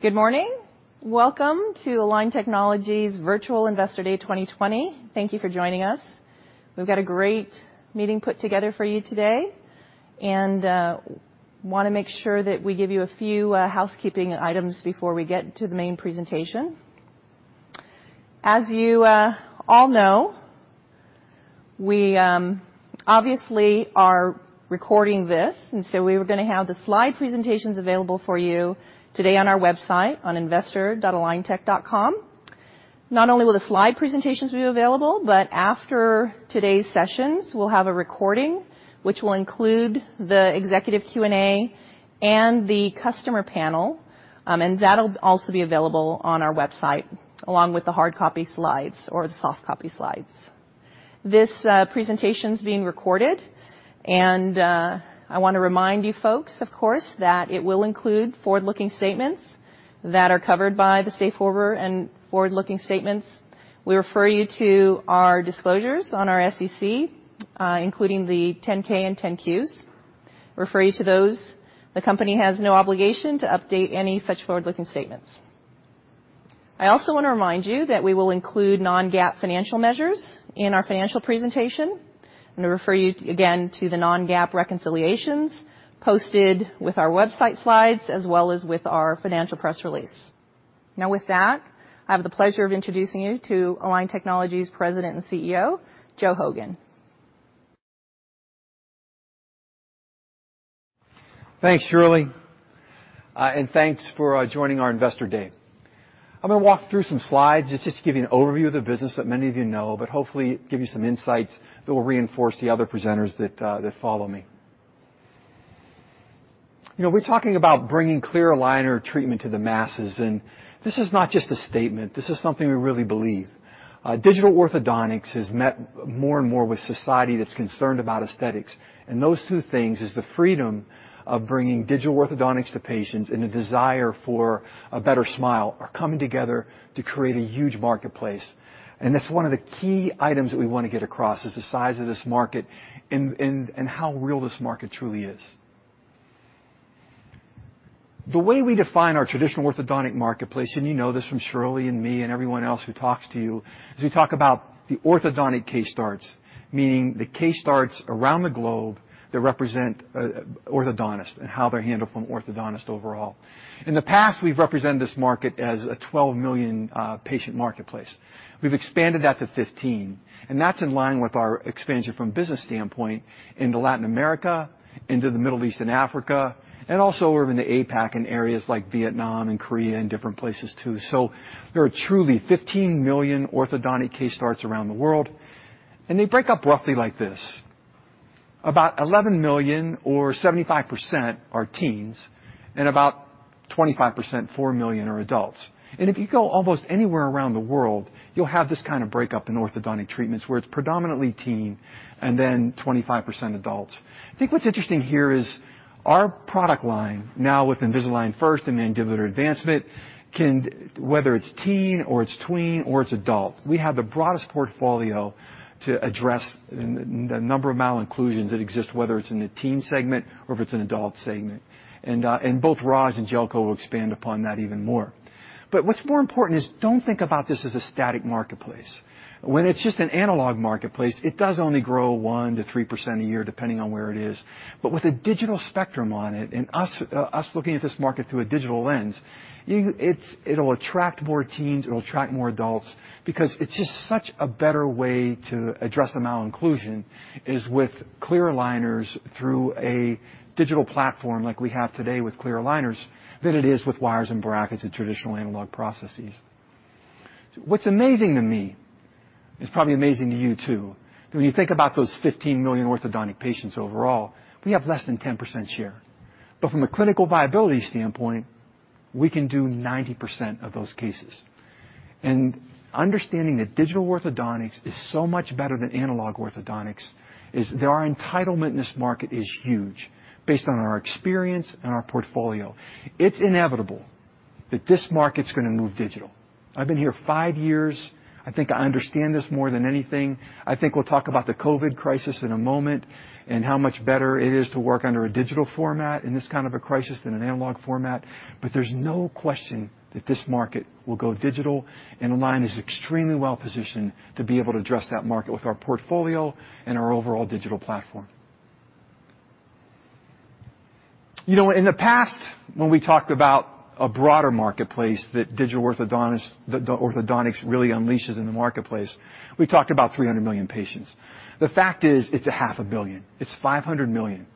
Good morning. Welcome to Align Technology's Virtual Investor Day 2020. Thank you for joining us. We've got a great meeting put together for you today, and want to make sure that we give you a few housekeeping items before we get to the main presentation. As you all know, we obviously are recording this, and so we were going to have the slide presentations available for you today on our website, on investor.aligntech.com. Not only will the slide presentations be available, but after today's sessions, we'll have a recording which will include the executive Q&A and the customer panel, and that'll also be available on our website, along with the hard copy slides or the soft copy slides. This presentation's being recorded, and I want to remind you folks, of course, that it will include forward-looking statements that are covered by the safe harbor and forward-looking statements. We refer you to our disclosures on our SEC, including the 10-K and 10-Q. We refer you to those. The company has no obligation to update any such forward-looking statements. I also want to remind you that we will include non-GAAP financial measures in our financial presentation, and I refer you again to the non-GAAP reconciliations posted with our website slides as well as with our financial press release. Now with that, I have the pleasure of introducing you to Align Technology's President and CEO, Joe Hogan. Thanks, Shirley. Thanks for joining our Investor Day. I'm going to walk through some slides just to give you an overview of the business that many of you know, but hopefully give you some insights that will reinforce the other presenters that follow me. We're talking about bringing clear aligner treatment to the masses. This is not just a statement. This is something we really believe. Digital orthodontics has met more and more with society that's concerned about aesthetics. Those two things is the freedom of bringing digital orthodontics to patients and a desire for a better smile are coming together to create a huge marketplace. That's one of the key items that we want to get across is the size of this market and how real this market truly is. The way we define our traditional orthodontic marketplace, you know this from Shirley and me and everyone else who talks to you, is we talk about the orthodontic case starts, meaning the case starts around the globe that represent orthodontists and how they're handled from orthodontists overall. In the past, we've represented this market as a 12 million patient marketplace. We've expanded that to 15, that's in line with our expansion from business standpoint into Latin America, into the Middle East and Africa, also over in the APAC and areas like Vietnam and Korea and different places, too. There are truly 15 million orthodontic case starts around the world, they break up roughly like this. About 11 million or 75% are teens, about 25%, 4 million, are adults. If you go almost anywhere around the world, you'll have this kind of breakup in orthodontic treatments where it's predominantly teen and then 25% adults. I think what's interesting here is our product line, now with Invisalign First and Mandibular Advancement, can, whether it's teen or it's tween or it's adult, we have the broadest portfolio to address the number of malocclusions that exist, whether it's in the teen segment or if it's an adult segment. Both Raj and Zeljko will expand upon that even more. What's more important is don't think about this as a static marketplace. When it's just an analog marketplace, it does only grow 1%-3% a year, depending on where it is. With a digital spectrum on it and us looking at this market through a digital lens, it'll attract more teens, it'll attract more adults because it's just such a better way to address a malocclusion is with clear aligners through a digital platform like we have today with clear aligners than it is with wires and brackets and traditional analog processes. What's amazing to me is probably amazing to you, too, that when you think about those 15 million orthodontic patients overall, we have less than 10% share. From a clinical viability standpoint, we can do 90% of those cases. Understanding that digital orthodontics is so much better than analog orthodontics is that our entitlement in this market is huge based on our experience and our portfolio. It's inevitable that this market's going to move digital. I've been here five years. I think I understand this more than anything. I think we'll talk about the COVID-19 crisis in a moment and how much better it is to work under a digital format in this kind of a crisis than an analog format. There's no question that this market will go digital, and Align is extremely well positioned to be able to address that market with our portfolio and our overall Align Digital Platform. In the past, when we talked about a broader marketplace that digital orthodontics really unleashes in the marketplace, we talked about 300 million patients. The fact is it's a half a billion. It's 500 million.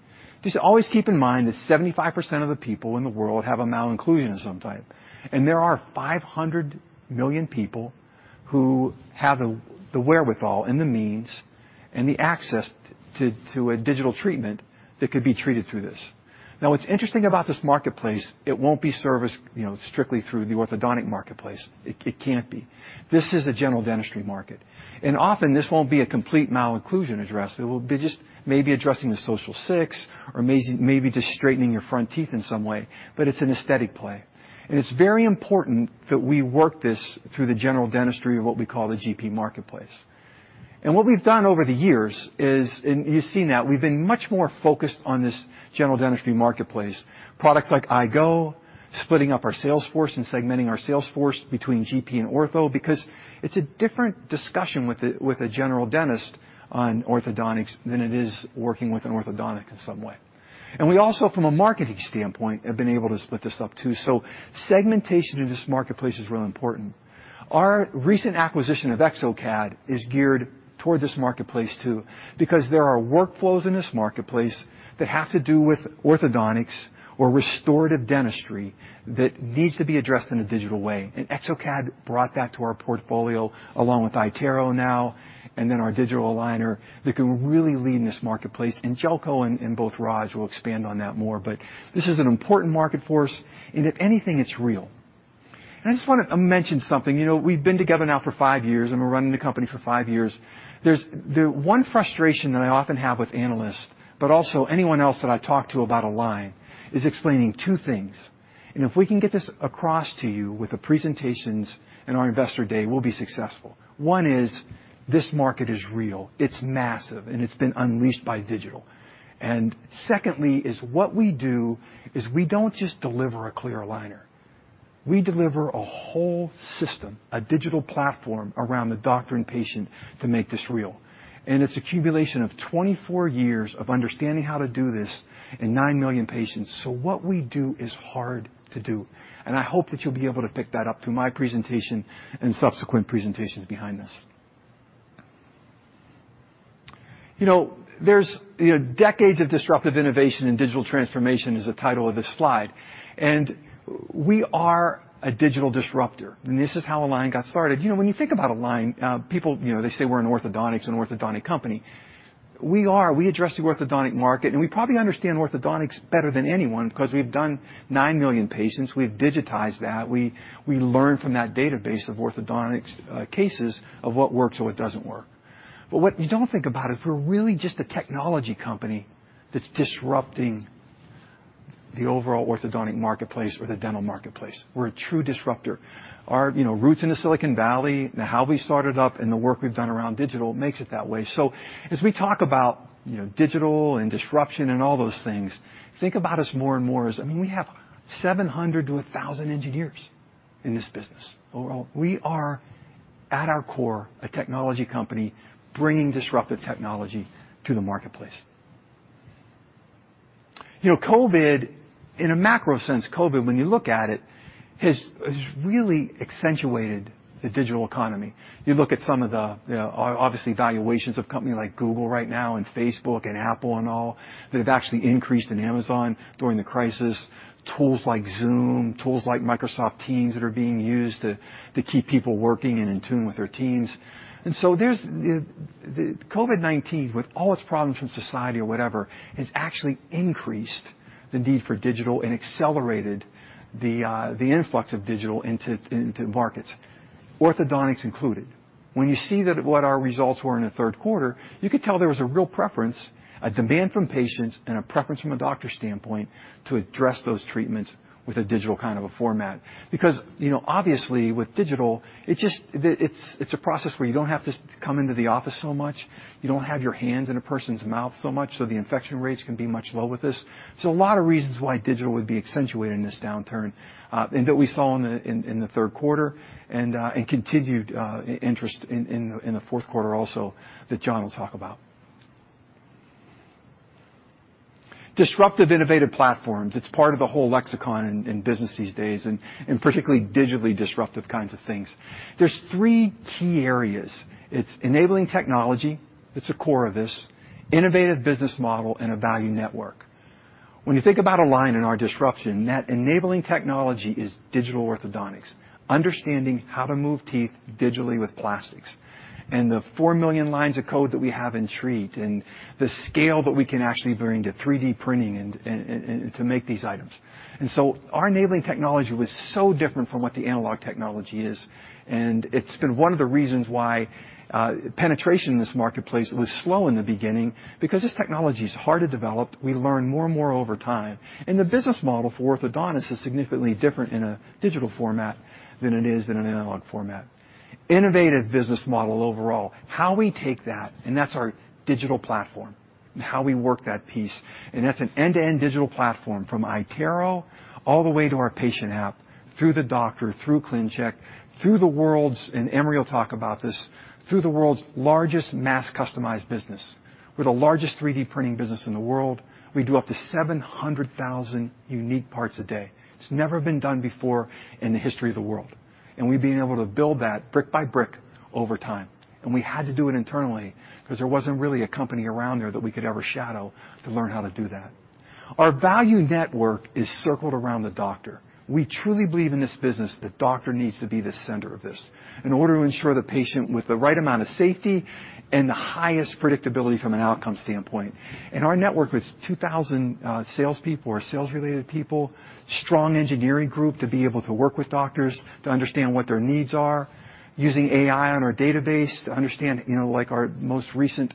Just always keep in mind that 75% of the people in the world have a malocclusion of some type, and there are 500 million people who have the wherewithal and the means and the access to a digital treatment that could be treated through this. Now, what's interesting about this marketplace, it won't be serviced strictly through the orthodontic marketplace. It can't be. This is a general dentistry market, and often this won't be a complete malocclusion address. It will be just maybe addressing the social six or maybe just straightening your front teeth in some way, but it's an aesthetic play. It's very important that we work this through the general dentistry or what we call the GP marketplace. What we've done over the years is, and you've seen that, we've been much more focused on this general dentistry marketplace. Products like iGo, splitting up our sales force and segmenting our sales force between GP and ortho, because it's a different discussion with a general dentist on orthodontics than it is working with an orthodontic in some way. We also, from a marketing standpoint, have been able to split this up too. Segmentation in this marketplace is real important. Our recent acquisition of exocad is geared toward this marketplace too, because there are workflows in this marketplace that have to do with orthodontics or restorative dentistry that needs to be addressed in a digital way. exocad brought that to our portfolio, along with iTero now, and then our digital aligner that can really lead in this marketplace. Zeljko and both Raj will expand on that more, but this is an important market for us, and if anything, it's real. I just want to mention something. We've been together now for five years, and we're running the company for five years. There's one frustration that I often have with analysts, but also anyone else that I talk to about Align, is explaining two things. If we can get this across to you with the presentations in our Investor Day, we'll be successful. One is this market is real, it's massive, and it's been unleashed by digital. Secondly, what we do is we don't just deliver a clear aligner. We deliver a whole system, a digital platform around the doctor and patient to make this real. It's accumulation of 24 years of understanding how to do this and nine million patients. What we do is hard to do, and I hope that you'll be able to pick that up through my presentation and subsequent presentations behind this. There's decades of disruptive innovation and digital transformation, is the title of this slide. We are a digital disruptor, and this is how Align Technology got started. When you think about Align Technology, people, they say we're an orthodontic company. We are. We address the orthodontic market, and we probably understand orthodontics better than anyone because we've done 9 million patients. We've digitized that. We learn from that database of orthodontics cases of what works or what doesn't work. What you don't think about is we're really just a technology company that's disrupting the overall orthodontic marketplace or the dental marketplace. We're a true disruptor. Our roots in the Silicon Valley and how we started up and the work we've done around digital makes it that way. As we talk about digital and disruption and all those things, think about us more and more as I mean, we have 700 to 1,000 engineers in this business overall. We are, at our core, a technology company bringing disruptive technology to the marketplace. COVID-19, in a macro sense, COVID-19, when you look at it, has really accentuated the digital economy. You look at some of the, obviously, valuations of companies like Google right now and Facebook and Apple and all, that have actually increased, and Amazon, during the crisis. Tools like Zoom, tools like Microsoft Teams that are being used to keep people working and in tune with their teams. There's the COVID-19, with all its problems from society or whatever, has actually increased the need for digital and accelerated the influx of digital into markets, orthodontics included. When you see what our results were in the third quarter, you could tell there was a real preference, a demand from patients, and a preference from a doctor standpoint to address those treatments with a digital kind of a format. Obviously, with digital, it's a process where you don't have to come into the office so much. You don't have your hands in a person's mouth so much, so the infection rates can be much lower with this. A lot of reasons why digital would be accentuated in this downturn, and that we saw in the third quarter, and continued interest in the fourth quarter also that John will talk about. Disruptive innovative platforms, it's part of the whole lexicon in business these days, and particularly digitally disruptive kinds of things. There's three key areas. It's enabling technology, that's the core of this, innovative business model, and a value network. When you think about Align and our disruption, enabling technology is digital orthodontics, understanding how to move teeth digitally with plastics, and the 4 million lines of code that we have in Treat, and the scale that we can actually bring to 3D printing and to make these items. Our enabling technology was so different from what the analog technology is, and it's been one of the reasons why penetration in this marketplace was slow in the beginning, because this technology is hard to develop. We learn more and more over time. The business model for orthodontists is significantly different in a digital format than it is in an analog format. Innovative business model overall, how we take that, and that's our Digital Platform, and how we work that piece. That's an end-to-end digital platform from iTero all the way to our patient app, through the doctor, through ClinCheck, through the world's, and Emory will talk about this, through the world's largest mass customized business. We're the largest 3D printing business in the world. We do up to 700,000 unique parts a day. It's never been done before in the history of the world, and we've been able to build that brick by brick over time. We had to do it internally because there wasn't really a company around there that we could ever shadow to learn how to do that. Our value network is circled around the doctor. We truly believe in this business the doctor needs to be the center of this in order to ensure the patient with the right amount of safety and the highest predictability from an outcome standpoint. Our network with 2,000 salespeople or sales related people, strong engineering group to be able to work with doctors to understand what their needs are, using AI on our database to understand, like our most recent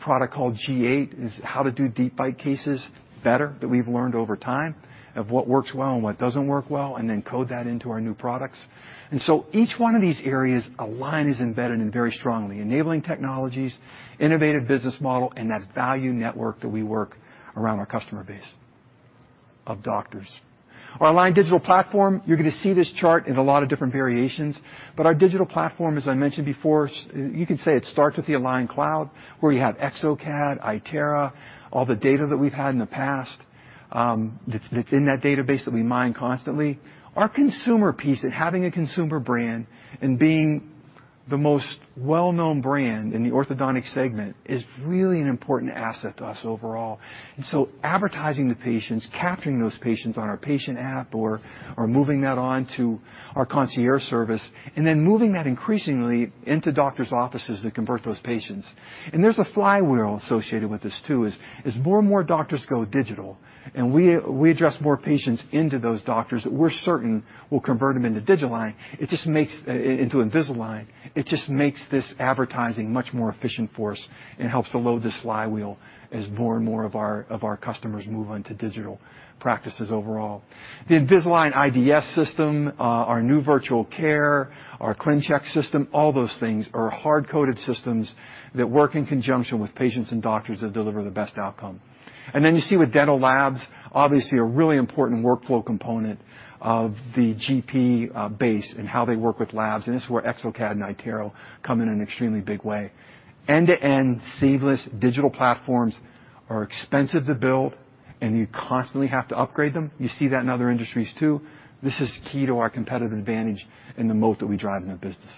product called G8, is how to do deep bite cases better, that we've learned over time of what works well and what doesn't work well, and then code that into our new products. Each one of these areas, Align is embedded in very strongly. Enabling technologies, innovative business model, and that value network that we work around our customer base of doctors. Our Align Digital Platform, you're going to see this chart in a lot of different variations, our digital platform, as I mentioned before, you could say it starts with the Align Cloud, where you have exocad, iTero, all the data that we've had in the past, that's in that database that we mine constantly. Our consumer piece and having a consumer brand and being the most well-known brand in the orthodontic segment is really an important asset to us overall. Advertising to patients, capturing those patients on our patient app or moving that on to our concierge service, and then moving that increasingly into doctors' offices to convert those patients. There's a flywheel associated with this too, as more and more doctors go digital, and we address more patients into those doctors that we're certain will convert them into Invisalign, it just makes this advertising much more efficient for us and helps to load this flywheel as more and more of our customers move onto digital practices overall. The Invisalign IDS system, our new Invisalign Virtual Care, our ClinCheck system, all those things are hard-coded systems that work in conjunction with patients and doctors that deliver the best outcome. You see with dental labs, obviously, a really important workflow component of the GP base and how they work with labs, this is where exocad and iTero come in an extremely big way. End-to-end seamless digital platforms are expensive to build, and you constantly have to upgrade them. You see that in other industries too. This is key to our competitive advantage and the moat that we drive in the business.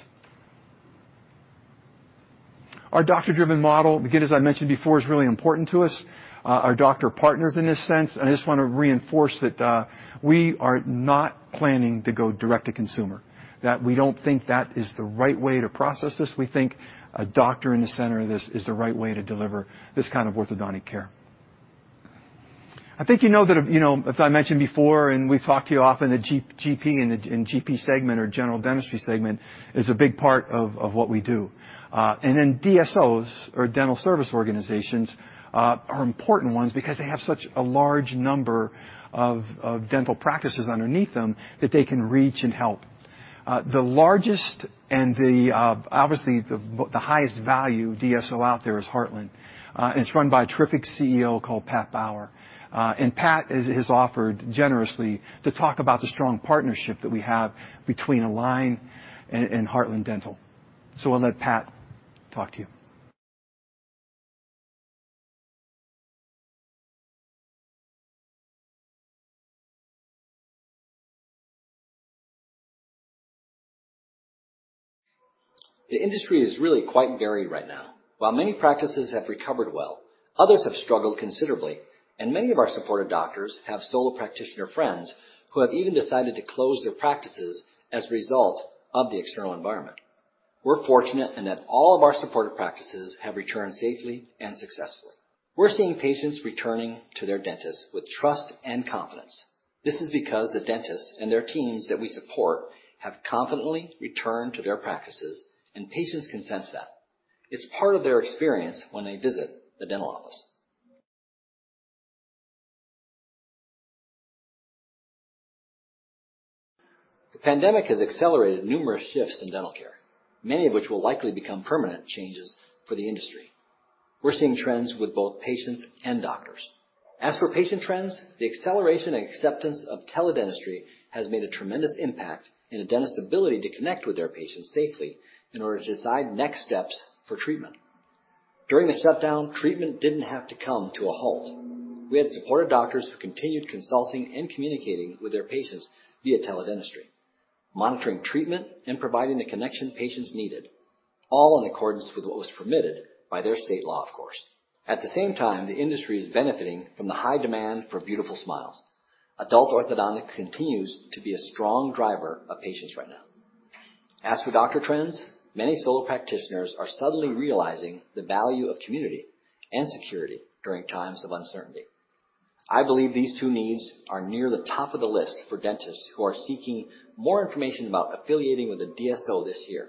Our doctor-driven model, again, as I mentioned before, is really important to us, our doctor partners in this sense. I just want to reinforce that we are not planning to go direct to consumer, that we don't think that is the right way to process this. We think a doctor in the center of this is the right way to deliver this kind of orthodontic care. I think you know that, as I mentioned before, and we've talked to you often, the GP and GP segment or general dentistry segment is a big part of what we do. Then DSOs or dental service organizations are important ones because they have such a large number of dental practices underneath them that they can reach and help. Obviously the highest value DSO out there is Heartland, and it's run by a terrific CEO called Pat Bauer. Pat has offered generously to talk about the strong partnership that we have between Align and Heartland Dental. I'll let Pat talk to you. The industry is really quite varied right now. While many practices have recovered well, others have struggled considerably, and many of our supported doctors have solo practitioner friends who have even decided to close their practices as a result of the external environment. We're fortunate in that all of our supported practices have returned safely and successfully. We're seeing patients returning to their dentists with trust and confidence. This is because the dentists and their teams that we support have confidently returned to their practices, and patients can sense that. It's part of their experience when they visit the dental office. The pandemic has accelerated numerous shifts in dental care, many of which will likely become permanent changes for the industry. We're seeing trends with both patients and doctors. As for patient trends, the acceleration and acceptance of teledentistry has made a tremendous impact in a dentist's ability to connect with their patients safely in order to decide next steps for treatment. During the shutdown, treatment didn't have to come to a halt. We had supported doctors who continued consulting and communicating with their patients via teledentistry, monitoring treatment, and providing the connection patients needed, all in accordance with what was permitted by their state law, of course. At the same time, the industry is benefiting from the high demand for beautiful smiles. Adult orthodontic continues to be a strong driver of patients right now. As for doctor trends, many solo practitioners are suddenly realizing the value of community and security during times of uncertainty. I believe these two needs are near the top of the list for dentists who are seeking more information about affiliating with a DSO this year.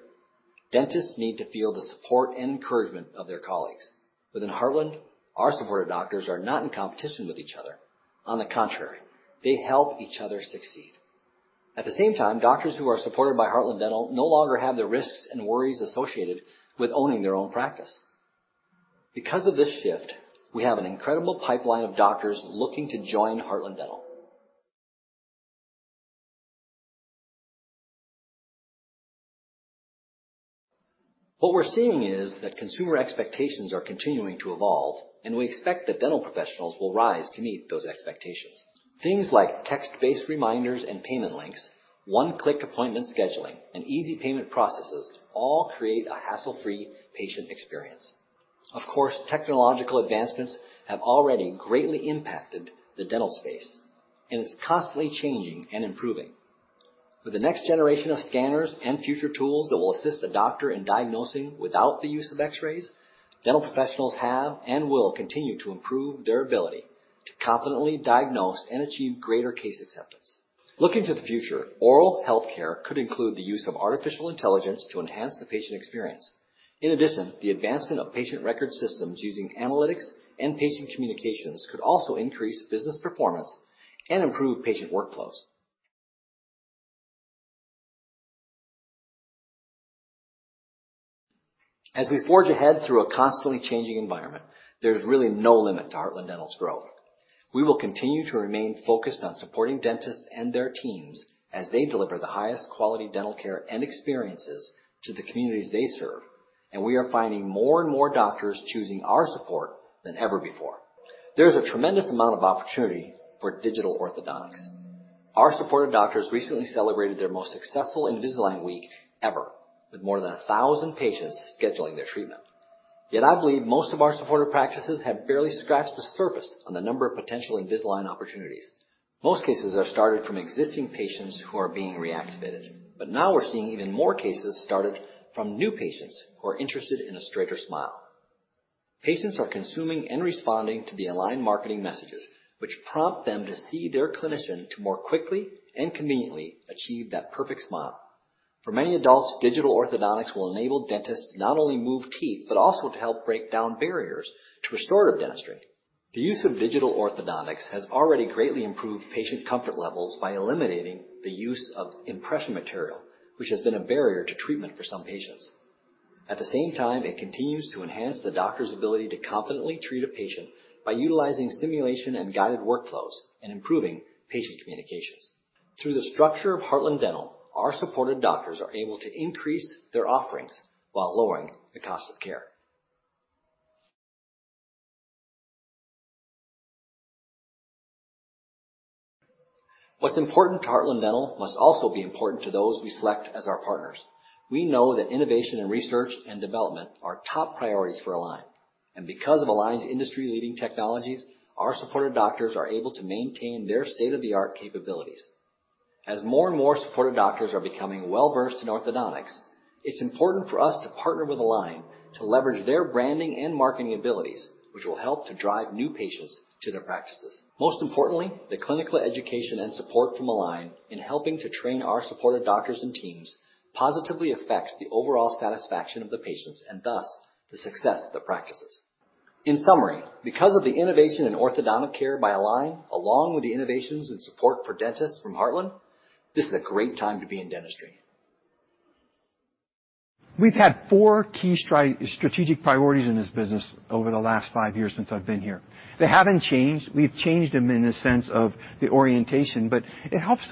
Dentists need to feel the support and encouragement of their colleagues. Within Heartland, our supported doctors are not in competition with each other. On the contrary, they help each other succeed. At the same time, doctors who are supported by Heartland Dental no longer have the risks and worries associated with owning their own practice. Because of this shift, we have an incredible pipeline of doctors looking to join Heartland Dental. What we're seeing is that consumer expectations are continuing to evolve, and we expect that dental professionals will rise to meet those expectations. Things like text-based reminders and payment links, one-click appointment scheduling, and easy payment processes all create a hassle-free patient experience. Technological advancements have already greatly impacted the dental space, and it's constantly changing and improving. With the next generation of scanners and future tools that will assist the doctor in diagnosing without the use of X-rays, dental professionals have and will continue to improve their ability to confidently diagnose and achieve greater case acceptance. Looking to the future, oral health care could include the use of artificial intelligence to enhance the patient experience. The advancement of patient record systems using analytics and patient communications could also increase business performance and improve patient workflows. We forge ahead through a constantly changing environment, there's really no limit to Heartland Dental's growth. We will continue to remain focused on supporting dentists and their teams as they deliver the highest quality dental care and experiences to the communities they serve. We are finding more and more doctors choosing our support than ever before. There's a tremendous amount of opportunity for digital orthodontics. Our supported doctors recently celebrated their most successful Invisalign week ever, with more than 1,000 patients scheduling their treatment. I believe most of our supported practices have barely scratched the surface on the number of potential Invisalign opportunities. Most cases are started from existing patients who are being reactivated. Now we're seeing even more cases started from new patients who are interested in a straighter smile. Patients are consuming and responding to the Align marketing messages, which prompt them to see their clinician to more quickly and conveniently achieve that perfect smile. For many adults, digital orthodontics will enable dentists to not only move teeth, but also to help break down barriers to restorative dentistry. The use of digital orthodontics has already greatly improved patient comfort levels by eliminating the use of impression material, which has been a barrier to treatment for some patients. At the same time, it continues to enhance the doctor's ability to confidently treat a patient by utilizing simulation and guided workflows and improving patient communications. Through the structure of Heartland Dental, our supported doctors are able to increase their offerings while lowering the cost of care. What's important to Heartland Dental must also be important to those we select as our partners. We know that innovation and research and development are top priorities for Align, and because of Align's industry-leading technologies, our supported doctors are able to maintain their state-of-the-art capabilities. As more and more supported doctors are becoming well-versed in orthodontics, it's important for us to partner with Align to leverage their branding and marketing abilities, which will help to drive new patients to their practices. Most importantly, the clinical education and support from Align in helping to train our supported doctors and teams positively affects the overall satisfaction of the patients and thus the success of the practices. In summary, because of the innovation in orthodontic care by Align, along with the innovations and support for dentists from Heartland, this is a great time to be in dentistry. We've had four key strategic priorities in this business over the last five years since I've been here. They haven't changed. We've changed them in the sense of the orientation. It helps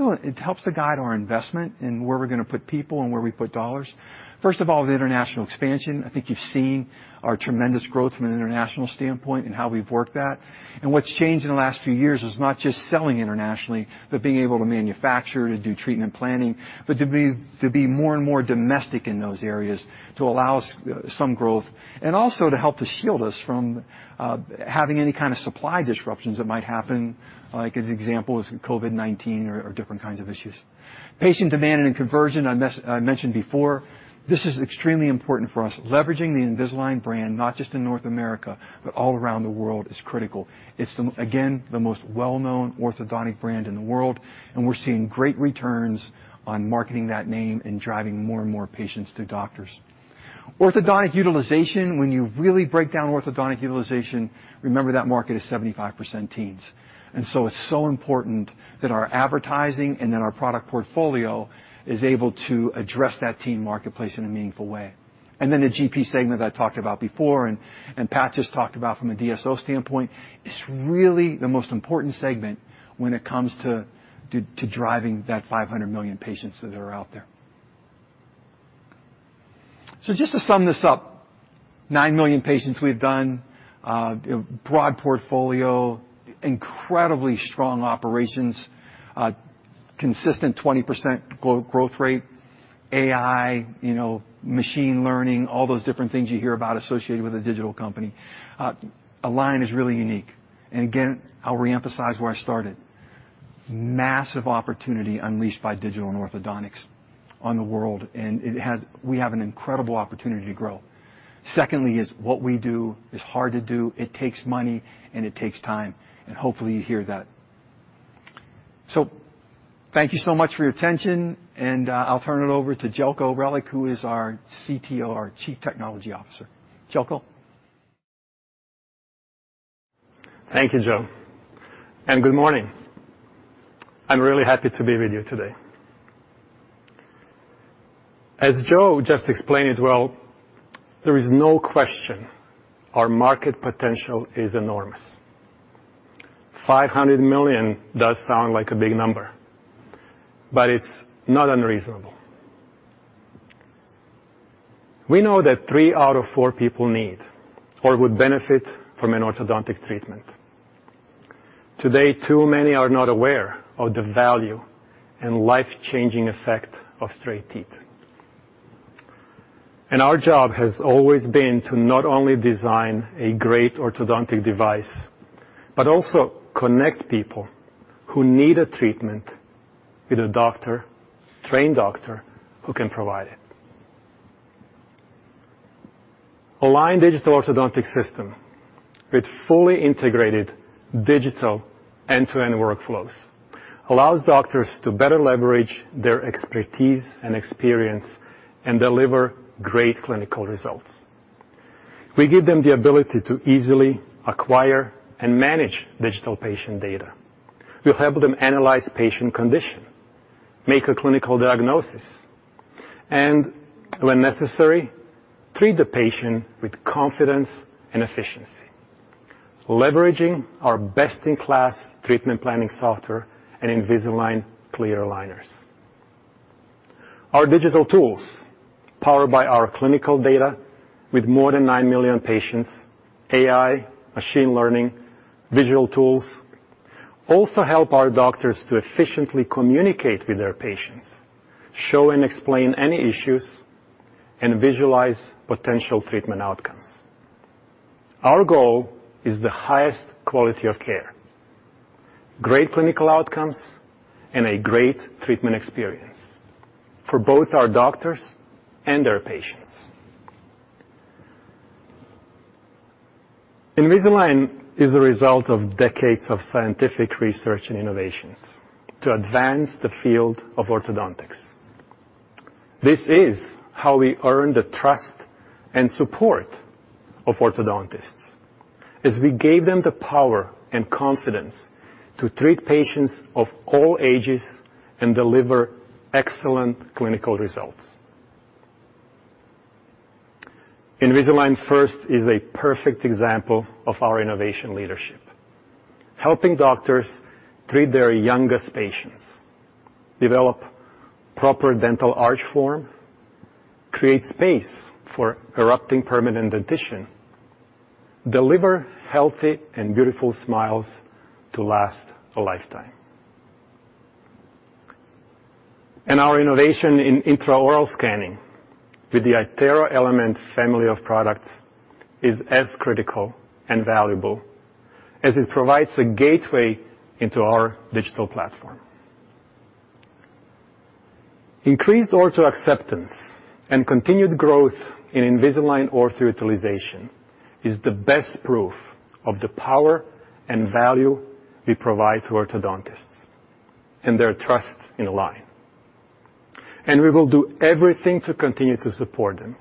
to guide our investment and where we're going to put people and where we put dollars. First of all, the international expansion, I think you've seen our tremendous growth from an international standpoint and how we've worked that. What's changed in the last few years is not just selling internationally, but being able to manufacture, to do treatment planning, but to be more and more domestic in those areas to allow some growth, and also to help to shield us from having any kind of supply disruptions that might happen, like as examples, COVID-19 or different kinds of issues. Patient demand and conversion I mentioned before. This is extremely important for us. Leveraging the Invisalign brand, not just in North America, but all around the world is critical. It's, again, the most well-known orthodontic brand in the world, and we're seeing great returns on marketing that name and driving more and more patients to doctors. Orthodontic utilization, when you really break down orthodontic utilization, remember that market is 75% teens. It's so important that our advertising and that our product portfolio is able to address that teen marketplace in a meaningful way. The GP segment I talked about before and Pat just talked about from a DSO standpoint, it's really the most important segment when it comes to driving that 500 million patients that are out there. Just to sum this up, 9 million patients we've done, broad portfolio, incredibly strong operations, consistent 20% growth rate, AI, machine learning, all those different things you hear about associated with a digital company. Align is really unique. Again, I'll reemphasize where I started. Massive opportunity unleashed by digital and orthodontics on the world, and we have an incredible opportunity to grow. Secondly is what we do is hard to do. It takes money and it takes time, and hopefully you hear that. Thank you so much for your attention, and I'll turn it over to Zeljko Relic, who is our CTO, our Chief Technology Officer. Zeljko? Thank you, Joe, and good morning. I'm really happy to be with you today. As Joe just explained well, there is no question, our market potential is enormous. 500 million does sound like a big number, but it's not unreasonable. We know that three out of four people need or would benefit from an orthodontic treatment. Today, too many are not aware of the value and life-changing effect of straight teeth. Our job has always been to not only design a great orthodontic device, but also connect people who need a treatment with a doctor, trained doctor, who can provide it. Align Digital Orthodontic System, with fully integrated digital end-to-end workflows, allows doctors to better leverage their expertise and experience and deliver great clinical results. We give them the ability to easily acquire and manage digital patient data. We help them analyze patient condition, make a clinical diagnosis, and, when necessary, treat the patient with confidence and efficiency, leveraging our best-in-class treatment planning software and Invisalign clear aligners. Our digital tools, powered by our clinical data with more than 9 million patients, AI, machine learning, visual tools, also help our doctors to efficiently communicate with their patients, show and explain any issues, and visualize potential treatment outcomes. Our goal is the highest quality of care, great clinical outcomes, and a great treatment experience for both our doctors and their patients. Invisalign is a result of decades of scientific research and innovations to advance the field of orthodontics. This is how we earn the trust and support of orthodontists, as we gave them the power and confidence to treat patients of all ages and deliver excellent clinical results. Invisalign First is a perfect example of our innovation leadership. Helping doctors treat their youngest patients, develop proper dental arch form, create space for erupting permanent dentition, deliver healthy and beautiful smiles to last a lifetime. Our innovation in intraoral scanning with the iTero Element family of products is as critical and valuable as it provides a gateway into our Align Digital Platform. Increased ortho acceptance and continued growth in Invisalign ortho utilization is the best proof of the power and value we provide to orthodontists, and their trust in Align. We will do everything to continue to support them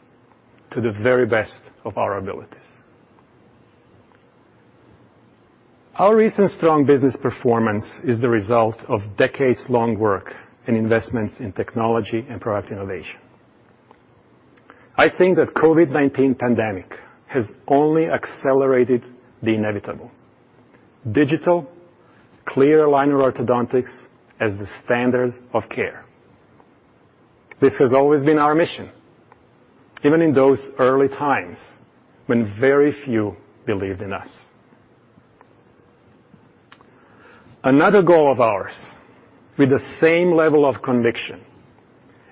to the very best of our abilities. Our recent strong business performance is the result of decades-long work and investments in technology and product innovation. I think that COVID-19 pandemic has only accelerated the inevitable. Digital clear aligner orthodontics as the standard of care. This has always been our mission, even in those early times when very few believed in us. Another goal of ours, with the same level of conviction,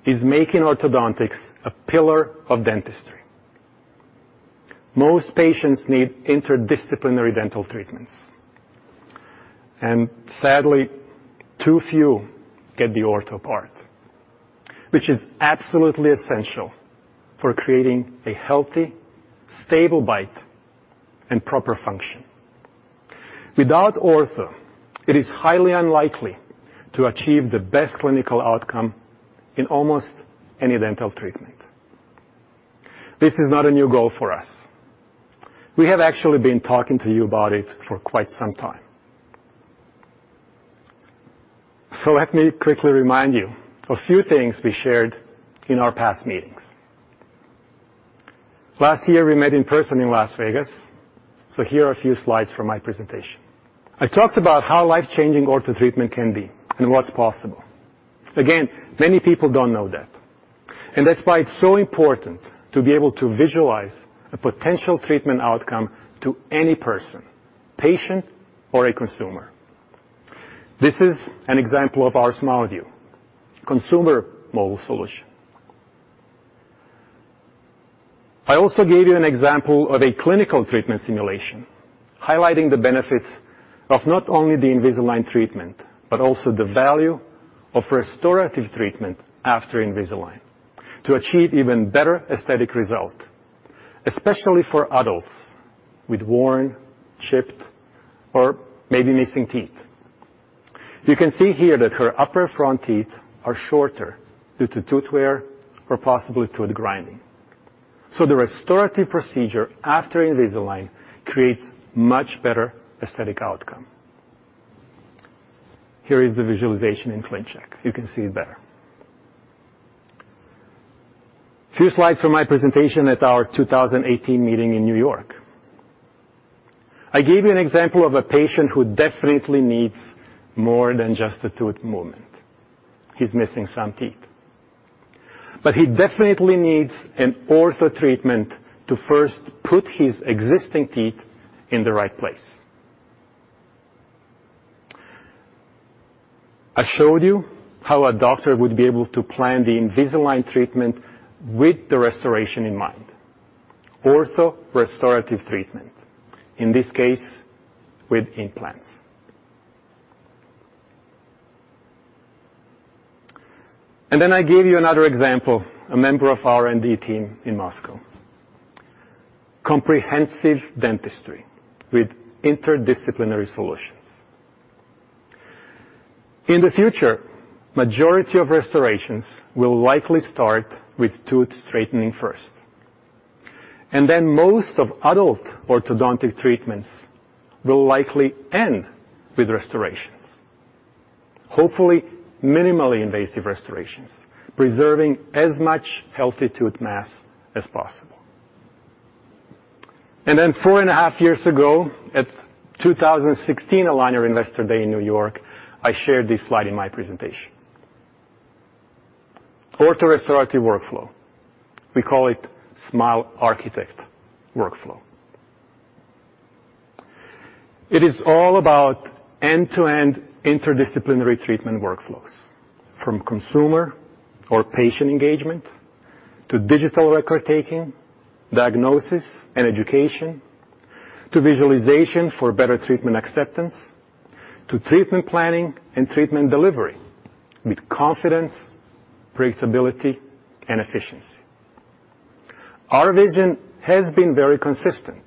is making orthodontics a pillar of dentistry. Most patients need interdisciplinary dental treatments, and sadly, too few get the ortho part, which is absolutely essential for creating a healthy, stable bite and proper function. Without ortho, it is highly unlikely to achieve the best clinical outcome in almost any dental treatment. This is not a new goal for us. We have actually been talking to you about it for quite some time. Let me quickly remind you a few things we shared in our past meetings. Last year, we met in person in Las Vegas, so here are a few slides from my presentation. I talked about how life-changing ortho treatment can be and what's possible. Many people don't know that, and that's why it's so important to be able to visualize a potential treatment outcome to any person, patient, or a consumer. This is an example of our SmileView consumer mobile solution. I also gave you an example of a clinical treatment simulation, highlighting the benefits of not only the Invisalign treatment, but also the value of restorative treatment after Invisalign to achieve even better aesthetic result, especially for adults with worn, chipped, or maybe missing teeth. You can see here that her upper front teeth are shorter due to tooth wear or possibly tooth grinding. The restorative procedure after Invisalign creates much better aesthetic outcome. Here is the visualization in ClinCheck. You can see it better. Few slides from my presentation at our 2018 meeting in New York. I gave you an example of a patient who definitely needs more than just a tooth movement. He's missing some teeth. He definitely needs an ortho treatment to first put his existing teeth in the right place. I showed you how a doctor would be able to plan the Invisalign treatment with the restoration in mind. Ortho-restorative treatment, in this case, with implants. I gave you another example, a member of our R&D team in Moscow. Comprehensive dentistry with interdisciplinary solutions. In the future, majority of restorations will likely start with tooth straightening first, and then most of adult orthodontic treatments will likely end with restorations. Hopefully, minimally invasive restorations, preserving as much healthy tooth mass as possible. Four and a half years ago, at 2016 Align Investor Day in New York, I shared this slide in my presentation. Ortho-restorative workflow. We call it Invisalign Smile Architect. It is all about end-to-end interdisciplinary treatment workflows, from consumer or patient engagement to digital record-taking, diagnosis, and education, to visualization for better treatment acceptance, to treatment planning and treatment delivery with confidence, predictability, and efficiency. Our vision has been very consistent,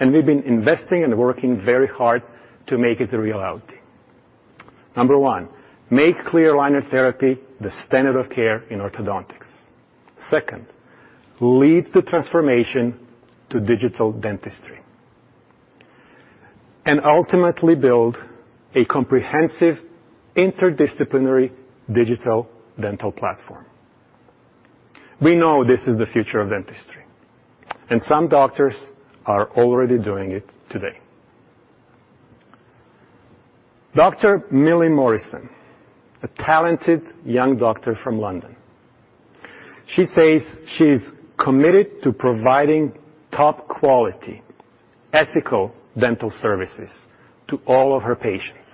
we've been investing and working very hard to make it a reality. Number one, make clear aligner therapy the standard of care in orthodontics. Second, lead the transformation to digital dentistry. Ultimately build a comprehensive interdisciplinary digital dental platform. We know this is the future of dentistry, some doctors are already doing it today. Dr. Camilla Morrison, a talented young doctor from London. She says she's committed to providing top-quality, ethical dental services to all of her patients.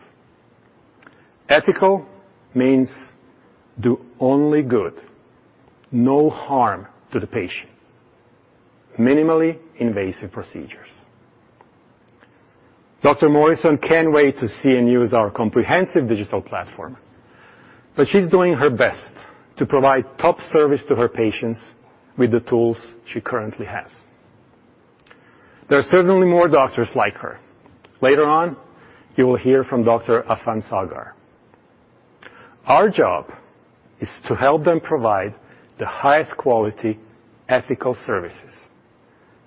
Ethical means do only good, no harm to the patient, minimally invasive procedures. Dr. Morrison can't wait to see and use our comprehensive digital platform, but she's doing her best to provide top service to her patients with the tools she currently has. There are certainly more doctors like her. Later on, you will hear from Dr. Affan Saghir. Our job is to help them provide the highest quality ethical services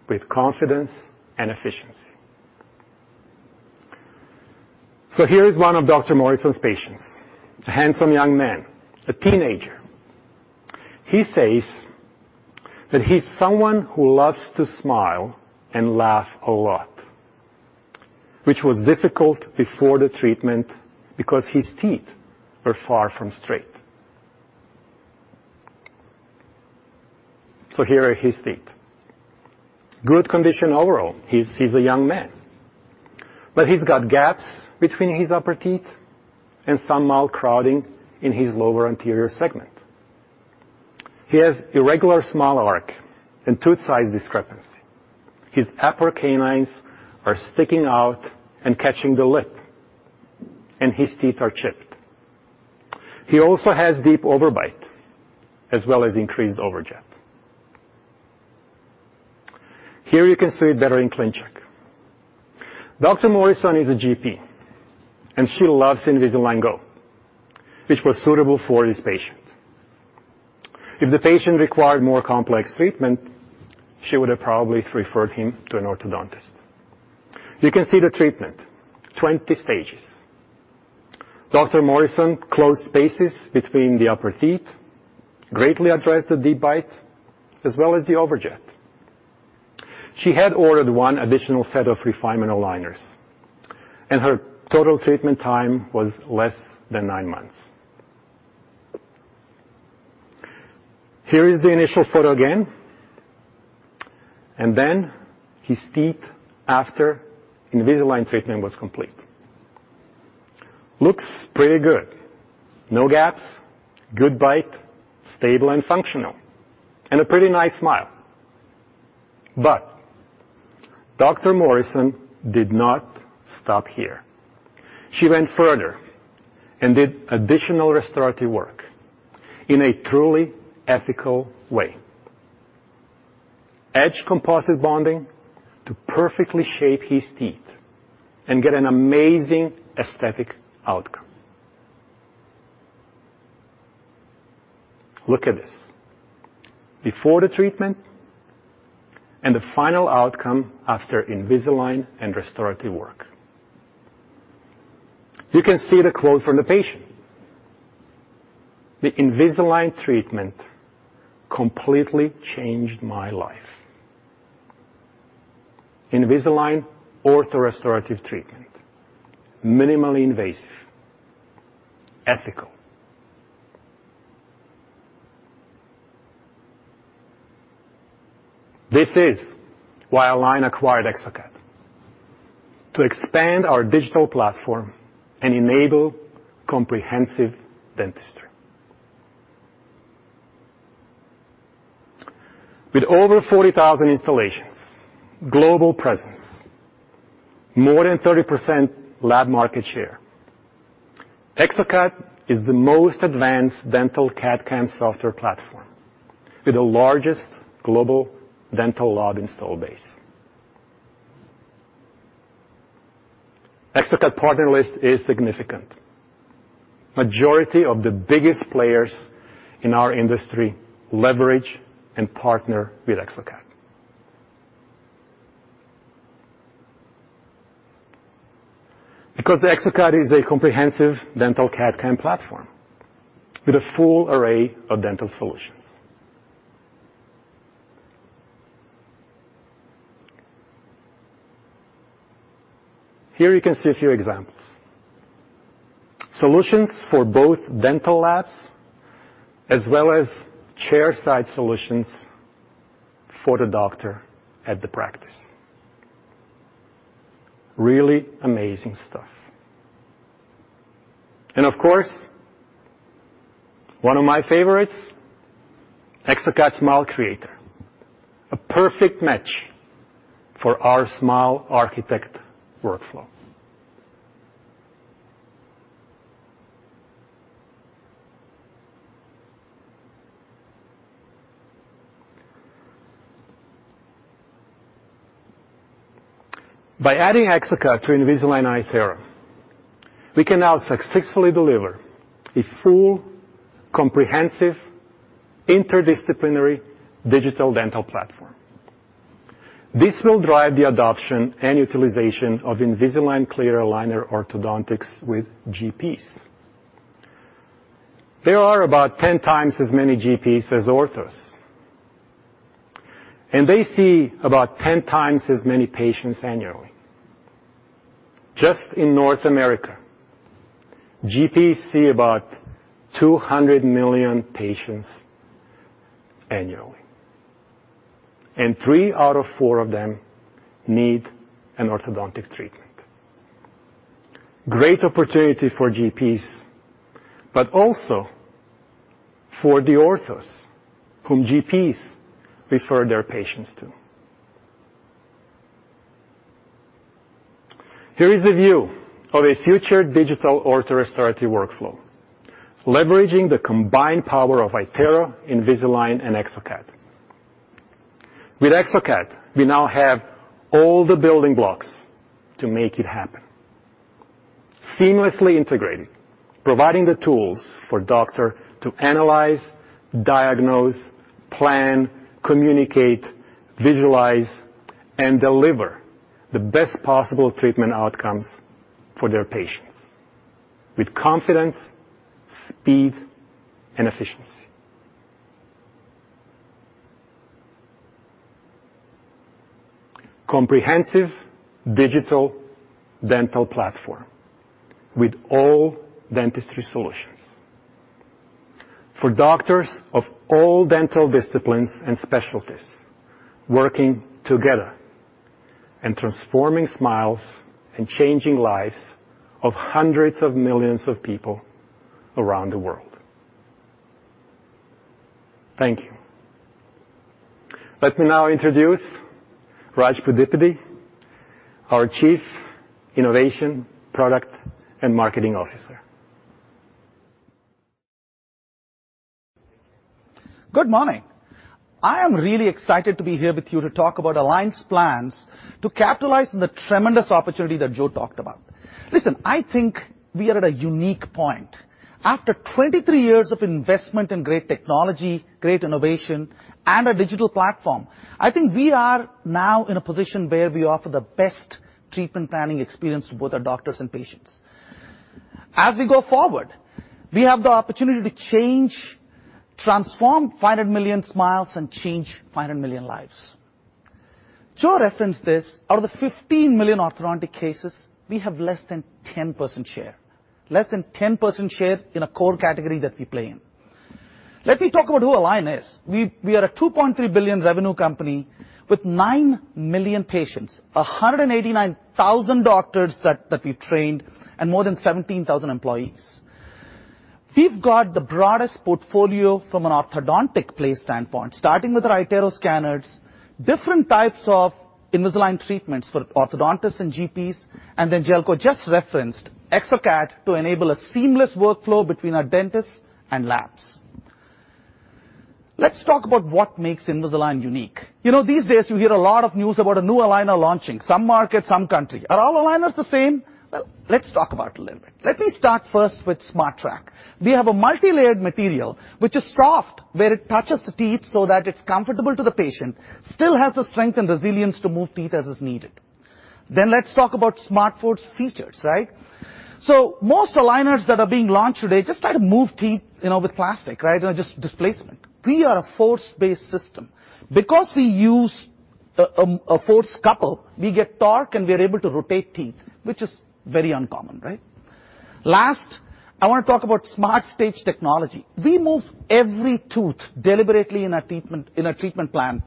with confidence and efficiency. Here is one of Dr. Morrison's patients, a handsome young man, a teenager. He says that he's someone who loves to smile and laugh a lot, which was difficult before the treatment because his teeth were far from straight. Here are his teeth. Good condition overall. He's a young man. He's got gaps between his upper teeth and some mild crowding in his lower anterior segment. He has irregular smile arc and tooth size discrepancy. His upper canines are sticking out and catching the lip, and his teeth are chipped. He also has deep overbite, as well as increased overjet. Here you can see it better in ClinCheck. Dr. Morrison is a GP, and she loves Invisalign Go, which was suitable for this patient. If the patient required more complex treatment, she would have probably referred him to an orthodontist. You can see the treatment, 20 stages. Dr. Morrison closed spaces between the upper teeth, greatly addressed the deep bite, as well as the overjet. She had ordered one additional set of refinement aligners, and her total treatment time was less than nine months. Here is the initial photo again, and then his teeth after Invisalign treatment was complete. Looks pretty good. No gaps, good bite, stable and functional, and a pretty nice smile. Dr. Morrison did not stop here. She went further and did additional restorative work in a truly ethical way. Edge composite bonding to perfectly shape his teeth and get an amazing aesthetic outcome. Look at this. Before the treatment and the final outcome after Invisalign and restorative work. You can see the quote from the patient. "The Invisalign treatment completely changed my life." Invisalign ortho-restorative treatment. Minimally invasive, ethical. This is why Align acquired exocad, to expand our digital platform and enable comprehensive dentistry. With over 40,000 installations, global presence, more than 30% lab market share, exocad is the most advanced dental CAD/CAM software platform with the largest global dental lab install base. exocad partner list is significant. Majority of the biggest players in our industry leverage and partner with exocad. exocad is a comprehensive dental CAD/CAM platform with a full array of dental solutions. Here you can see a few examples. Solutions for both dental labs as well as chairside solutions for the doctor at the practice. Really amazing stuff. Of course, one of my favorites, exocad Smile Creator, a perfect match for our Smile Architect workflow. By adding exocad to Invisalign iTero, we can now successfully deliver a full, comprehensive, interdisciplinary digital dental platform. This will drive the adoption and utilization of Invisalign clear aligner orthodontics with GPs. There are about 10 times as many GPs as orthos, and they see about 10x as many patients annually. Just in North America, GPs see about 200 million patients annually, and three out of four of them need an orthodontic treatment. Great opportunity for GPs, but also for the orthos whom GPs refer their patients to. Here is a view of a future digital ortho-restorative workflow, leveraging the combined power of iTero, Invisalign, and exocad. With exocad, we now have all the building blocks to make it happen. Seamlessly integrated, providing the tools for doctor to analyze, diagnose, plan, communicate, visualize, and deliver the best possible treatment outcomes for their patients with confidence, speed, and efficiency. Comprehensive digital dental platform with all dentistry solutions for doctors of all dental disciplines and specialties working together and transforming smiles and changing lives of hundreds of millions of people around the world. Thank you. Let me now introduce Raj Pudipeddi, our Chief Innovation, Product, and Marketing Officer. Good morning. I am really excited to be here with you to talk about Align's plans to capitalize on the tremendous opportunity that Joe talked about. Listen, I think we are at a unique point. After 23 years of investment in great technology, great innovation, and a digital platform, I think we are now in a position where we offer the best treatment planning experience to both our doctors and patients. As we go forward, we have the opportunity to change, transform 500 million smiles, and change 500 million lives. Joe referenced this, out of the 15 million orthodontic cases, we have less than 10% share. Less than 10% share in a core category that we play in. Let me talk about who Align is. We are a $2.3 billion revenue company with nine million patients, 189,000 doctors that we've trained, and more than 17,000 employees. We've got the broadest portfolio from an orthodontic place standpoint, starting with our iTero scanners, different types of Invisalign treatments for orthodontists and GPs, and then Zeljko just referenced, exocad, to enable a seamless workflow between our dentists and labs. Let's talk about what makes Invisalign unique. These days, you hear a lot of news about a new aligner launching, some market, some country. Are all aligners the same? Well, let's talk about it a little bit. Let me start first with SmartTrack. We have a multilayered material, which is soft where it touches the teeth so that it's comfortable to the patient, still has the strength and resilience to move teeth as is needed. Let's talk about SmartForce features, right? Most aligners that are being launched today just try to move teeth with plastic, right? Just displacement. We are a force-based system. We use a force couple, we get torque, and we are able to rotate teeth, which is very uncommon, right? Last, I want to talk about SmartStage technology. We move every tooth deliberately in a treatment plan,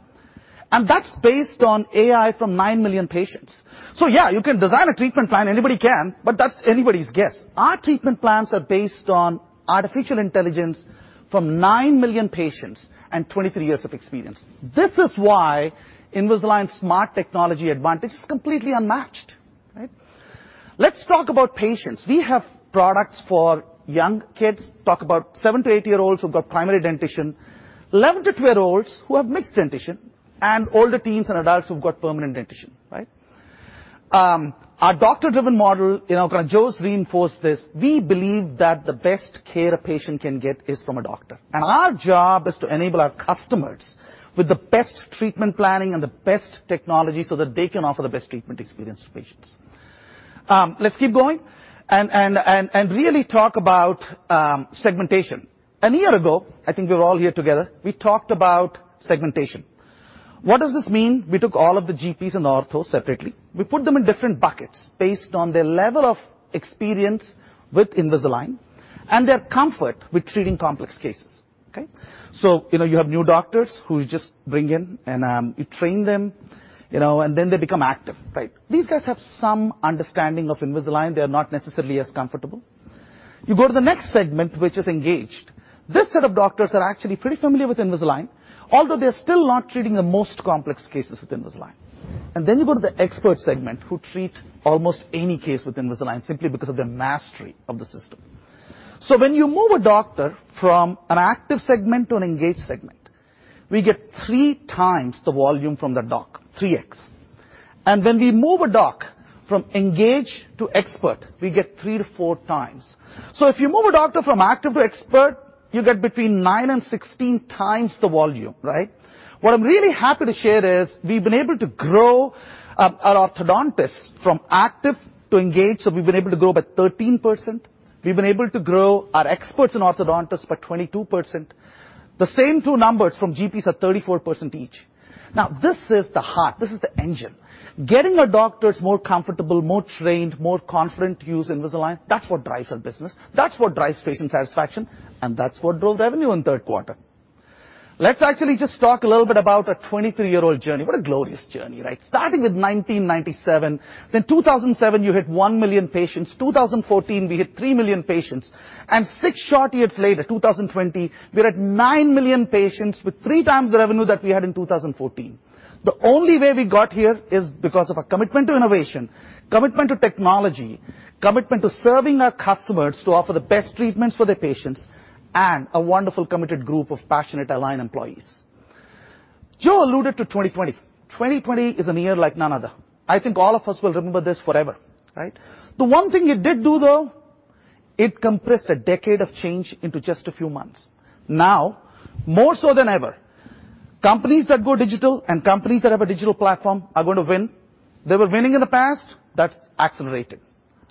that's based on AI from nine million patients. Yeah, you can design a treatment plan, anybody can, but that's anybody's guess. Our treatment plans are based on artificial intelligence from nine million patients and 23 years of experience. This is why Invisalign's smart technology advantage is completely unmatched. Right? Let's talk about patients. We have products for young kids, talk about 7 - 8year-olds who've got primary dentition, 11 to 12-year-olds who have mixed dentition, older teens and adults who've got permanent dentition. Our doctor-driven model, Joe's reinforced this, we believe that the best care a patient can get is from a doctor. Our job is to enable our customers with the best treatment planning and the best technology so that they can offer the best treatment experience to patients. Let's keep going, really talk about segmentation. A year ago, I think we were all here together, we talked about segmentation. What does this mean? We took all of the GPs and the orthos separately. We put them in different buckets based on their level of experience with Invisalign, and their comfort with treating complex cases. Okay? You have new doctors who you just bring in, and you train them, and then they become active. These guys have some understanding of Invisalign. They're not necessarily as comfortable. You go to the next segment, which is engaged. This set of doctors are actually pretty familiar with Invisalign, although they're still not treating the most complex cases with Invisalign. Then you go to the expert segment, who treat almost any case with Invisalign simply because of their mastery of the system. When you move a doctor from an active segment to an engaged segment, we get three times the volume from the doc, 3x. When we move a doc from engaged to expert, we get 3-4 times. If you move a doctor from active to expert, you get between nine and 16x the volume, right? What I'm really happy to share is we've been able to grow our orthodontists from active to engaged, so we've been able to grow by 13%. We've been able to grow our experts and orthodontists by 22%. The same two numbers from GPs are 34% each. This is the heart. This is the engine. Getting our doctors more comfortable, more trained, more confident to use Invisalign, that's what drives our business. That's what drives patient satisfaction, and that's what drove revenue in the third quarter. Let's actually just talk a little bit about our 23 year-old journey. What a glorious journey. Starting with 1997, then 2007, you hit one million patients. 2014, we hit three million patients. Six short years later, 2020, we're at nine million patients with three times the revenue that we had in 2014. The only way we got here is because of our commitment to innovation, commitment to technology, commitment to serving our customers to offer the best treatments for their patients, and a wonderful, committed group of passionate Align employees. Joe alluded to 2020. 2020 is a year like none other. I think all of us will remember this forever, right? The one thing it did do, though, it compressed a decade of change into just a few months. More so than ever, companies that go digital and companies that have a digital platform are going to win. They were winning in the past. That's accelerated.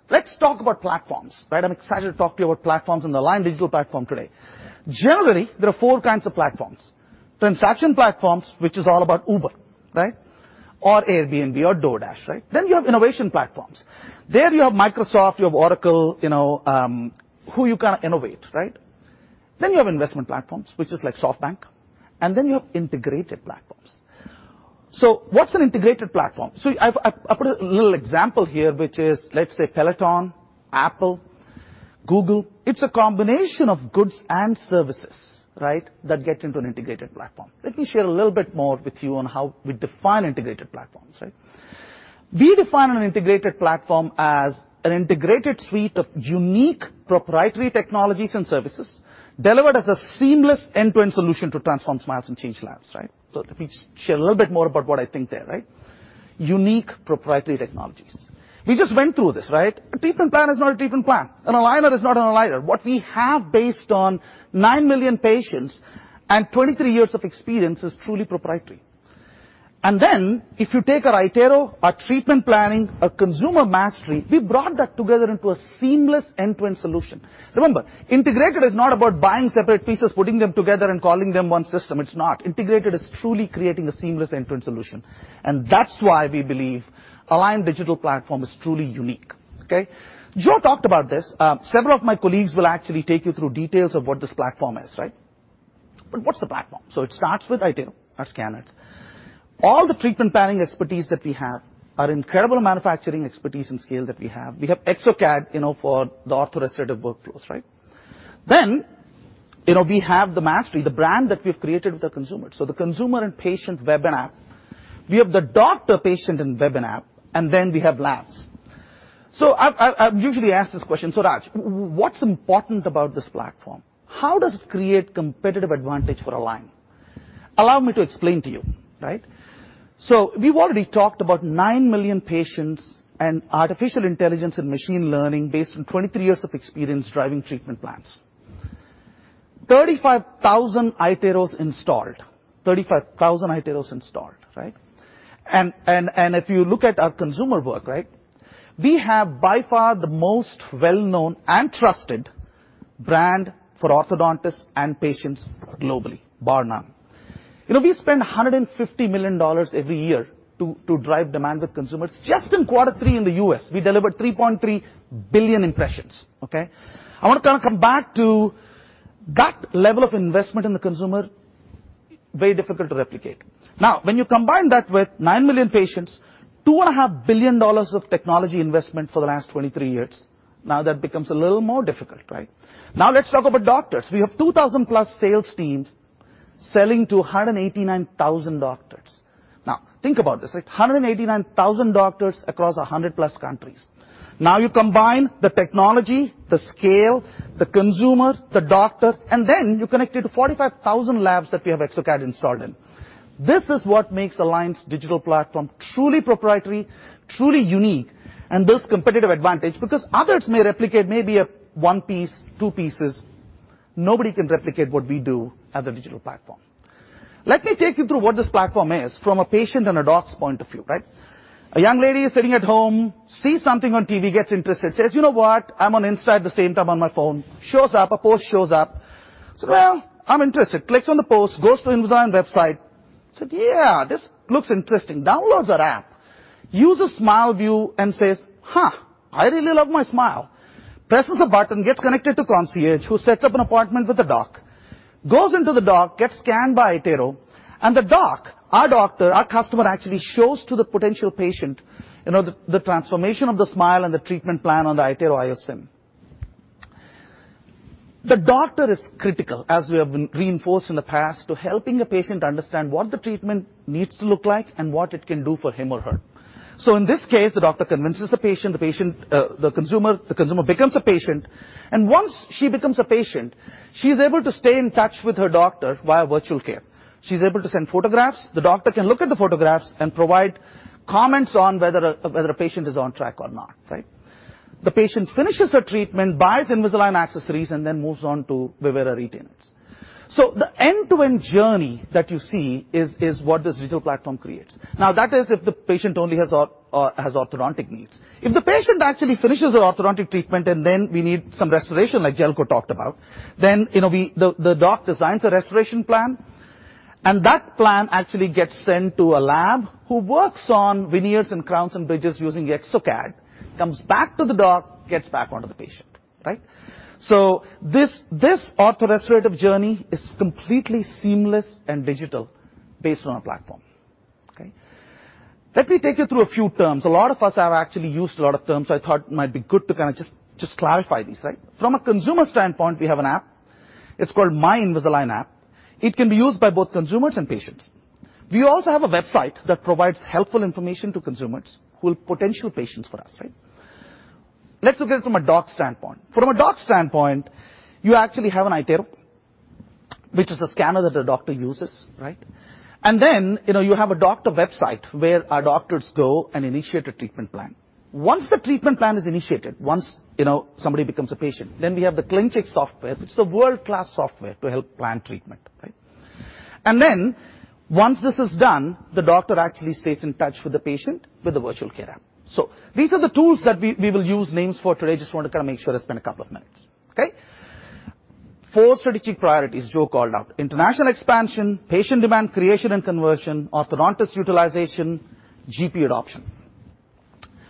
Let's talk about platforms. I'm excited to talk to you about platforms and Align Digital Platform today. Generally, there are four kinds of platforms. Transaction platforms, which is all about Uber. Airbnb or DoorDash. You have innovation platforms. There you have Microsoft, you have Oracle, who you kind of innovate. You have investment platforms, which is like SoftBank. You have integrated platforms. What's an integrated platform? I put a little example here, which is, let's say, Peloton, Apple, Google. It's a combination of goods and services that get into an integrated platform. Let me share a little bit more with you on how we define integrated platforms. We define an integrated platform as an integrated suite of unique proprietary technologies and services delivered as a seamless end-to-end solution to transform smiles and change labs. Let me just share a little bit more about what I think there. Unique proprietary technologies. We just went through this. A treatment plan is not a treatment plan. An aligner is not an aligner. What we have based on 9 million patients and 23 years of experience is truly proprietary. If you take our iTero, our treatment planning, our consumer mastery, we brought that together into a seamless end-to-end solution. Remember, integrated is not about buying separate pieces, putting them together, and calling them one system. It's not. Integrated is truly creating a seamless end-to-end solution. That's why we believe Align Digital Platform is truly unique. Joe talked about this. Several of my colleagues will actually take you through details of what this platform is. What's the platform? It starts with iTero, our scanners. All the treatment planning expertise that we have, our incredible manufacturing expertise and scale that we have. We have exocad for the ortho-restorative workflows. We have the mastery, the brand that we've created with the consumer. The consumer and patient web and app, we have the doctor, patient, and web and app, and then we have labs. I'm usually asked this question, "Raj, what's important about this platform? How does it create competitive advantage for Align?" Allow me to explain to you. We've already talked about 9 million patients and artificial intelligence and machine learning based on 23 years of experience driving treatment plans. 35,000 iTero installed. 35,000 iTero installed. If you look at our consumer work, we have by far the most well-known and trusted brand for orthodontists and patients globally, bar none. We spend $150 million every year to drive demand with consumers. Just in quarter three in the U.S., we delivered 3.3 billion impressions. I want to kind of come back to that level of investment in the consumer, very difficult to replicate. When you combine that with nine million patients, $2.5 billion of technology investment for the last 23 years, now that becomes a little more difficult. Let's talk about doctors. We have +2,000 sales teams selling to 189,000 doctors. Think about this, 189,000 doctors across 100+ countries. You combine the technology, the scale, the consumer, the doctor, and then you connect it to 45,000 labs that we have exocad installed in. This is what makes Align's Digital Platform truly proprietary, truly unique, and builds competitive advantage because others may replicate maybe one piece, two pieces. Nobody can replicate what we do as a Digital Platform. Let me take you through what this platform is from a patient and a doc's point of view. A young lady is sitting at home, sees something on TV, gets interested, says, "You know what? I'm on Insta at the same time on my phone." A post shows up. Says, "Well, I'm interested." Clicks on the post, goes to invisalign website, said, "Yeah, this looks interesting." Downloads our app. Uses SmileView and says, "Huh, I really love my smile." Presses a button, gets connected to concierge, who sets up an appointment with a doc. Goes into the doc, gets scanned by iTero, and the doc, our doctor, our customer actually shows to the potential patient, the transformation of the smile and the treatment plan on the iTero iOSim. The doctor is critical, as we have reinforced in the past, to helping a patient understand what the treatment needs to look like and what it can do for him or her. In this case, the doctor convinces the patient, the consumer. The consumer becomes a patient, and once she becomes a patient, she's able to stay in touch with her doctor via virtual care. She's able to send photographs. The doctor can look at the photographs and provide comments on whether a patient is on track or not. The patient finishes her treatment, buys Invisalign accessories, and then moves on to Vivera retainers. The end-to-end journey that you see is what this digital platform creates. That is if the patient only has orthodontic needs. If the patient actually finishes their orthodontic treatment and then we need some restoration like Zeljko talked about, then the doc designs a restoration plan, and that plan actually gets sent to a lab who works on veneers and crowns and bridges using exocad, comes back to the doc, gets back onto the patient. This ortho-restorative journey is completely seamless and digital based on our platform. Okay. Let me take you through a few terms. A lot of us have actually used a lot of terms, so I thought it might be good to kind of just clarify these. From a consumer standpoint, we have an app. It's called My Invisalign app. It can be used by both consumers and patients. We also have a website that provides helpful information to consumers who are potential patients for us. Let's look at it from a doc standpoint. From a doc standpoint, you actually have an iTero, which is a scanner that a doctor uses. You have a doctor website where our doctors go and initiate a treatment plan. Once the treatment plan is initiated, once somebody becomes a patient, we have the ClinCheck software. It's a world-class software to help plan treatment. Once this is done, the doctor actually stays in touch with the patient with the virtual care app. These are the tools that we will use names for today. Just want to kind of make sure I spend a couple of minutes. Okay? Four strategic priorities Joe called out, international expansion, patient demand creation and conversion, orthodontist utilization, GP adoption.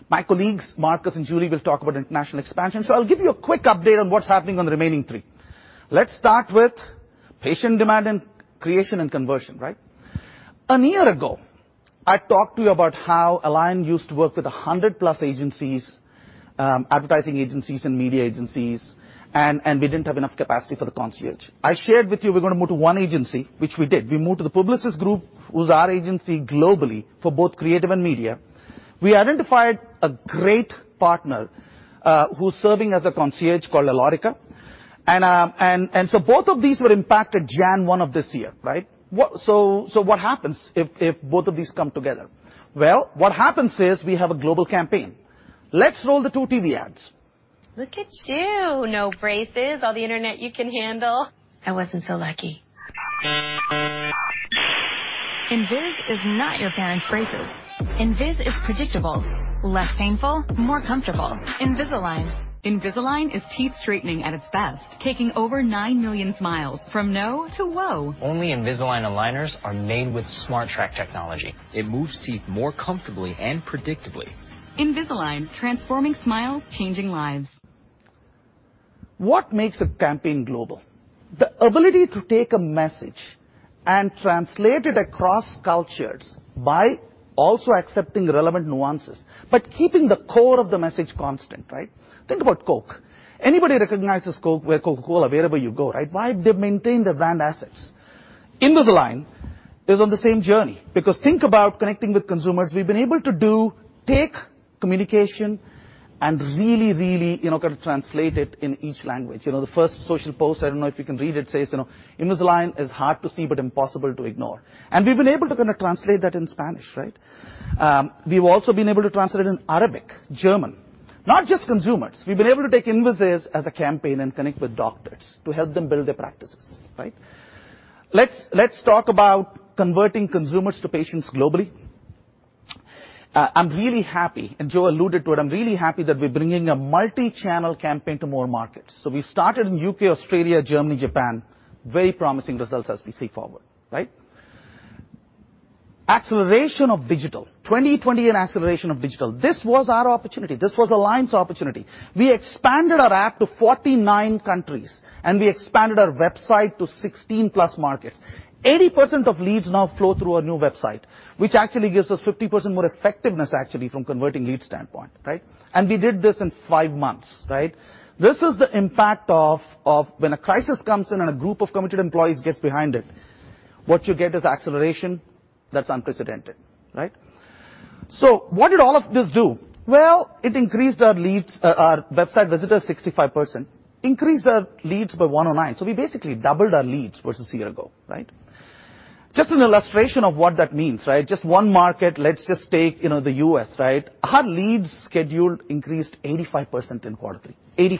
My colleagues, Markus and Julie, will talk about international expansion. I'll give you a quick update on what's happening on the remaining three. Let's start with patient demand and creation and conversion. A year ago, I talked to you about how Align used to work with 100+ agencies, advertising agencies and media agencies, and we didn't have enough capacity for the concierge. I shared with you we're going to move to one agency, which we did. We moved to The Publicis Groupe, who's our agency globally for both creative and media. We identified a great partner, who's serving as a concierge called Alorica. Both of these were impacted January 1st of this year. What happens if both of these come together? Well, what happens is we have a global campaign. Let's roll the two TV ads. Look at you, no braces, all the internet you can handle. I wasn't so lucky. Invis is not your parents' braces. Invis is predictable, less painful, more comfortable. Invisalign. Invisalign is teeth straightening at its best, taking over nine million smiles from no to whoa. Only Invisalign aligners are made with SmartTrack technology. It moves teeth more comfortably and predictably. Invisalign, transforming smiles, changing lives. What makes a campaign global? The ability to take a message and translate it across cultures by also accepting relevant nuances, but keeping the core of the message constant. Think about Coke. Anybody recognizes Coke where Coca-Cola, wherever you go. Why? They maintain their brand assets. Invisalign is on the same journey because think about connecting with consumers. We've been able to take communication and really kind of translate it in each language. The first social post, I don't know if you can read it, says, "Invisalign is hard to see but impossible to ignore." We've been able to kind of translate that in Spanish. We've also been able to translate it in Arabic, German. Not just consumers. We've been able to take Invis as a campaign and connect with doctors to help them build their practices. Let's talk about converting consumers to patients globally. I'm really happy, and Joe alluded to it, I'm really happy that we're bringing a multi-channel campaign to more markets. We started in U.K., Australia, Germany, Japan. Very promising results as we see forward. Acceleration of digital. 2020 and acceleration of digital. This was our opportunity. This was Align's opportunity. We expanded our app to 49 countries, and we expanded our website to 16+ markets. 80% of leads now flow through our new website, which actually gives us 50% more effectiveness actually from converting lead standpoint. We did this in five months. This is the impact of when a crisis comes in and a group of committed employees gets behind it. What you get is acceleration that's unprecedented. What did all of this do? Well, it increased our website visitors 65%, increased our leads by 109%. We basically doubled our leads versus a year ago. Just an illustration of what that means. Just one market, let's just take the U.S. Our leads scheduled increased 85% in quarter three.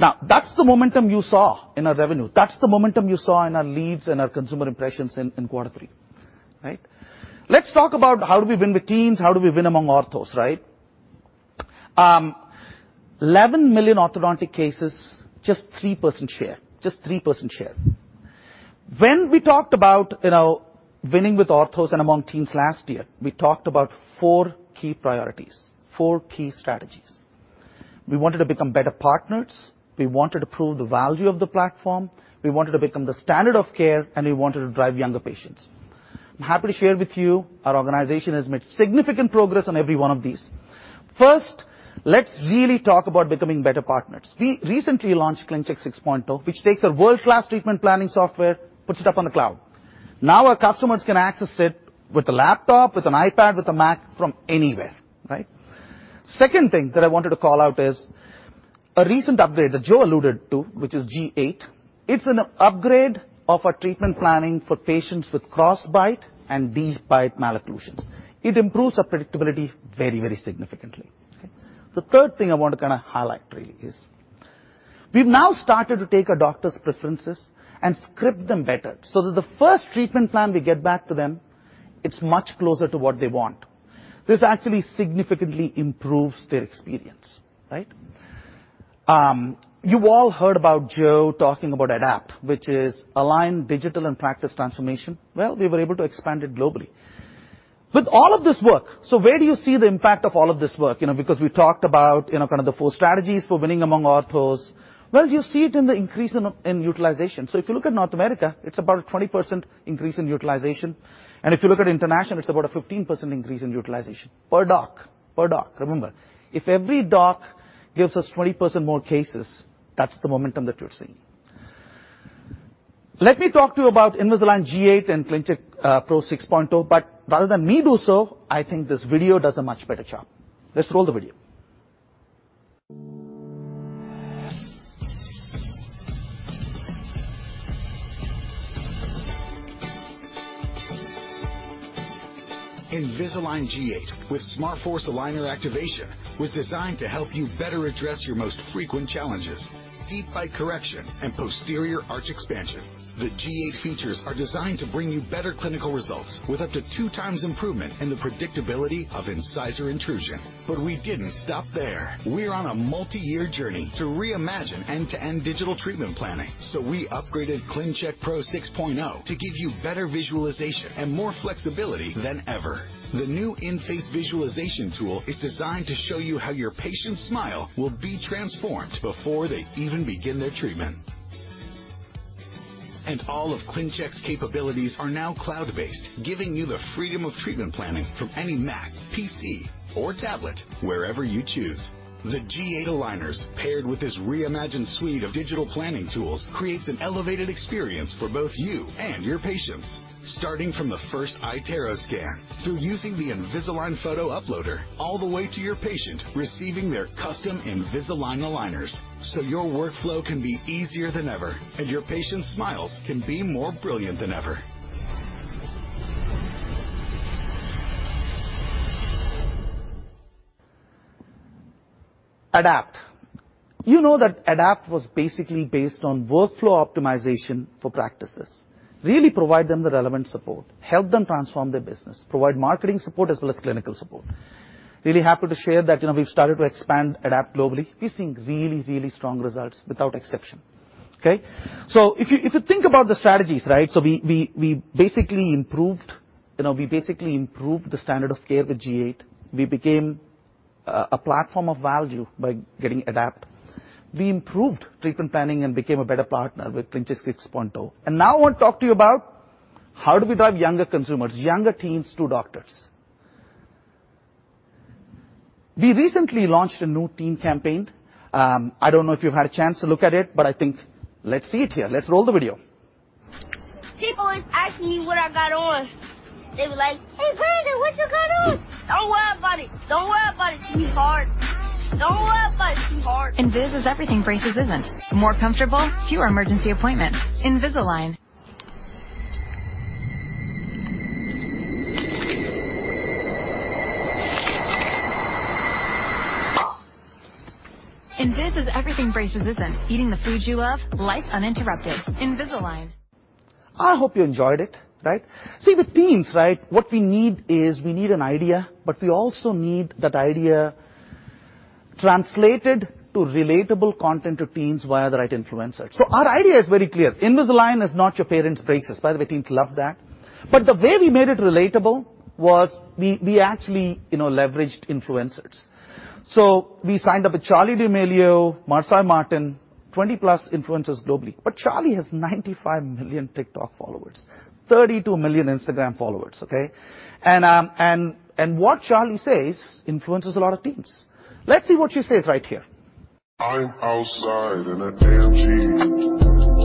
That's the momentum you saw in our revenue. That's the momentum you saw in our leads and our consumer impressions in quarter three. Let's talk about how do we win with teens, how do we win among orthos. 11 million orthodontic cases, just 3% share. When we talked about winning with orthos and among teens last year, we talked about four key priorities, four key strategies. We wanted to become better partners, we wanted to prove the value of the platform, we wanted to become the standard of care, and we wanted to drive younger patients. I'm happy to share with you our organization has made significant progress on every one of these. First, let's really talk about becoming better partners. We recently launched ClinCheck 6.0, which takes a world-class treatment planning software, puts it up on the cloud. Now our customers can access it with a laptop, with an iPad, with a Mac from anywhere. Second thing that I wanted to call out is a recent upgrade that Joe alluded to, which is G8. It's an upgrade of our treatment planning for patients with crossbite and deep bite malocclusions. It improves our predictability very significantly. The third thing I want to kind of highlight really is we've now started to take our doctors' preferences and script them better so that the first treatment plan we get back to them, it's much closer to what they want. This actually significantly improves their experience. You all heard about Joe talking about ADAPT, which is Align Digital and Practice Transformation. Well, we were able to expand it globally. With all of this work, where do you see the impact of all of this work? Because we talked about kind of the four strategies for winning among orthos. You see it in the increase in utilization. If you look at North America, it's about a 20% increase in utilization, and if you look at international, it's about a 15% increase in utilization per doc. Remember, if every doc gives us 20% more cases, that's the momentum that you're seeing. Let me talk to you about Invisalign G8 and ClinCheck Pro 6.0, rather than me do so, I think this video does a much better job. Let's roll the video. Invisalign G8 with SmartForce aligner activation was designed to help you better address your most frequent challenges, deep bite correction, and posterior arch expansion. The G8 features are designed to bring you better clinical results with up to two times improvement in the predictability of incisor intrusion. We didn't stop there. We're on a multi-year journey to reimagine end-to-end digital treatment planning. We upgraded ClinCheck Pro 6.0 to give you better visualization and more flexibility than ever. The new in-face visualization tool is designed to show you how your patient's smile will be transformed before they even begin their treatment. All of ClinCheck's capabilities are now cloud-based, giving you the freedom of treatment planning from any Mac, PC, or tablet, wherever you choose. The G8 aligners, paired with this reimagined suite of digital planning tools, creates an elevated experience for both you and your patients. Starting from the first iTero scan, through using the Invisalign Photo Uploader, all the way to your patient receiving their custom Invisalign aligners, so your workflow can be easier than ever and your patients' smiles can be more brilliant than ever. ADAPT. You know that ADAPT was basically based on workflow optimization for practices. Really provide them the relevant support, help them transform their business, provide marketing support as well as clinical support. Really happy to share that we've started to expand ADAPT globally. We're seeing really strong results without exception. If you think about the strategies, we basically improved the standard of care with G8. We became a platform of value by getting ADAPT. We improved treatment planning and became a better partner with ClinCheck 6.0. Now I want to talk to you about how do we drive younger consumers, younger teens to doctors. We recently launched a new teen campaign. I don't know if you've had a chance to look at it, but I think let's see it here. Let's roll the video. People is asking me what I got on. They be like, "Hey, Brandon, what you got on?" Don't worry about it. Don't worry about it. It's too hard. Don't worry about it. It's too hard. Invis is everything braces isn't. More comfortable, fewer emergency appointments. Invisalign. Invis is everything braces isn't. Eating the foods you love, life uninterrupted. Invisalign. I hope you enjoyed it. See with teens, what we need is we need an idea, but we also need that idea translated to relatable content to teens via the right influencers. Our idea is very clear. Invisalign is not your parents' braces. By the way, teens love that. The way we made it relatable was we actually leveraged influencers. We signed up with Charli D'Amelio, Marsai Martin, 20+ influencers globally. Charli has 95 million TikTok followers, 32 million Instagram followers. What Charli says influences a lot of teens. Let's see what she says right here I'm outside in that AMG.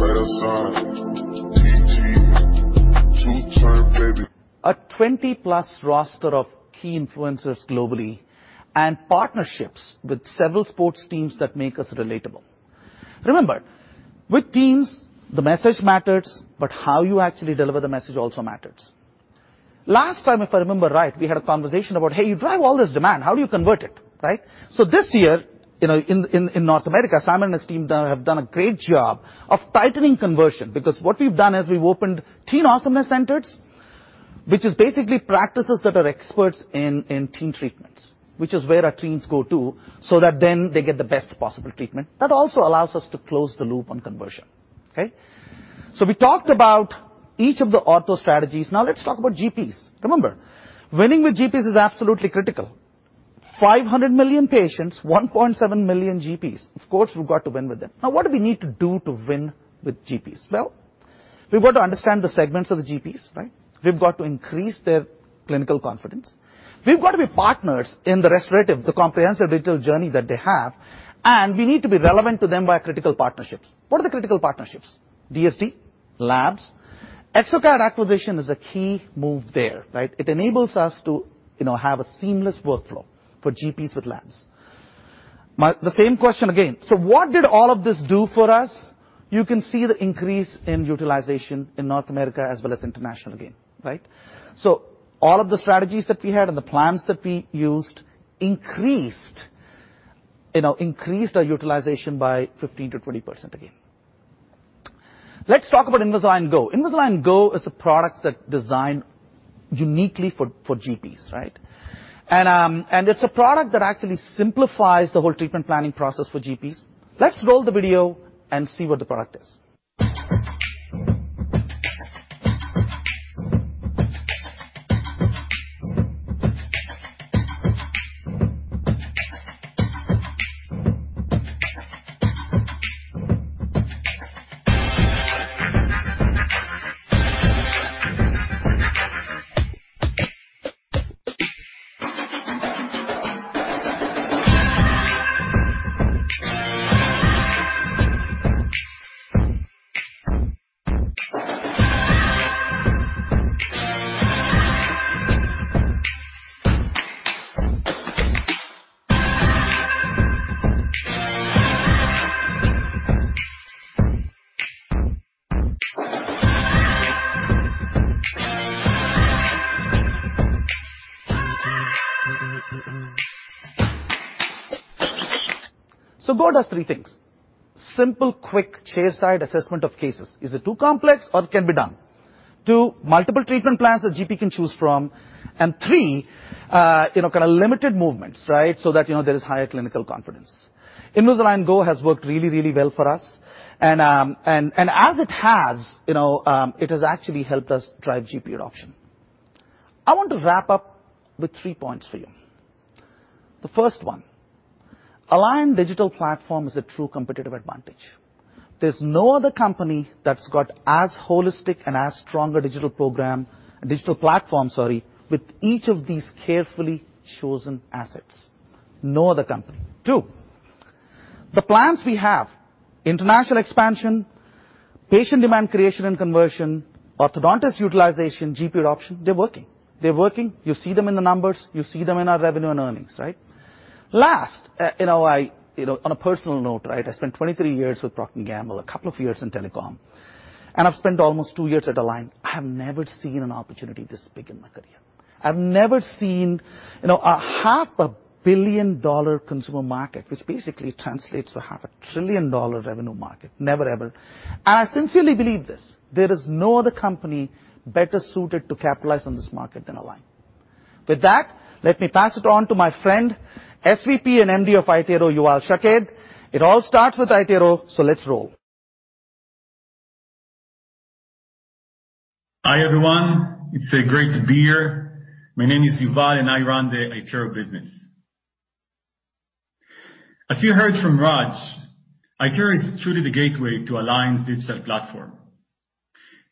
Riderside, GT. Two-tone. A 20+ roster of key influencers globally, and partnerships with several sports teams that make us relatable. Remember, with teams, the message matters, how you actually deliver the message also matters. Last time, if I remember right, we had a conversation about, "Hey, you drive all this demand, how do you convert it?" This year, in North America, Simon and his team have done a great job of tightening conversion. What we've done is we've opened Teen Awesomeness Centers, which is basically practices that are experts in teen treatments. Which is where our teens go to, that then they get the best possible treatment. That also allows us to close the loop on conversion. We talked about each of the ortho strategies. Now let's talk about GPs. Remember, winning with GPs is absolutely critical. 500 million patients, 1.7 million GPs. What do we need to do to win with GPs? We've got to understand the segments of the GPs. We've got to increase their clinical confidence. We've got to be partners in the rest relative, the comprehensive digital journey that they have, and we need to be relevant to them via critical partnerships. What are the critical partnerships? DSD, labs. exocad acquisition is a key move there. It enables us to have a seamless workflow for GPs with labs. The same question again. What did all of this do for us? You can see the increase in utilization in North America as well as international again. All of the strategies that we had and the plans that we used increased our utilization by 15%-20% again. Let's talk about Invisalign Go. Invisalign Go is a product that's designed uniquely for GPs. It's a product that actually simplifies the whole treatment planning process for GPs. Let's roll the video and see what the product is. Go does three things. Simple, quick, chairside assessment of cases. Is it too complex or it can be done? Two, multiple treatment plans that GP can choose from. Three, kind of limited movements, so that there is higher clinical confidence. Invisalign Go has worked really well for us. As it has, it has actually helped us drive GP adoption. I want to wrap up with three points for you. The first one. Align Digital Platform is a true competitive advantage. There's no other company that's got as holistic and as strong a digital program, a Digital Platform, sorry, with each of these carefully chosen assets. No other company. Two, the plans we have, international expansion, patient demand creation and conversion, orthodontist utilization, GP adoption, they're working. They're working. You see them in the numbers, you see them in our revenue and earnings. Last, on a personal note, I spent 23 years with Procter & Gamble, a couple of years in telecom, I've spent almost two years at Align, I have never seen an opportunity this big in my career. I've never seen a half a billion dollar consumer market, which basically translates to half a trillion-dollar revenue market. Never ever. I sincerely believe this, there is no other company better suited to capitalize on this market than Align. With that, let me pass it on to my friend, SVP and MD of iTero, Yuval Shaked. It all starts with iTero, let's roll. Hi, everyone. It's great to be here. My name is Yuval, I run the iTero business. As you heard from Raj, iTero is truly the gateway to Align's Digital Platform.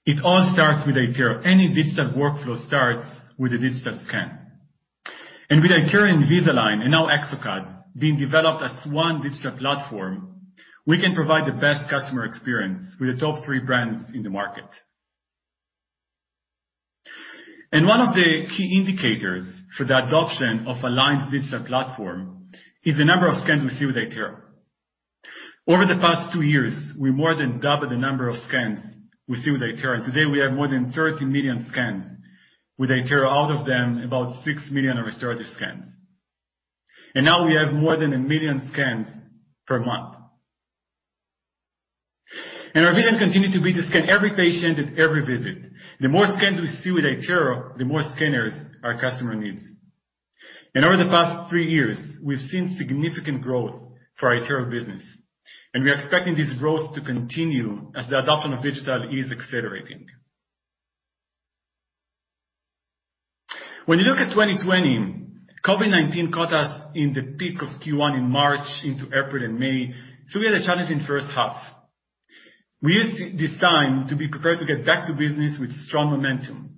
It all starts with iTero. Any digital workflow starts with a digital scan. With iTero and Invisalign, and now exocad, being developed as one Digital Platform, we can provide the best customer experience with the top three brands in the market. One of the key indicators for the adoption of Align's Digital Platform is the number of scans we see with iTero. Over the past two years, we more than doubled the number of scans we see with iTero, and today we have more than 30 million scans with iTero. Out of them, about 6 million are restorative scans. Now we have more than 1 million scans per month. Our vision continue to be to scan every patient at every visit. The more scans we see with iTero, the more scanners our customer needs. Over the past three years, we've seen significant growth for iTero business. We are expecting this growth to continue as the adoption of digital is accelerating. When you look at 2020, COVID-19 caught us in the peak of Q1 in March into April and May. We had a challenging first half. We used this time to be prepared to get back to business with strong momentum.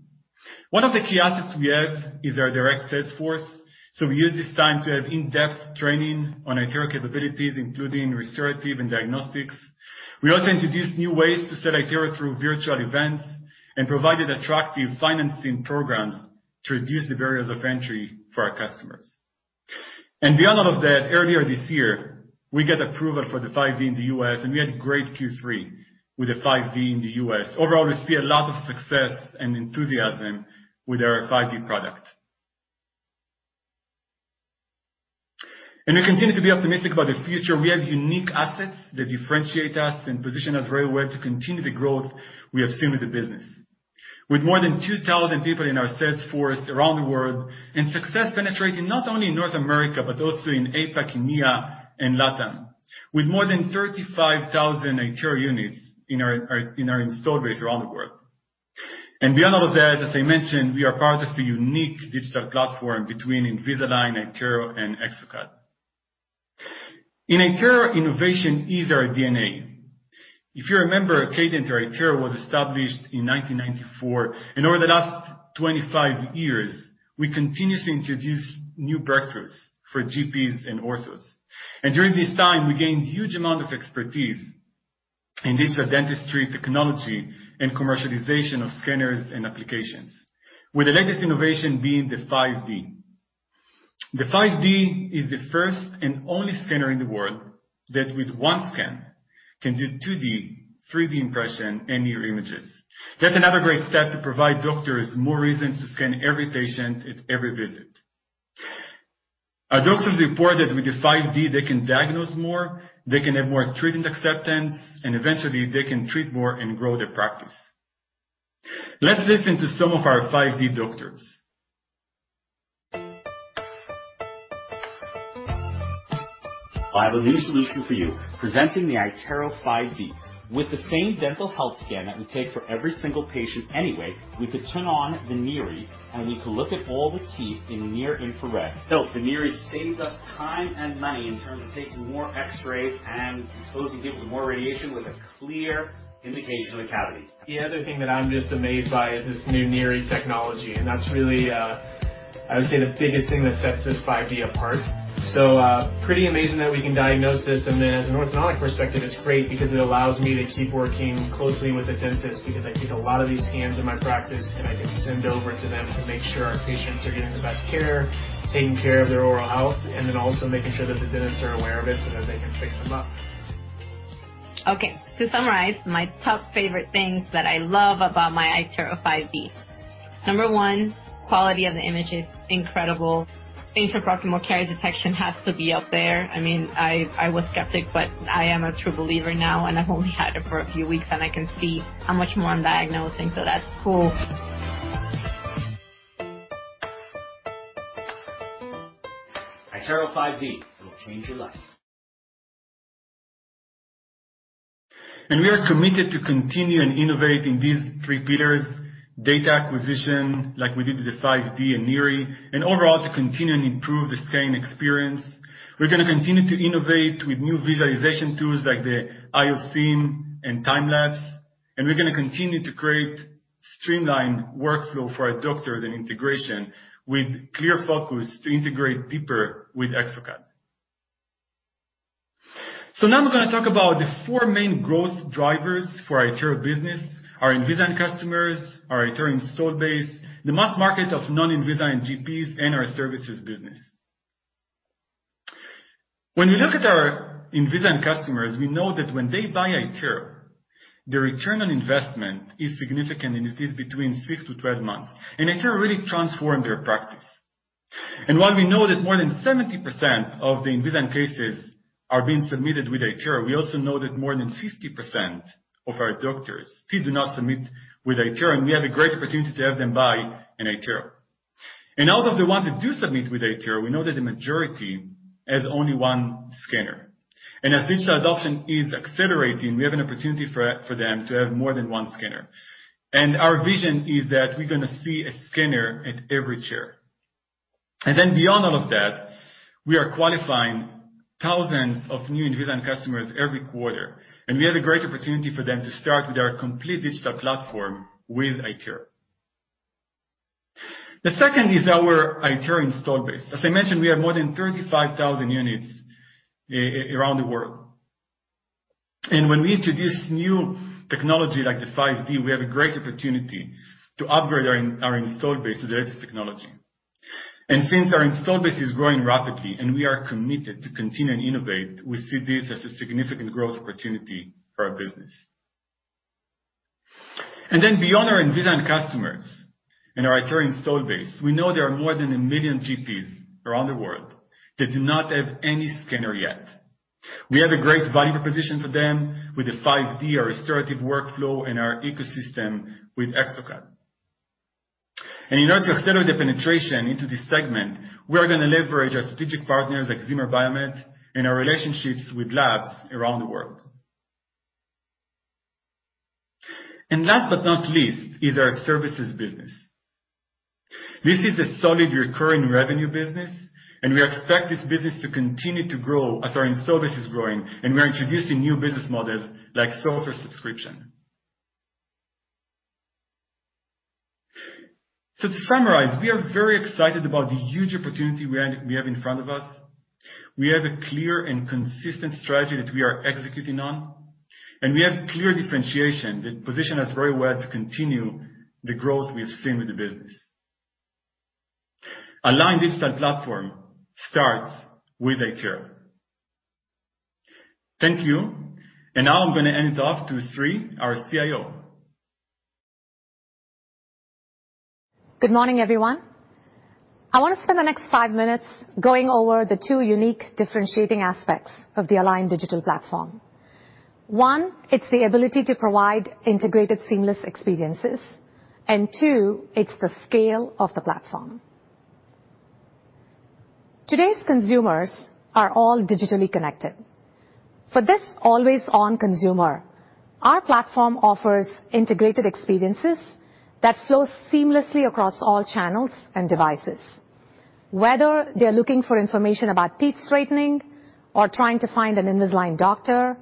One of the key assets we have is our direct sales force, so we used this time to have in-depth training on iTero capabilities, including restorative and diagnostics. We also introduced new ways to sell iTero through virtual events and provided attractive financing programs to reduce the barriers of entry for our customers. Beyond all of that, earlier this year, we get approval for the 5D in the U.S. and we had great Q3 with the 5D in the U.S. Overall, we see a lot of success and enthusiasm with our 5D product. We continue to be optimistic about the future. We have unique assets that differentiate us and position us very well to continue the growth we have seen with the business. With more than 2,000 people in our sales force around the world, and success penetrating not only in North America, but also in APAC, EMEA, and LATAM. With more than 35,000 iTero units in our installed base around the world. Beyond all of that, as I mentioned, we are part of a unique digital platform between Invisalign, iTero, and exocad. In iTero, innovation is our DNA. If you remember, Cadent iTero was established in 1994, and over the last 25 years, we continuously introduced new breakthroughs for GPs and orthos. During this time, we gained huge amount of expertise in digital dentistry technology and commercialization of scanners and applications. With the latest innovation being the 5D. The 5D is the first and only scanner in the world that with one scan, can do 2D, 3D impression, and NIRI images. That's another great step to provide doctors more reasons to scan every patient at every visit. Our doctors report that with the 5D, they can diagnose more, they can have more treatment acceptance, and eventually they can treat more and grow their practice. Let's listen to some of our 5D doctors. I have a new solution for you. Presenting the iTero 5D. With the same dental health scan that we take for every single patient anyway, we could turn on the NIRI and we could look at all the teeth in near-infrared. The NIRI saves us time and money in terms of taking more X-rays and exposing people to more radiation with a clear indication of a cavity. The other thing that I'm just amazed by is this new NIRI technology. That's really, I would say, the biggest thing that sets this 5D apart. Pretty amazing that we can diagnose this. Then as an orthodontic perspective, it's great because it allows me to keep working closely with the dentist because I take a lot of these scans in my practice, and I can send over to them to make sure our patients are getting the best care, taking care of their oral health, and then also making sure that the dentists are aware of it so that they can fix them up. To summarize my top favorite things that I love about my iTero 5D. Number 1, quality of the image is incredible. Interproximal caries detection has to be up there. I was skeptic, but I am a true believer now, and I've only had it for a few weeks, and I can see how much more I'm diagnosing. That's cool. iTero 5D. It'll change your life. We are committed to continue on innovating these three pillars, data acquisition like we did with the 5D and NIRI, and overall, to continue and improve the scan experience. We're going to continue to innovate with new visualization tools like the Invisalign Outcome Simulator and TimeLapse, we're going to continue to create streamlined workflow for our doctors and integration with clear focus to integrate deeper with exocad. Now we're going to talk about the four main growth drivers for iTero business, our Invisalign customers, our iTero installed base, the mass market of non-Invisalign GPs, and our services business. When we look at our Invisalign customers, we know that when they buy iTero, their return on investment is significant, and it is between six to 12 months. iTero really transformed their practice. While we know that more than 70% of the Invisalign cases are being submitted with iTero, we also know that more than 50% of our doctors still do not submit with iTero, and we have a great opportunity to have them buy an iTero. Out of the ones that do submit with iTero, we know that the majority has only one scanner. As digital adoption is accelerating, we have an opportunity for them to have more than one scanner. Our vision is that we're going to see a scanner at every chair. Beyond all of that, we are qualifying thousands of new Invisalign customers every quarter, and we have a great opportunity for them to start with our complete digital platform with iTero. The second is our iTero installed base. As I mentioned, we have more than 35,000 units around the world. When we introduce new technology like the 5D, we have a great opportunity to upgrade our installed base to the latest technology. Since our installed base is growing rapidly and we are committed to continue and innovate, we see this as a significant growth opportunity for our business. Then beyond our Invisalign customers and our iTero installed base, we know there are more than 1 million GPs around the world that do not have any scanner yet. We have a great value proposition for them with the 5D, our restorative workflow, and our ecosystem with exocad. In order to accelerate the penetration into this segment, we are going to leverage our strategic partners like Zimmer Biomet and our relationships with labs around the world. Last but not least, is our services business. This is a solid recurring revenue business, and we expect this business to continue to grow as our install base is growing, and we're introducing new business models like software subscription. To summarize, we are very excited about the huge opportunity we have in front of us. We have a clear and consistent strategy that we are executing on, and we have clear differentiation that position us very well to continue the growth we have seen with the business. Align Digital Platform starts with iTero. Thank you. Now I'm going to hand it off to Sri, our CIO. Good morning, everyone. I want to spend the next five minutes going over the two unique differentiating aspects of the Align Digital Platform. One, it's the ability to provide integrated, seamless experiences, and two, it's the scale of the platform. Today's consumers are all digitally connected. For this always-on consumer, our platform offers integrated experiences that flow seamlessly across all channels and devices. Whether they're looking for information about teeth straightening or trying to find an Invisalign doctor,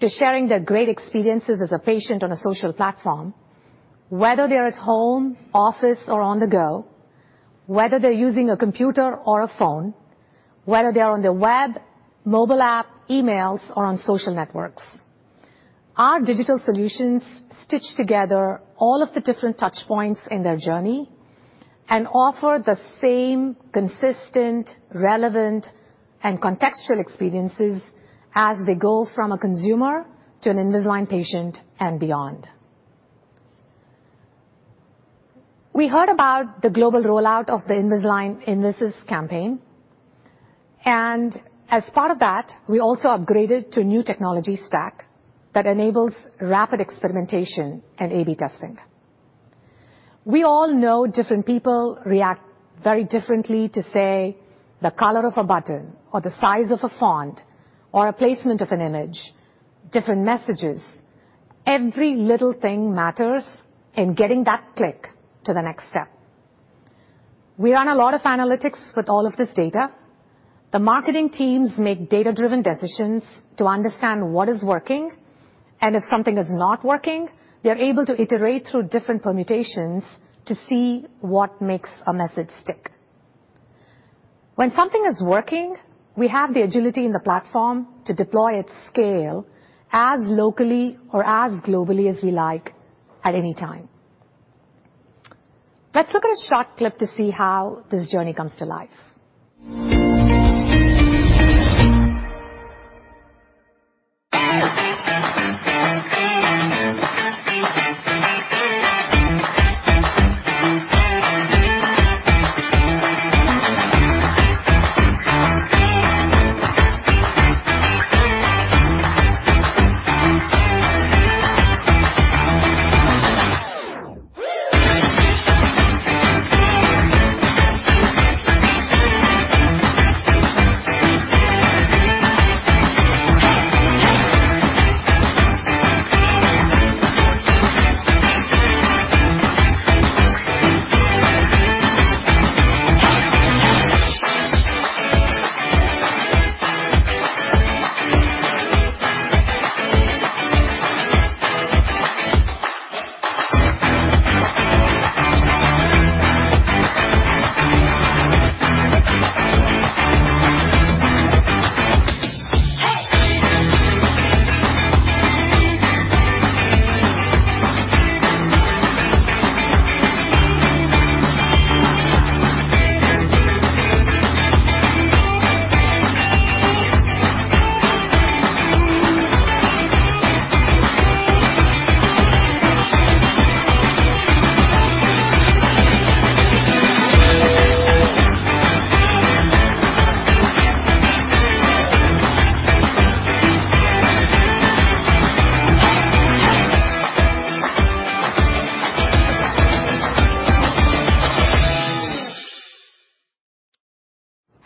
to sharing their great experiences as a patient on a social platform, whether they're at home, office, or on the go, whether they're using a computer or a phone, whether they're on the web, mobile app, emails, or on social networks, our digital solutions stitch together all of the different touch points in their journey and offer the same consistent, relevant, and contextual experiences as they go from a consumer to an Invisalign patient and beyond. We heard about the global rollout of the Invisalign campaign. As part of that, we also upgraded to a new technology stack that enables rapid experimentation and A/B testing. We all know different people react very differently to, say, the color of a button or the size of a font, or a placement of an image, different messages. Every little thing matters in getting that click to the next step. We run a lot of analytics with all of this data. The marketing teams make data-driven decisions to understand what is working, and if something is not working, they are able to iterate through different permutations to see what makes a message stick. When something is working, we have the agility in the platform to deploy its scale as locally or as globally as we like at any time. Let's look at a short clip to see how this journey comes to life.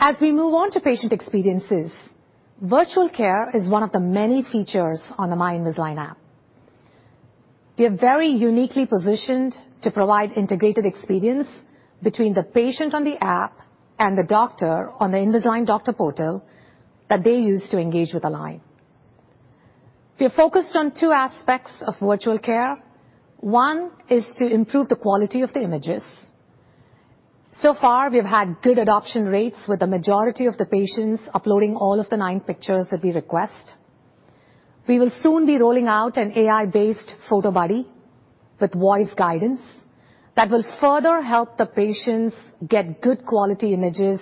As we move on to patient experiences, Virtual Care is one of the many features on the My Invisalign app. We are very uniquely positioned to provide integrated experience between the patient on the app and the doctor on the Invisalign doctor portal that they use to engage with Align. We are focused on two aspects of virtual care. One is to improve the quality of the images. So far, we've had good adoption rates with the majority of the patients uploading all of the nine pictures that we request. We will soon be rolling out an AI-based photo buddy with voice guidance that will further help the patients get good quality images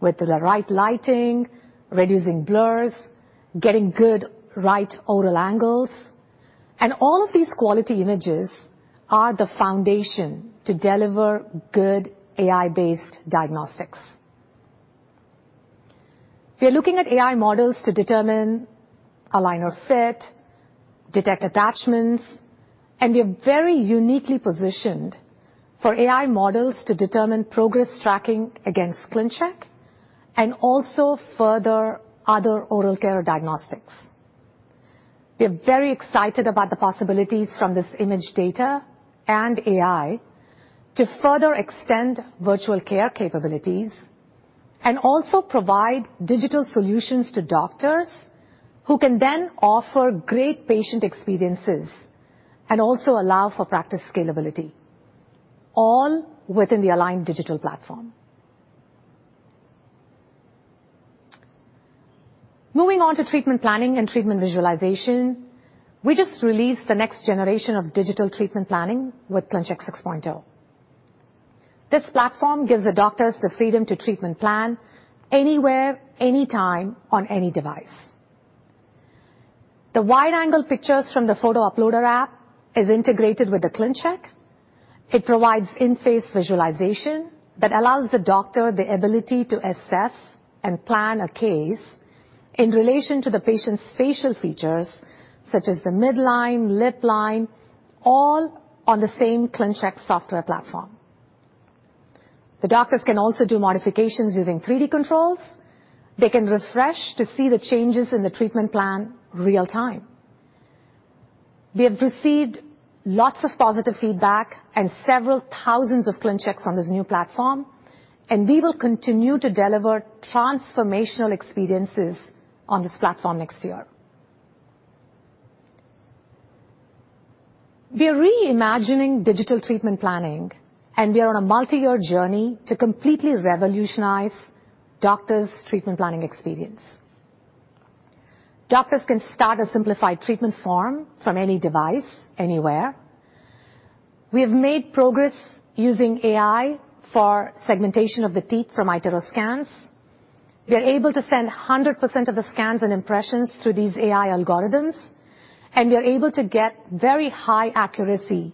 with the right lighting, reducing blurs, getting good right oral angles. All of these quality images are the foundation to deliver good AI-based diagnostics. We are looking at AI models to determine aligner fit, detect attachments, and we are very uniquely positioned for AI models to determine progress tracking against ClinCheck and also further other oral care diagnostics. We're very excited about the possibilities from this image data and AI to further extend virtual care capabilities and also provide digital solutions to doctors who can then offer great patient experiences and also allow for practice scalability, all within the Align Digital Platform. Moving on to treatment planning and treatment visualization, we just released the next generation of digital treatment planning with ClinCheck 6.0. This platform gives the doctors the freedom to treatment plan anywhere, anytime, on any device. The wide-angle pictures from the Photo Uploader app is integrated with the ClinCheck. It provides in-face visualization that allows the doctor the ability to assess and plan a case in relation to the patient's facial features, such as the midline, lip line, all on the same ClinCheck software platform. The doctors can also do modifications using 3D controls. They can refresh to see the changes in the treatment plan in real time. We have received lots of positive feedback and several thousands of ClinChecks on this new platform. We will continue to deliver transformational experiences on this platform next year. We are reimagining digital treatment planning. We are on a multiyear journey to completely revolutionize doctors' treatment planning experience. Doctors can start a simplified treatment form from any device, anywhere. We have made progress using AI for segmentation of the teeth from iTero scans. We are able to send 100% of the scans and impressions to these AI algorithms. We are able to get very high accuracy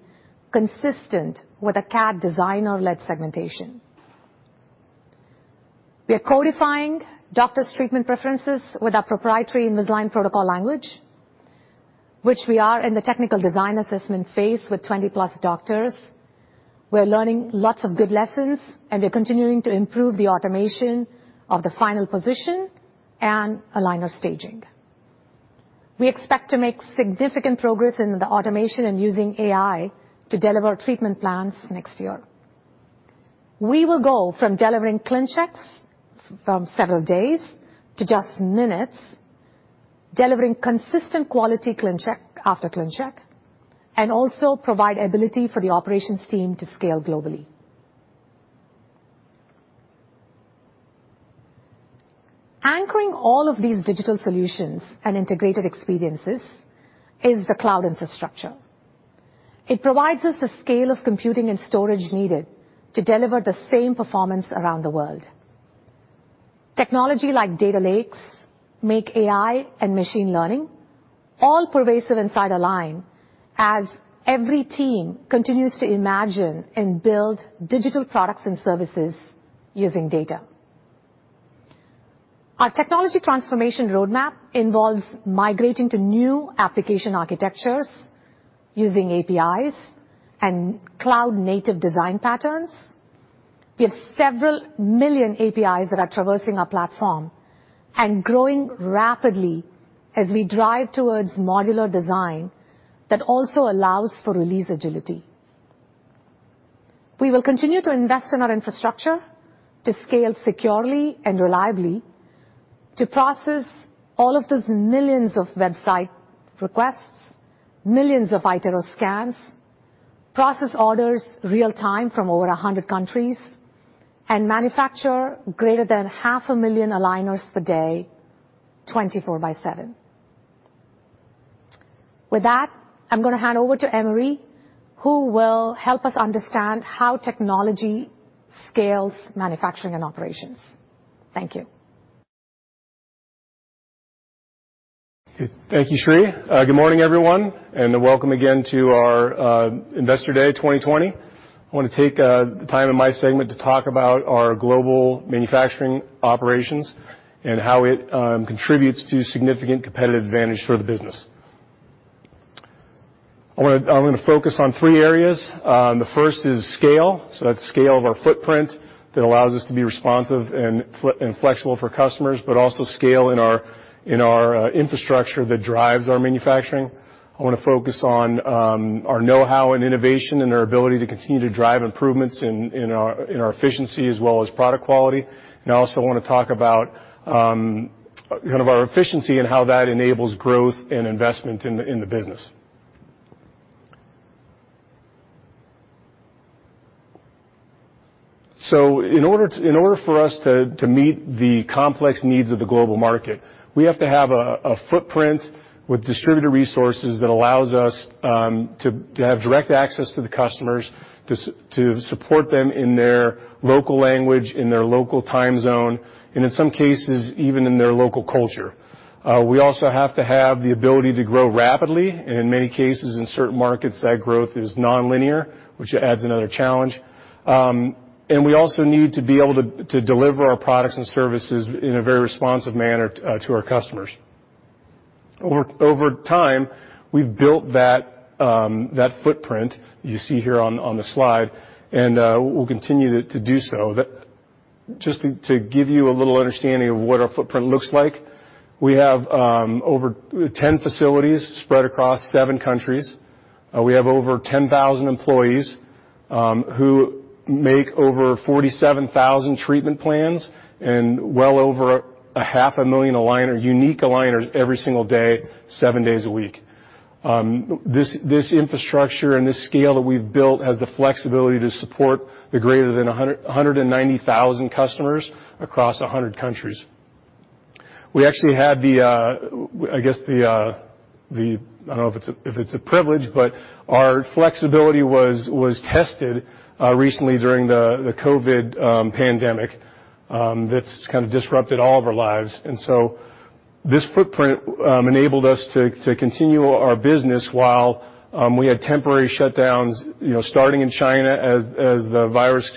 consistent with a CAD designer-led segmentation. We are codifying doctors' treatment preferences with our proprietary Invisalign protocol language, which we are in the technical design assessment phase with 20+ doctors. We're learning lots of good lessons. We're continuing to improve the automation of the final position and aligner staging. We expect to make significant progress in the automation and using AI to deliver treatment plans next year. We will go from delivering ClinChecks from several days to just minutes, delivering consistent quality ClinCheck after ClinCheck, also provide ability for the operations team to scale globally. Anchoring all of these digital solutions and integrated experiences is the cloud infrastructure. It provides us the scale of computing and storage needed to deliver the same performance around the world. Technology like data lakes make AI and machine learning all pervasive inside Align as every team continues to imagine and build digital products and services using data. Our technology transformation roadmap involves migrating to new application architectures using APIs and cloud-native design patterns. We have several million APIs that are traversing our platform and growing rapidly as we drive towards modular design that also allows for release agility. We will continue to invest in our infrastructure to scale securely and reliably to process all of those millions of website requests, millions of iTero scans, process orders in real time from over 100 countries, and manufacture greater than half a million aligners per day, 24 by seven. With that, I'm going to hand over to Emory, who will help us understand how technology scales manufacturing and operations. Thank you. Thank you, Sri. Good morning, everyone, welcome again to our Investor Day 2020. I want to take the time in my segment to talk about our global manufacturing operations and how it contributes to significant competitive advantage for the business. I'm going to focus on three areas. The first is scale. That's scale of our footprint that allows us to be responsive and flexible for customers, but also scale in our infrastructure that drives our manufacturing. I want to focus on our know-how and innovation and our ability to continue to drive improvements in our efficiency as well as product quality. I also want to talk about our efficiency and how that enables growth and investment in the business. In order for us to meet the complex needs of the global market, we have to have a footprint with distributed resources that allows us to have direct access to the customers, to support them in their local language, in their local time zone, and in some cases, even in their local culture. We also have to have the ability to grow rapidly. In many cases, in certain markets, that growth is nonlinear, which adds another challenge. We also need to be able to deliver our products and services in a very responsive manner to our customers. Over time, we've built that footprint you see here on the slide, and we'll continue to do so. Just to give you a little understanding of what our footprint looks like, we have over 10 facilities spread across seven countries. We have over 10,000 employees who make over 47,000 treatment plans and well over a half a million unique aligners every single day, seven days a week. This infrastructure and this scale that we've built has the flexibility to support the greater than 190,000 customers across 100 countries. We actually had the, I don't know if it's a privilege, but our flexibility was tested recently during the COVID-19 pandemic that's kind of disrupted all of our lives. This footprint enabled us to continue our business while we had temporary shutdowns, starting in China as the virus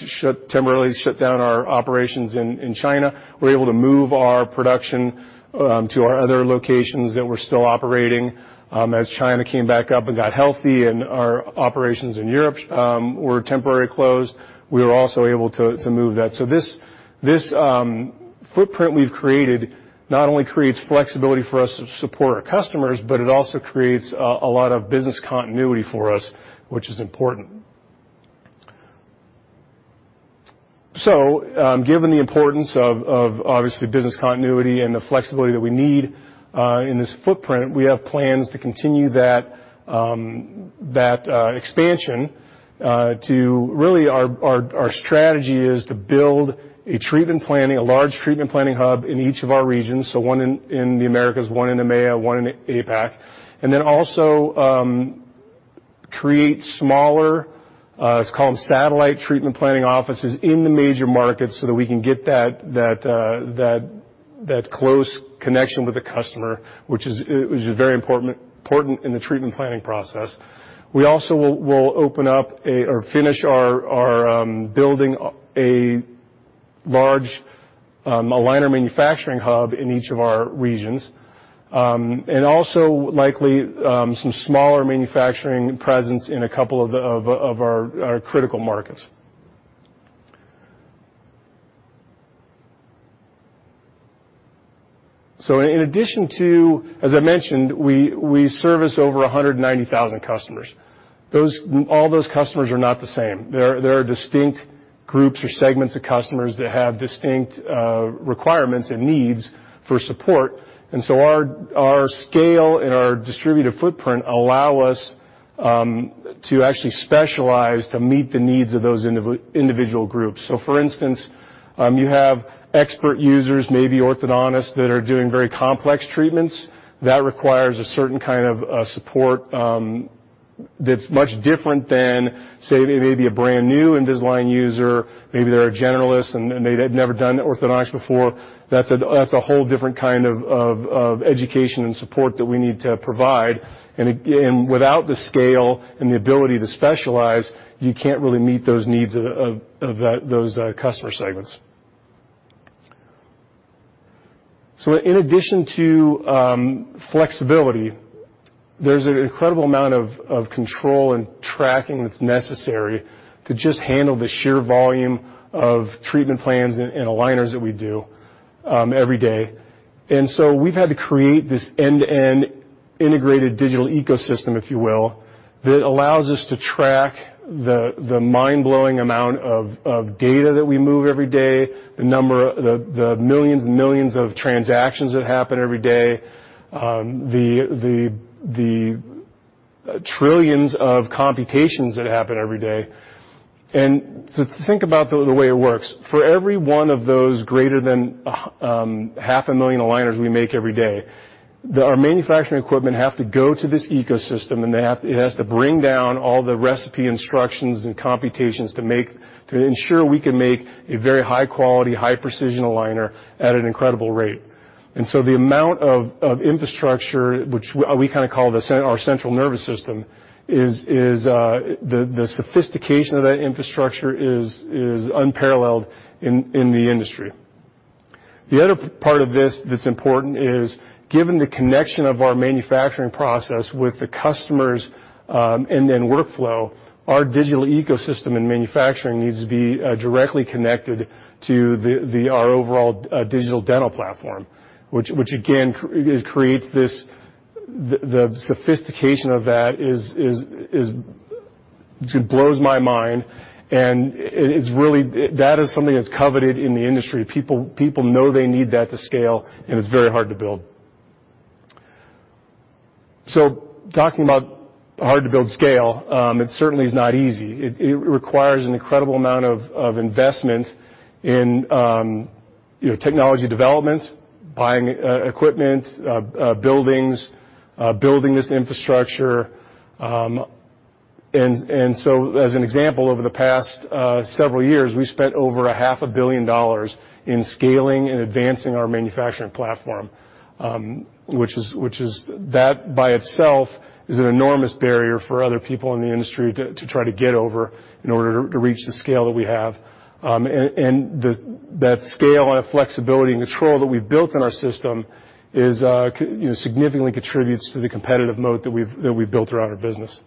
temporarily shut down our operations in China. We were able to move our production to our other locations that were still operating. As China came back up and got healthy and our operations in Europe were temporarily closed, we were also able to move that. This footprint we've created not only creates flexibility for us to support our customers, but it also creates a lot of business continuity for us, which is important. Given the importance of, obviously, business continuity and the flexibility that we need in this footprint, we have plans to continue that expansion. Our strategy is to build a large treatment planning hub in each of our regions, so one in the Americas, one in EMEA, one in APAC, and then also create smaller, it's called satellite treatment planning offices in the major markets so that we can get that close connection with the customer, which is very important in the treatment planning process. We also will open up or finish building a large aligner manufacturing hub in each of our regions. Also likely, some smaller manufacturing presence in a couple of our critical markets. In addition to, as I mentioned, we service over 190,000 customers. All those customers are not the same. There are distinct groups or segments of customers that have distinct requirements and needs for support. Our scale and our distributive footprint allow us to actually specialize to meet the needs of those individual groups. For instance, you have expert users, maybe orthodontists that are doing very complex treatments. That requires a certain kind of support that's much different than, say, maybe a brand-new Invisalign user, maybe they're a generalist and they had never done orthodontics before. That's a whole different kind of education and support that we need to provide. Without the scale and the ability to specialize, you can't really meet those needs of those customer segments. In addition to flexibility, there's an incredible amount of control and tracking that's necessary to just handle the sheer volume of treatment plans and aligners that we do every day. We've had to create this end-to-end integrated digital ecosystem, if you will, that allows us to track the mind-blowing amount of data that we move every day, the millions and millions of transactions that happen every day, the trillions of computations that happen every day. To think about the way it works, for every one of those greater than half a million aligners we make every day, our manufacturing equipment have to go to this ecosystem, and it has to bring down all the recipe instructions and computations to ensure we can make a very high-quality, high-precision aligner at an incredible rate. The amount of infrastructure, which we call our central nervous system, the sophistication of that infrastructure is unparalleled in the industry. The other part of this that's important is, given the connection of our manufacturing process with the customers and then workflow, our digital ecosystem and manufacturing needs to be directly connected to our overall Align Digital Platform, which again, the sophistication of that just blows my mind, and that is something that's coveted in the industry. People know they need that to scale, and it's very hard to build. Talking about hard-to-build scale, it certainly is not easy. It requires an incredible amount of investment in technology development, buying equipment, buildings, building this infrastructure. As an example, over the past several years, we've spent over a half a billion dollars in scaling and advancing our manufacturing platform, which is that by itself is an enormous barrier for other people in the industry to try to get over in order to reach the scale that we have. That scale and flexibility and control that we've built in our system significantly contributes to the competitive moat that we've built around our business.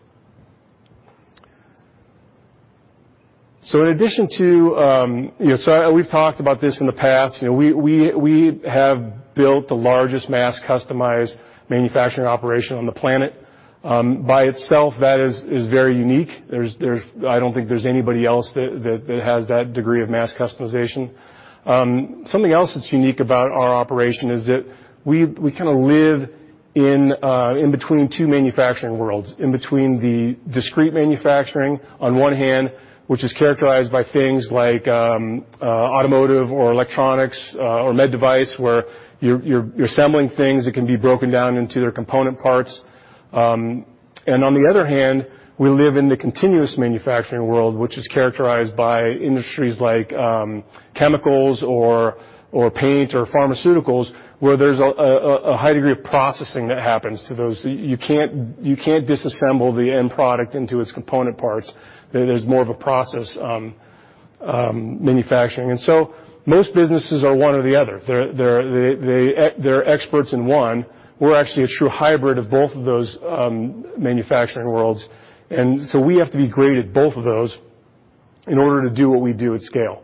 In addition to We've talked about this in the past. We have built the largest mass-customized manufacturing operation on the planet. By itself, that is very unique. I don't think there's anybody else that has that degree of mass customization. Something else that's unique about our operation is that we kind of live in between two manufacturing worlds, in between the discrete manufacturing on one hand, which is characterized by things like automotive or electronics or med device, where you're assembling things that can be broken down into their component parts. On the other hand, we live in the continuous manufacturing world, which is characterized by industries like chemicals or paint or pharmaceuticals, where there's a high degree of processing that happens to those. You can't disassemble the end product into its component parts. There's more of a process manufacturing. Most businesses are one or the other. They're experts in one. We're actually a true hybrid of both of those manufacturing worlds. We have to be great at both of those in order to do what we do at scale.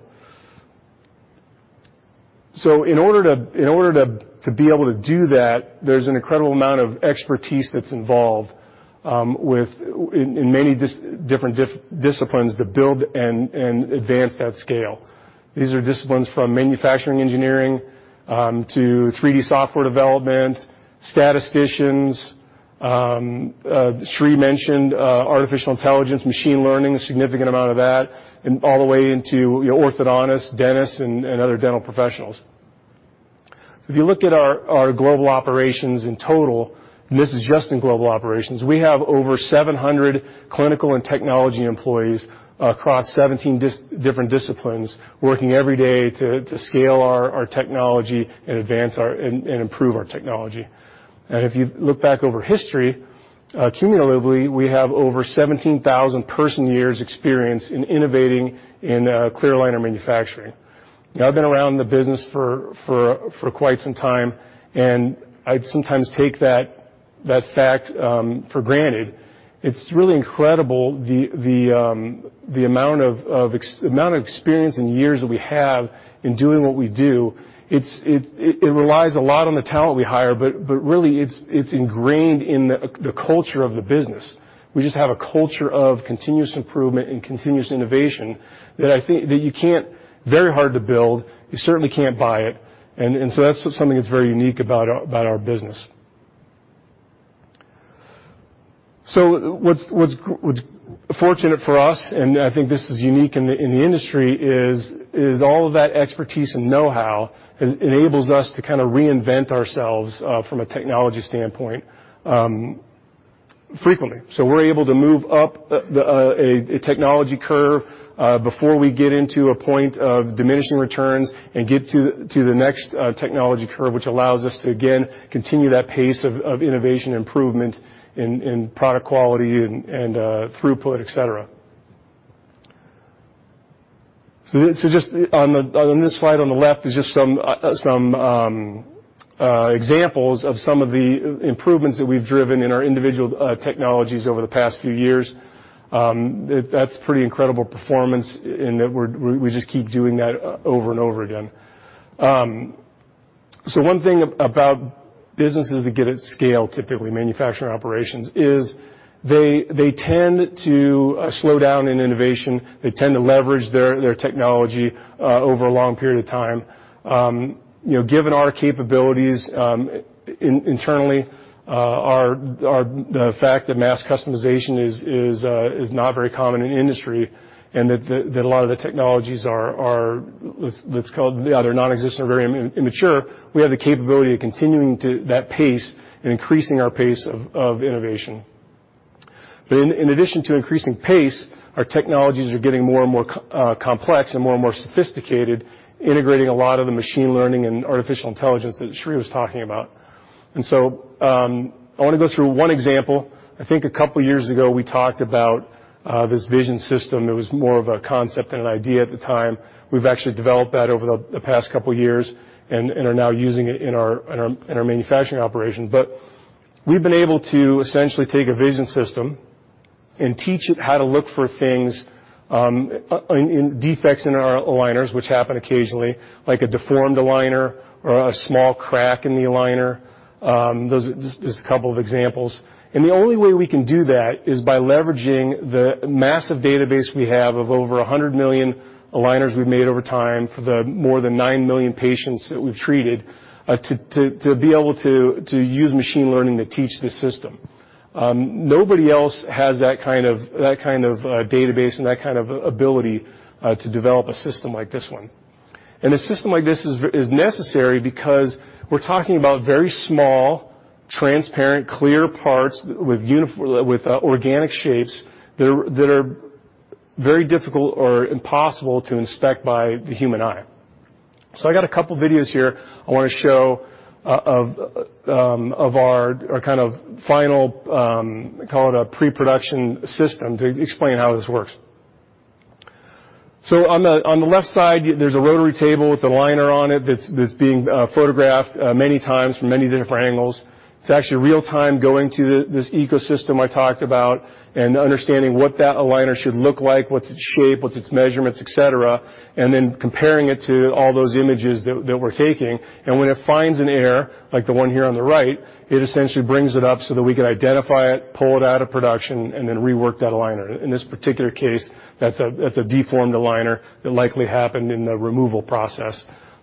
In order to be able to do that, there's an incredible amount of expertise that's involved in many different disciplines that build and advance that scale. These are disciplines from manufacturing engineering to 3D software development, statisticians. Sri mentioned artificial intelligence, machine learning, a significant amount of that, and all the way into orthodontists, dentists, and other dental professionals. If you look at our global operations in total, this is just in global operations, we have over 700 clinical and technology employees across 17 different disciplines, working every day to scale our technology and advance and improve our technology. If you look back over history, cumulatively, we have over 17,000 person years experience in innovating in clear aligner manufacturing. I've been around the business for quite some time, and I sometimes take that fact for granted. It's really incredible the amount of experience and years that we have in doing what we do. It relies a lot on the talent we hire, but really it's ingrained in the culture of the business. We just have a culture of continuous improvement and continuous innovation that you can't. Very hard to build, you certainly can't buy it. That's something that's very unique about our business. What's fortunate for us, and I think this is unique in the industry, is all of that expertise and know-how enables us to kind of reinvent ourselves from a technology standpoint frequently. We're able to move up a technology curve before we get into a point of diminishing returns and get to the next technology curve, which allows us to again, continue that pace of innovation improvement in product quality and throughput, et cetera. On this slide on the left is just some examples of some of the improvements that we've driven in our individual technologies over the past few years. That's pretty incredible performance in that we just keep doing that over and over again. One thing about businesses that get at scale, typically manufacturing operations, is they tend to slow down in innovation. They tend to leverage their technology over a long period of time. Given our capabilities internally, the fact that mass customization is not very common in the industry and that a lot of the technologies are, let's call it, they're nonexistent or very immature, we have the capability of continuing to that pace and increasing our pace of innovation. In addition to increasing pace, our technologies are getting more and more complex and more and more sophisticated, integrating a lot of the machine learning and artificial intelligence that Sri was talking about. I want to go through one example. I think a couple of years ago, we talked about this vision system that was more of a concept than an idea at the time. We've actually developed that over the past couple of years and are now using it in our manufacturing operation. We've been able to essentially take a vision system and teach it how to look for things, defects in our aligners, which happen occasionally, like a deformed aligner or a small crack in the aligner. Those are just a couple of examples. The only way we can do that is by leveraging the massive database we have of over 100 million aligners we've made over time for the more than nine million patients that we've treated, to be able to use machine learning to teach the system. Nobody else has that kind of database and that kind of ability to develop a system like this one. A system like this is necessary because we're talking about very small, transparent, clear parts with organic shapes that are very difficult or impossible to inspect by the human eye. I got a couple of videos here I want to show of our kind of final, call it a pre-production system, to explain how this works. On the left side, there's a rotary table with the aligner on it that's being photographed many times from many different angles. It's actually real-time going to this ecosystem I talked about and understanding what that aligner should look like, what's its shape, what's its measurements, et cetera, and then comparing it to all those images that we're taking. When it finds an error, like the one here on the right, it essentially brings it up so that we can identify it, pull it out of production, and then rework that aligner. In this particular case, that's a deformed aligner that likely happened in the removal process.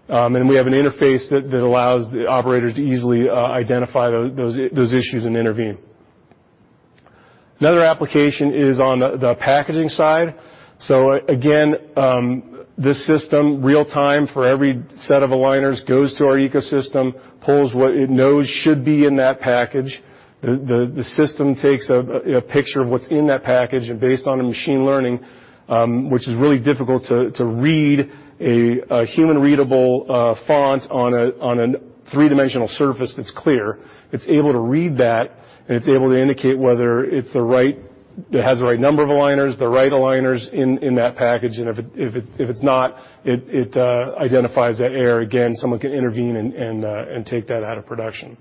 We have an interface that allows the operators to easily identify those issues and intervene. Another application is on the packaging side. Again, this system, real time for every set of aligners, goes to our ecosystem, pulls what it knows should be in that package. The system takes a picture of what's in that package, and based on the machine learning, which is really difficult to read a human-readable font on a three-dimensional surface that's clear, it's able to read that, and it's able to indicate whether it has the right number of aligners, the right aligners in that package, and if it's not, it identifies that error. Again, someone can intervene and take that out of production.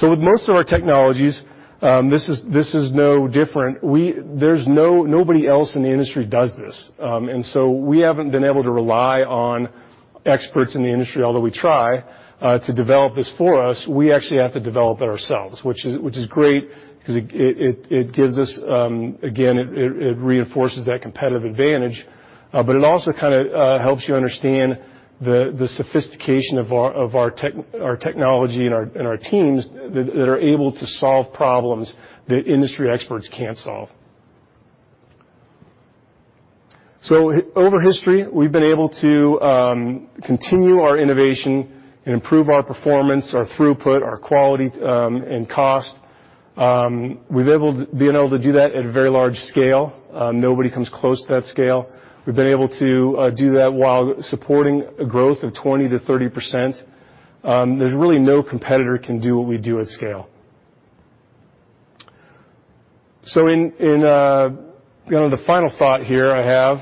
With most of our technologies, this is no different. Nobody else in the industry does this. We haven't been able to rely on experts in the industry, although we try, to develop this for us. We actually have to develop it ourselves, which is great because, again, it reinforces that competitive advantage. It also kind of helps you understand the sophistication of our technology and our teams that are able to solve problems that industry experts can't solve. Over history, we've been able to continue our innovation and improve our performance, our throughput, our quality, and cost. We've been able to do that at a very large scale. Nobody comes close to that scale. We've been able to do that while supporting a growth of 20%-30%. There's really no competitor who can do what we do at scale. The final thought here I have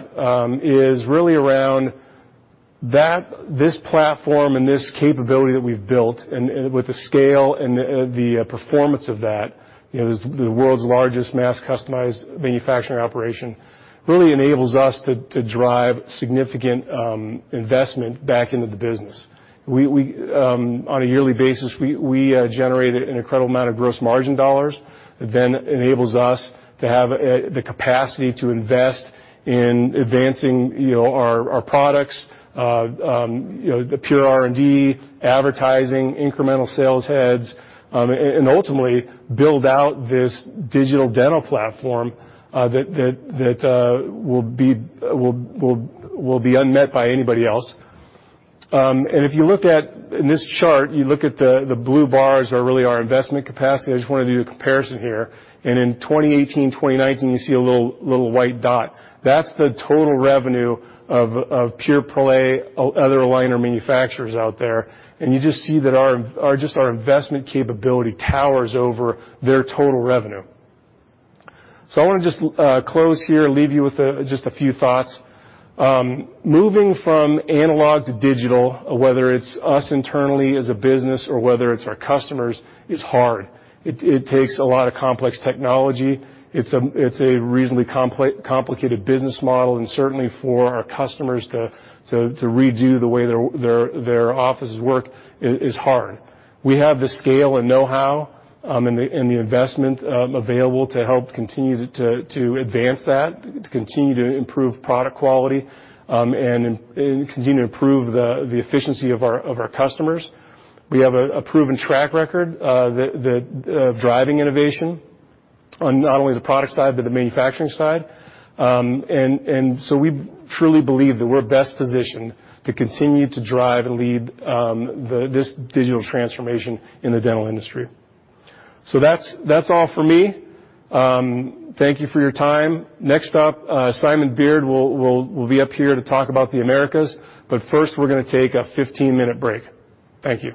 is really around this platform and this capability that we've built, and with the scale and the performance of that, the world's largest mass-customized manufacturing operation, really enables us to drive significant investment back into the business. On a yearly basis, we generate an incredible amount of gross margin dollars that then enables us to have the capacity to invest in advancing our products, the pure R&D, advertising, incremental sales heads, and ultimately build out this digital dental platform that will be unmet by anybody else. If you look at, in this chart, you look at the blue bars are really our investment capacity. I just wanted to do a comparison here. In 2018, 2019, you see a little white dot. That's the total revenue of pure-play other aligner manufacturers out there. I want to just close here, leave you with just a few thoughts. Moving from analog to digital, whether it's us internally as a business or whether it's our customers, is hard. It takes a lot of complex technology. It's a reasonably complicated business model, and certainly for our customers to redo the way their offices work is hard. We have the scale and know-how and the investment available to help continue to advance that, to continue to improve product quality, and continue to improve the efficiency of our customers. We have a proven track record of driving innovation on not only the product side but the manufacturing side. We truly believe that we're best positioned to continue to drive and lead this digital transformation in the dental industry. That's all from me. Thank you for your time. Next up, Simon Beard will be up here to talk about the Americas, but first, we're going to take a 15 minutes break. Thank you.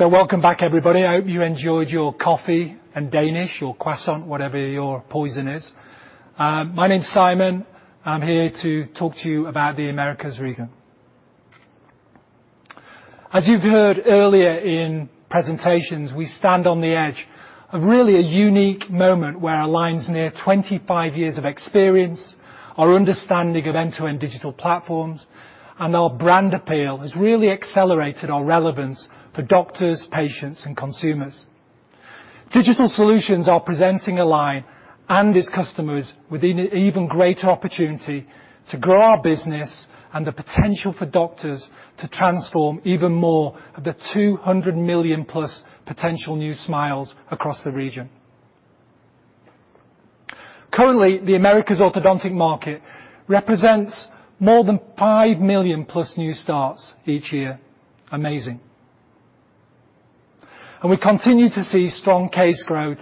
Welcome back everybody. I hope you enjoyed your coffee and Danish or croissant, whatever your poison is. My name's Simon. I'm here to talk to you about the Americas region. As you've heard earlier in presentations, we stand on the edge of really a unique moment where Align's near 25 years of experience, our understanding of end-to-end digital platforms, and our brand appeal has really accelerated our relevance for doctors, patients, and consumers. Digital solutions are presenting Align and its customers with an even greater opportunity to grow our business, and the potential for doctors to transform even more of the +200 million potential new smiles across the region. Currently, the Americas orthodontic market represents more than +5 million new starts each year. Amazing. We continue to see strong case growth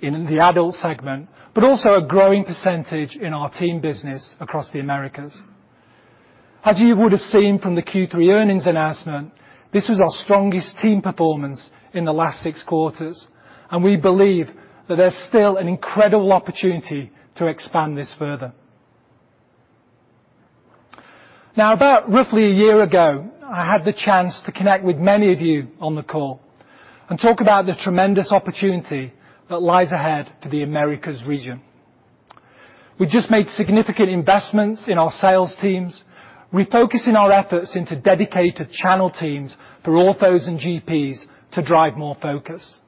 in the adult segment, but also a growing percentage in our teen business across the Americas. As you would've seen from the Q3 earnings announcement, this was our strongest teen performance in the last six quarters. We believe that there's still an incredible opportunity to expand this further. Now, about roughly a year ago, I had the chance to connect with many of you on the call and talk about the tremendous opportunity that lies ahead for the Americas region. We just made significant investments in our sales teams, refocusing our efforts into dedicated channel teams for orthos and GPs to drive more focus.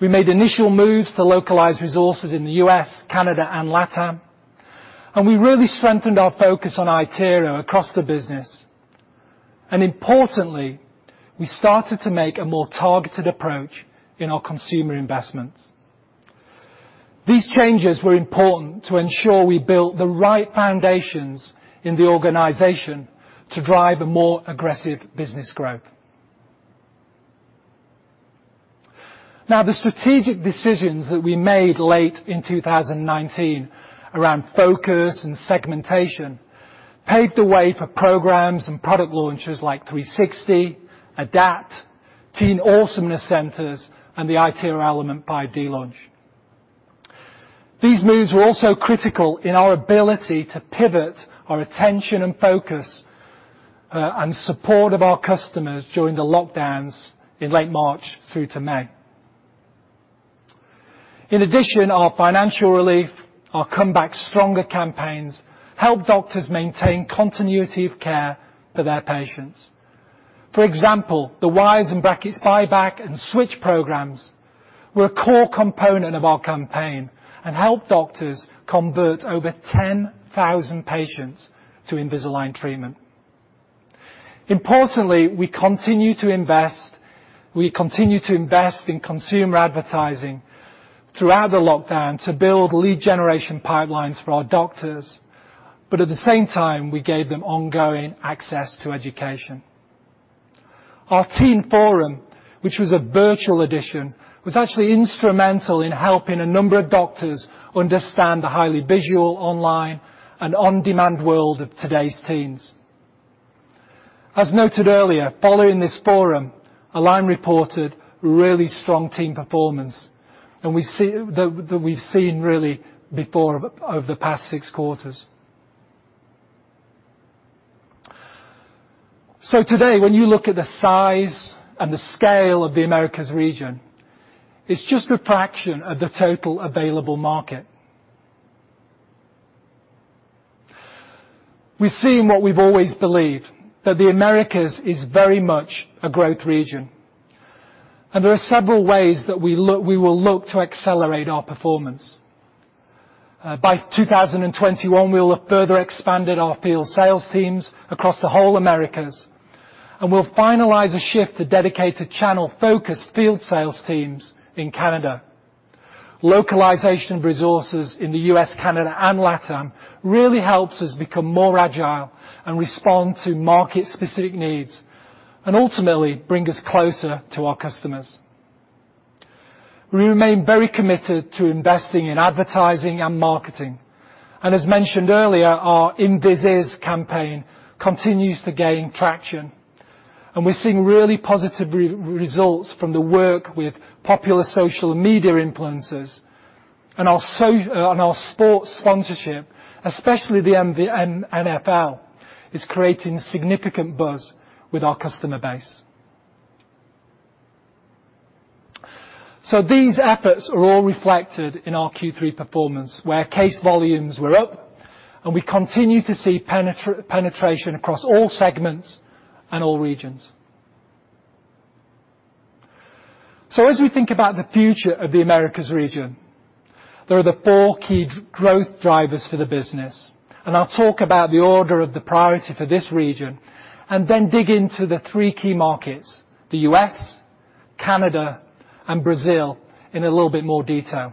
We made initial moves to localize resources in the U.S., Canada, and LATAM. We really strengthened our focus on iTero across the business. Importantly, we started to make a more targeted approach in our consumer investments. These changes were important to ensure we built the right foundations in the organization to drive a more aggressive business growth. Now, the strategic decisions that we made late in 2019 around focus and segmentation paved the way for programs and product launches like 360, ADAPT, Teen Awesomeness Centers, and the iTero Element 5D launch. These moves were also critical in our ability to pivot our attention and focus and support of our customers during the lockdowns in late March through to May. In addition, our financial relief, our Come Back Stronger campaigns helped doctors maintain continuity of care for their patients. For example, the Wires and Brackets Buyback and Switch programs were a core component of our campaign and helped doctors convert over 10,000 patients to Invisalign treatment. Importantly, we continue to invest in consumer advertising throughout the lockdown to build lead generation pipelines for our doctors, at the same time, we gave them ongoing access to education. Our teen forum, which was a virtual edition, was actually instrumental in helping a number of doctors understand the highly visual, online, and on-demand world of today's teens. As noted earlier, following this forum, Align reported really strong teen performance, that we've seen really before, over the past six quarters. Today, when you look at the size and the scale of the Americas region, it's just a fraction of the total available market. We've seen what we've always believed, that the Americas is very much a growth region. There are several ways that we will look to accelerate our performance. By 2021, we'll have further expanded our field sales teams across the whole Americas, and we'll finalize a shift to dedicated channel-focused field sales teams in Canada. Localization of resources in the U.S., Canada, and LATAM really helps us become more agile and respond to market-specific needs, and ultimately bring us closer to our customers. We remain very committed to investing in advertising and marketing. As mentioned earlier, our Invis campaign continues to gain traction. We're seeing really positive results from the work with popular social media influencers. Our sports sponsorship, especially the NFL, is creating significant buzz with our customer base. These efforts are all reflected in our Q3 performance, where case volumes were up, and we continue to see penetration across all segments and all regions. As we think about the future of the Americas region, there are the four key growth drivers for the business. I'll talk about the order of the priority for this region, then dig into the three key markets, the U.S., Canada, and Brazil, in a little bit more detail.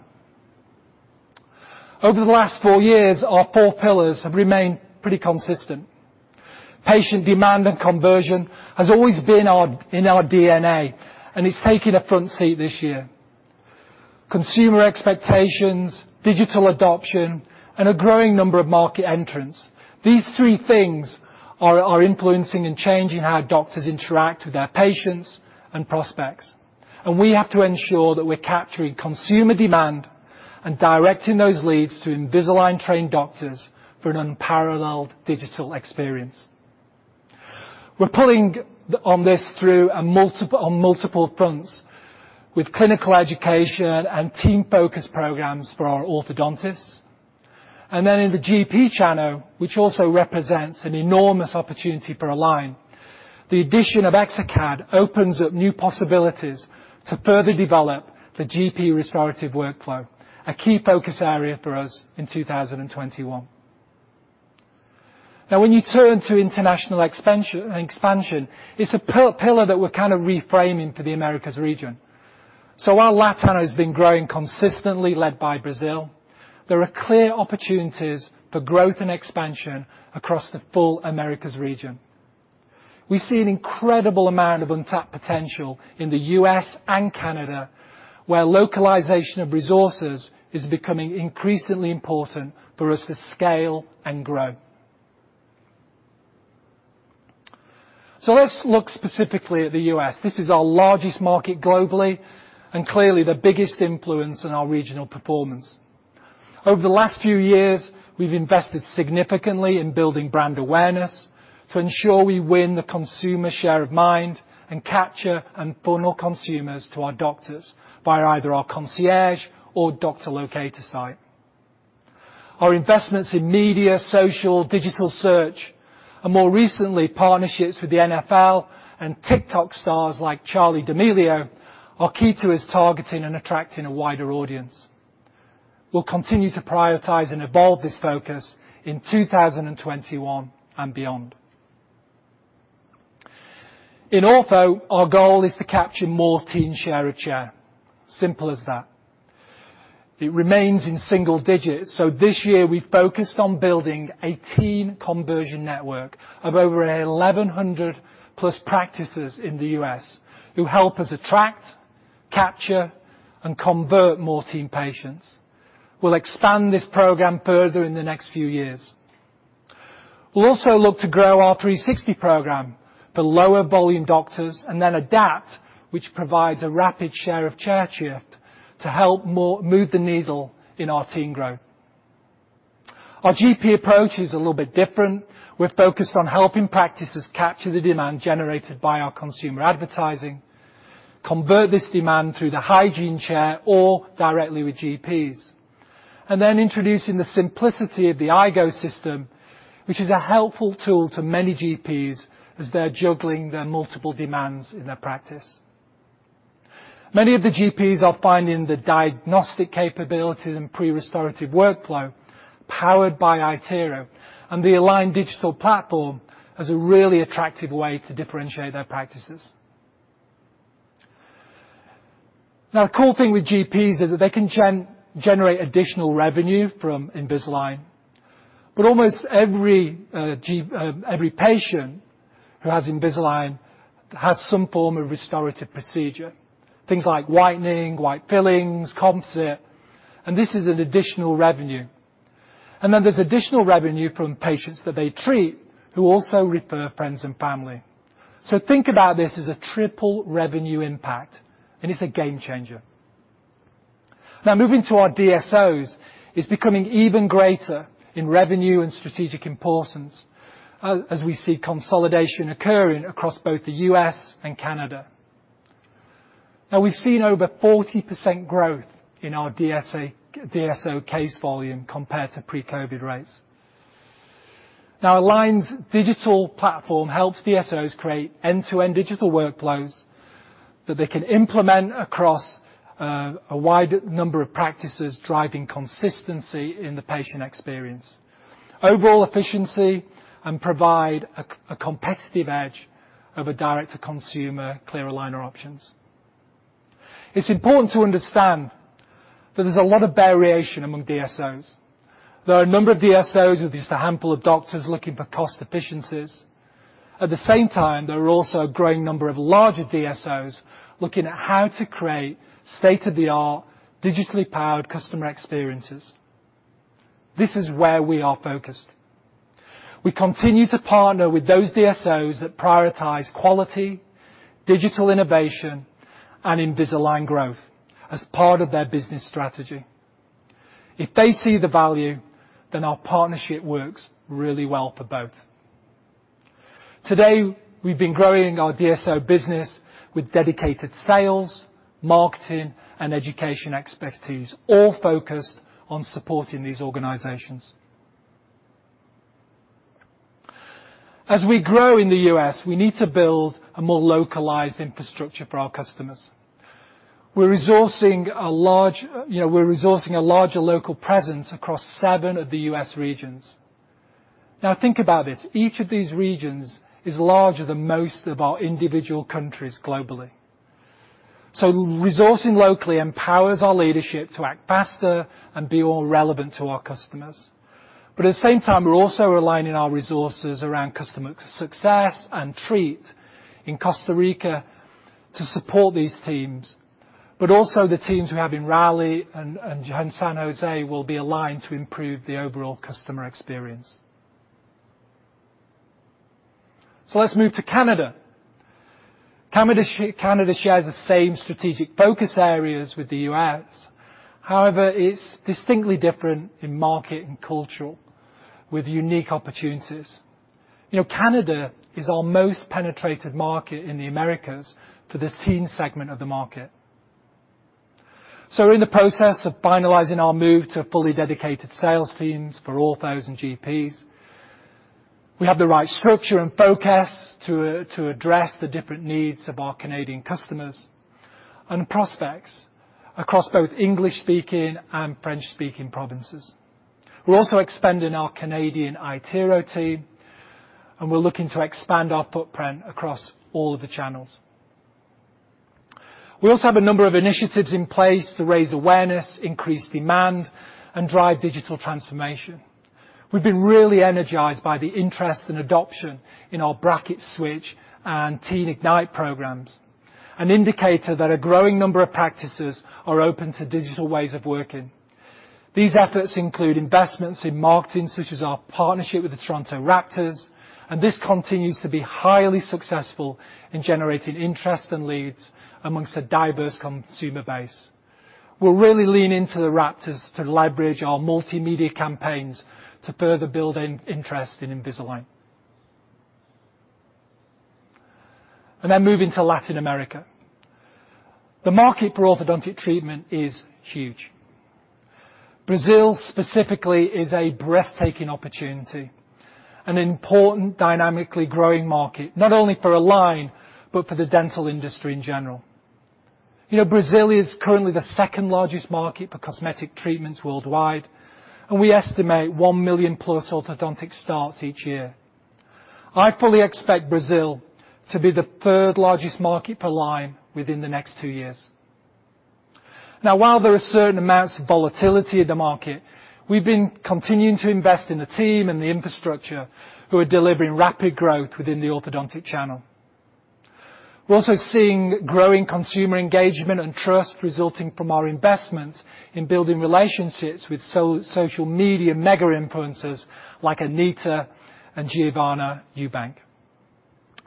Over the last four years, our four pillars have remained pretty consistent. Patient demand and conversion has always been in our DNA, and it's taking a front seat this year. Consumer expectations, digital adoption, and a growing number of market entrants. These three things are influencing and changing how doctors interact with their patients and prospects. We have to ensure that we're capturing consumer demand and directing those leads to Invisalign-trained doctors for an unparalleled digital experience. We're pulling on this through on multiple fronts with clinical education and teen focus programs for our orthodontists. In the GP channel, which also represents an enormous opportunity for Align, the addition of exocad opens up new possibilities to further develop the GP restorative workflow, a key focus area for us in 2021. When you turn to international expansion, it's a pillar that we're kind of reframing for the Americas region. While LATAM has been growing consistently, led by Brazil, there are clear opportunities for growth and expansion across the full Americas region. We see an incredible amount of untapped potential in the U.S. and Canada, where localization of resources is becoming increasingly important for us to scale and grow. Let's look specifically at the U.S. This is our largest market globally, and clearly the biggest influence on our regional performance. Over the last few years, we've invested significantly in building brand awareness to ensure we win the consumer share of mind and capture and funnel consumers to our doctors via either our concierge or doctor locator site. Our investments in media, social, digital search, and more recently, partnerships with the NFL and TikTok stars like Charli D'Amelio, are key to us targeting and attracting a wider audience. We'll continue to prioritize and evolve this focus in 2021 and beyond. In ortho, our goal is to capture more teen share of chair. Simple as that. It remains in single digits, so this year, we focused on building a teen conversion network of over 1,100+ practices in the U.S. who help us attract, capture, and convert more teen patients. We'll expand this program further in the next few years. We'll also look to grow our 360 Program for lower volume doctors and then ADAPT, which provides a rapid share of chair shift to help move the needle in our teen growth. Our GP approach is a little bit different. We're focused on helping practices capture the demand generated by our consumer advertising, convert this demand through the hygiene chair or directly with GPs, and then introducing the simplicity of the Invisalign Go system, which is a helpful tool to many GPs as they're juggling their multiple demands in their practice. Many of the GPs are finding the diagnostic capabilities and pre-restorative workflow powered by iTero, and the Align Digital Platform has a really attractive way to differentiate their practices. A cool thing with GPs is that they can generate additional revenue from Invisalign. Almost every patient who has Invisalign has some form of restorative procedure. Things like whitening, white fillings, composite, and this is an additional revenue. There's additional revenue from patients that they treat who also refer friends and family. Think about this as a triple revenue impact, and it's a game changer. Moving to our DSOs, it's becoming even greater in revenue and strategic importance as we see consolidation occurring across both the U.S. and Canada. We've seen over 40% growth in our DSO case volume compared to pre-COVID rates. Align Digital Platform helps DSOs create end-to-end digital workflows that they can implement across a wide number of practices, driving consistency in the patient experience, overall efficiency, and provide a competitive edge of a direct-to-consumer clear aligner options. It's important to understand that there's a lot of variation among DSOs. There are a number of DSOs with just a handful of doctors looking for cost efficiencies. At the same time, there are also a growing number of larger DSOs looking at how to create state-of-the-art digitally powered customer experiences. This is where we are focused. We continue to partner with those DSOs that prioritize quality, digital innovation, and Invisalign growth as part of their business strategy. If they see the value, then our partnership works really well for both. Today, we've been growing our DSO business with dedicated sales, marketing, and education expertise, all focused on supporting these organizations. As we grow in the U.S., we need to build a more localized infrastructure for our customers. We're resourcing a larger local presence across seven of the U.S. regions. Think about this. Each of these regions is larger than most of our individual countries globally. Resourcing locally empowers our leadership to act faster and be more relevant to our customers. At the same time, we're also aligning our resources around customer success and Treat in Costa Rica to support these teams. Also the teams we have in Raleigh and San Jose will be aligned to improve the overall customer experience. Let's move to Canada. Canada shares the same strategic focus areas with the U.S. However, it's distinctly different in market and culture, with unique opportunities. Canada is our most penetrated market in the Americas for the teen segment of the market. We're in the process of finalizing our move to fully dedicated sales teams for orthos and GPs. We have the right structure and focus to address the different needs of our Canadian customers and prospects across both English-speaking and French-speaking provinces. We're also expanding our Canadian iTero team, and we're looking to expand our footprint across all of the channels. We also have a number of initiatives in place to raise awareness, increase demand, and drive digital transformation. We've been really energized by the interest and adoption in our BracketSwitch and Teen Ignite programs, an indicator that a growing number of practices are open to digital ways of working. These efforts include investments in marketing, such as our partnership with the Toronto Raptors, and this continues to be highly successful in generating interest and leads amongst a diverse consumer base. We're really leaning into the Raptors to leverage our multimedia campaigns to further build interest in Invisalign. Moving to Latin America. The market for orthodontic treatment is huge. Brazil specifically is a breathtaking opportunity, an important dynamically growing market, not only for Align but for the dental industry in general. Brazil is currently the second-largest market for cosmetic treatments worldwide, and we estimate 1 million plus orthodontic starts each year. I fully expect Brazil to be the third-largest market for Align within the next two years. While there are certain amounts of volatility in the market, we've been continuing to invest in the team and the infrastructure who are delivering rapid growth within the orthodontic channel. We're also seeing growing consumer engagement and trust resulting from our investments in building relationships with social media mega influencers like Anitta and Giovanna Ewbank.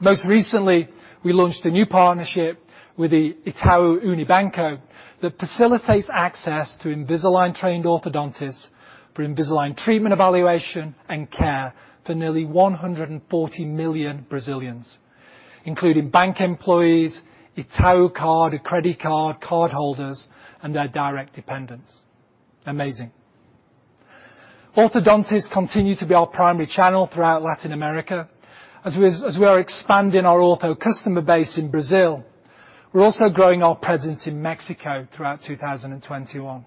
Most recently, we launched a new partnership with the Itaú Unibanco that facilitates access to Invisalign-trained orthodontists for Invisalign treatment, evaluation, and care for nearly 140 million Brazilians, including bank employees, Itaucard credit card cardholders, and their direct dependents. Amazing. Orthodontists continue to be our primary channel throughout Latin America. As we are expanding our ortho customer base in Brazil, we're also growing our presence in Mexico throughout 2021.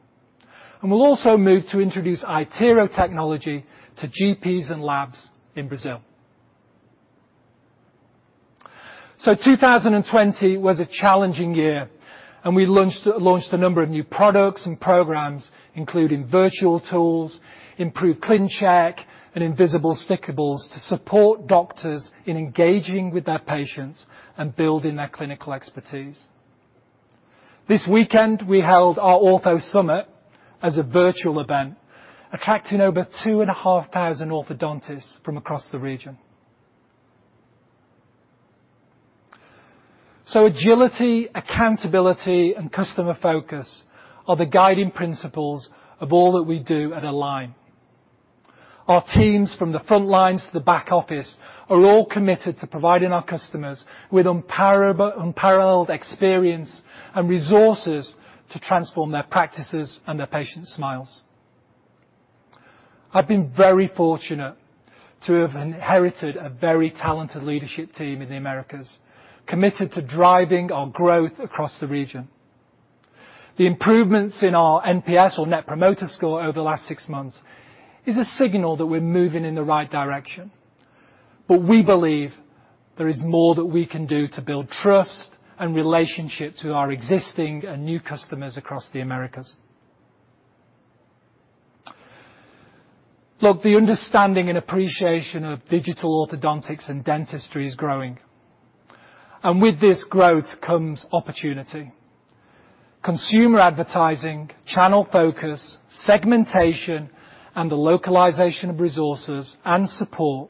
We'll also move to introduce iTero technology to GPs and labs in Brazil. 2020 was a challenging year, and we launched a number of new products and programs, including virtual tools, improved ClinCheck, and Invisalign Stickables to support doctors in engaging with their patients and building their clinical expertise. This weekend, we held our ortho summit as a virtual event, attracting over 2,500 orthodontists from across the region. Agility, accountability, and customer focus are the guiding principles of all that we do at Align. Our teams from the front lines to the back office are all committed to providing our customers with unparalleled experience and resources to transform their practices and their patients' smiles. I've been very fortunate to have inherited a very talented leadership team in the Americas, committed to driving our growth across the region. The improvements in our NPS or Net Promoter Score over the last 6 months is a signal that we're moving in the right direction. We believe there is more that we can do to build trust and relationships with our existing and new customers across the Americas. Look, the understanding and appreciation of digital orthodontics and dentistry is growing. With this growth comes opportunity. Consumer advertising, channel focus, segmentation, and the localization of resources and support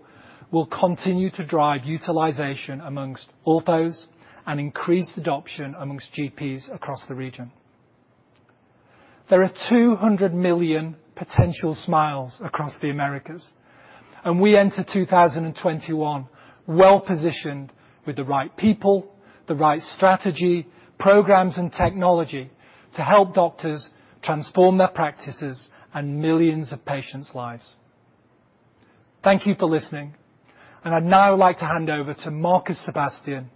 will continue to drive utilization amongst orthos and increase adoption amongst GPs across the region. There are 200 million potential smiles across the Americas, we enter 2021 well-positioned with the right people, the right strategy, programs, and technology to help doctors transform their practices and millions of patients' lives. Thank you for listening, and I'd now like to hand over to Markus Sebastian,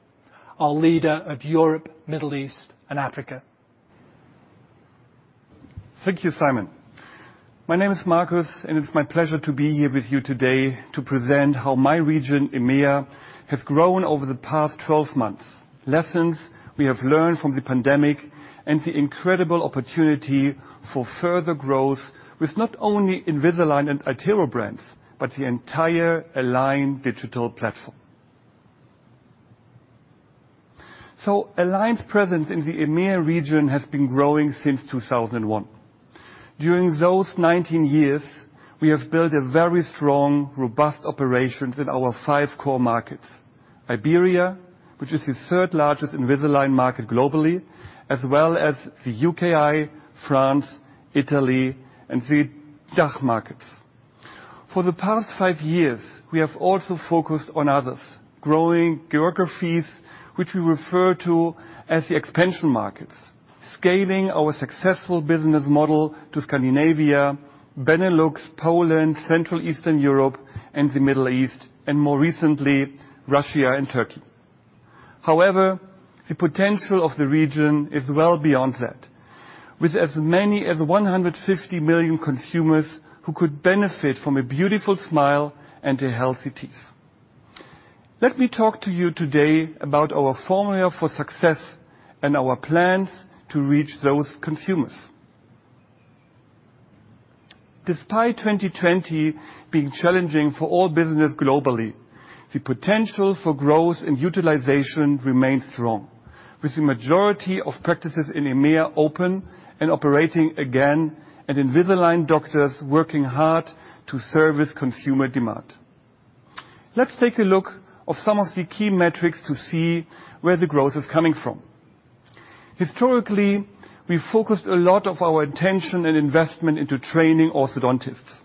our leader of Europe, Middle East and Africa. Thank you, Simon. My name is Markus, and it's my pleasure to be here with you today to present how my region, EMEA, has grown over the past 12 months, lessons we have learned from the pandemic, and the incredible opportunity for further growth with not only Invisalign and iTero brands, but the entire Align Digital Platform. Align's presence in the EMEA region has been growing since 2001. During those 19 years, we have built a very strong, robust operations in our five core markets, Iberia, which is the third largest Invisalign market globally, as well as the UKI, France, Italy, and the DACH markets. For the past five years, we have also focused on others, growing geographies which we refer to as the expansion markets, scaling our successful business model to Scandinavia, Benelux, Poland, Central Eastern Europe, and the Middle East, and more recently, Russia and Turkey. However, the potential of the region is well beyond that. With as many as 150 million consumers who could benefit from a beautiful smile and healthy teeth. Let me talk to you today about our formula for success and our plans to reach those consumers. Despite 2020 being challenging for all business globally, the potential for growth and utilization remains strong, with the majority of practices in EMEA open and operating again, and Invisalign doctors working hard to service consumer demand. Let's take a look at some of the key metrics to see where the growth is coming from. Historically, we focused a lot of our attention and investment into training orthodontists.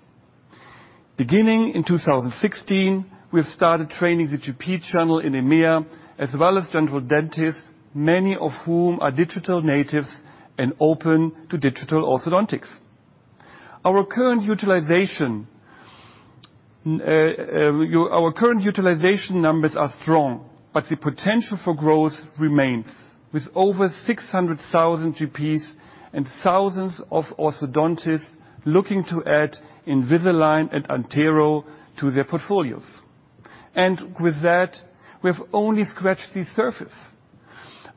Beginning in 2016, we have started training the GP channel in EMEA, as well as general dentists, many of whom are digital natives and open to digital orthodontics. Our current utilization numbers are strong, but the potential for growth remains, with over 600,000 GPs and thousands of orthodontists looking to add Invisalign and iTero to their portfolios. With that, we've only scratched the surface.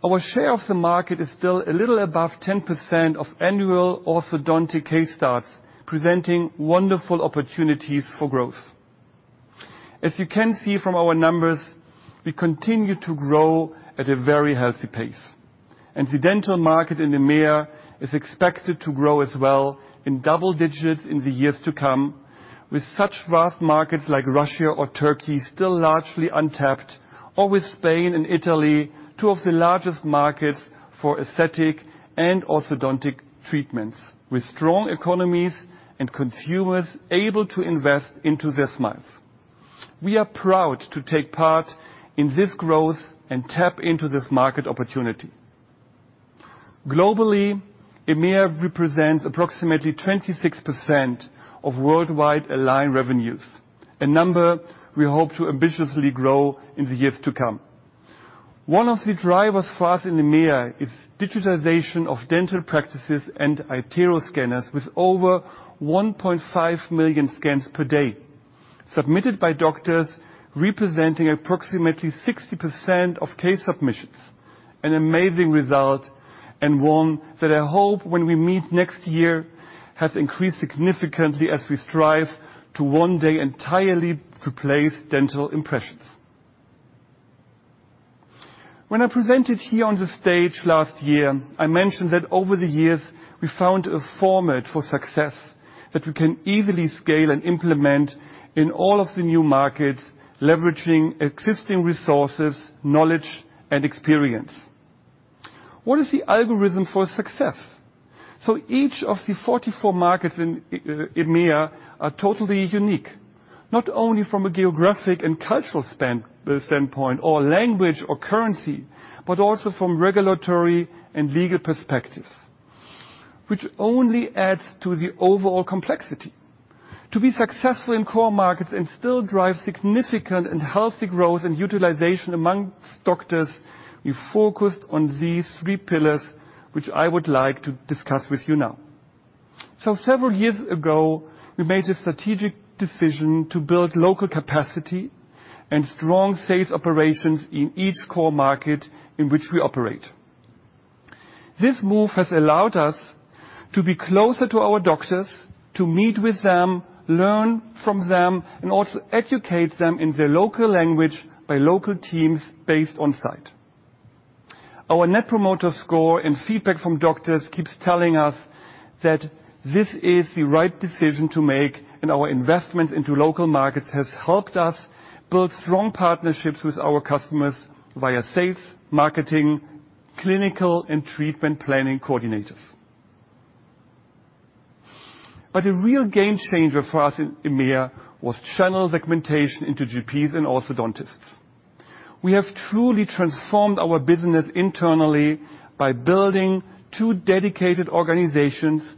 Our share of the market is still a little above 10% of annual orthodontic case starts, presenting wonderful opportunities for growth. As you can see from our numbers, we continue to grow at a very healthy pace. The dental market in EMEA is expected to grow as well in double digits in the years to come, with such vast markets like Russia or Turkey still largely untapped or with Spain and Italy, two of the largest markets for aesthetic and orthodontic treatments, with strong economies and consumers able to invest into their smiles. We are proud to take part in this growth and tap into this market opportunity. Globally, EMEA represents approximately 26% of worldwide Align revenues, a number we hope to ambitiously grow in the years to come. One of the drivers for us in EMEA is digitization of dental practices and iTero scanners with over 1.5 million scans per day, submitted by doctors representing approximately 60% of case submissions, an amazing result and one that I hope when we meet next year, has increased significantly as we strive to one day entirely replace dental impressions. When I presented here on this stage last year, I mentioned that over the years, we found a format for success that we can easily scale and implement in all of the new markets, leveraging existing resources, knowledge, and experience. What is the algorithm for success? Each of the 44 markets in EMEA are totally unique, not only from a geographic and cultural standpoint or language or currency, but also from regulatory and legal perspectives, which only adds to the overall complexity. To be successful in core markets and still drive significant and healthy growth and utilization amongst doctors, we focused on these three pillars, which I would like to discuss with you now. Several years ago, we made a strategic decision to build local capacity and strong sales operations in each core market in which we operate. This move has allowed us to be closer to our doctors, to meet with them, learn from them, and also educate them in their local language by local teams based on site. Our net promoter score and feedback from doctors keeps telling us that this is the right decision to make, and our investments into local markets has helped us build strong partnerships with our customers via sales, marketing, clinical, and treatment planning coordinators. A real game changer for us in EMEA was channel segmentation into GPs and orthodontists. We have truly transformed our business internally by building two dedicated organizations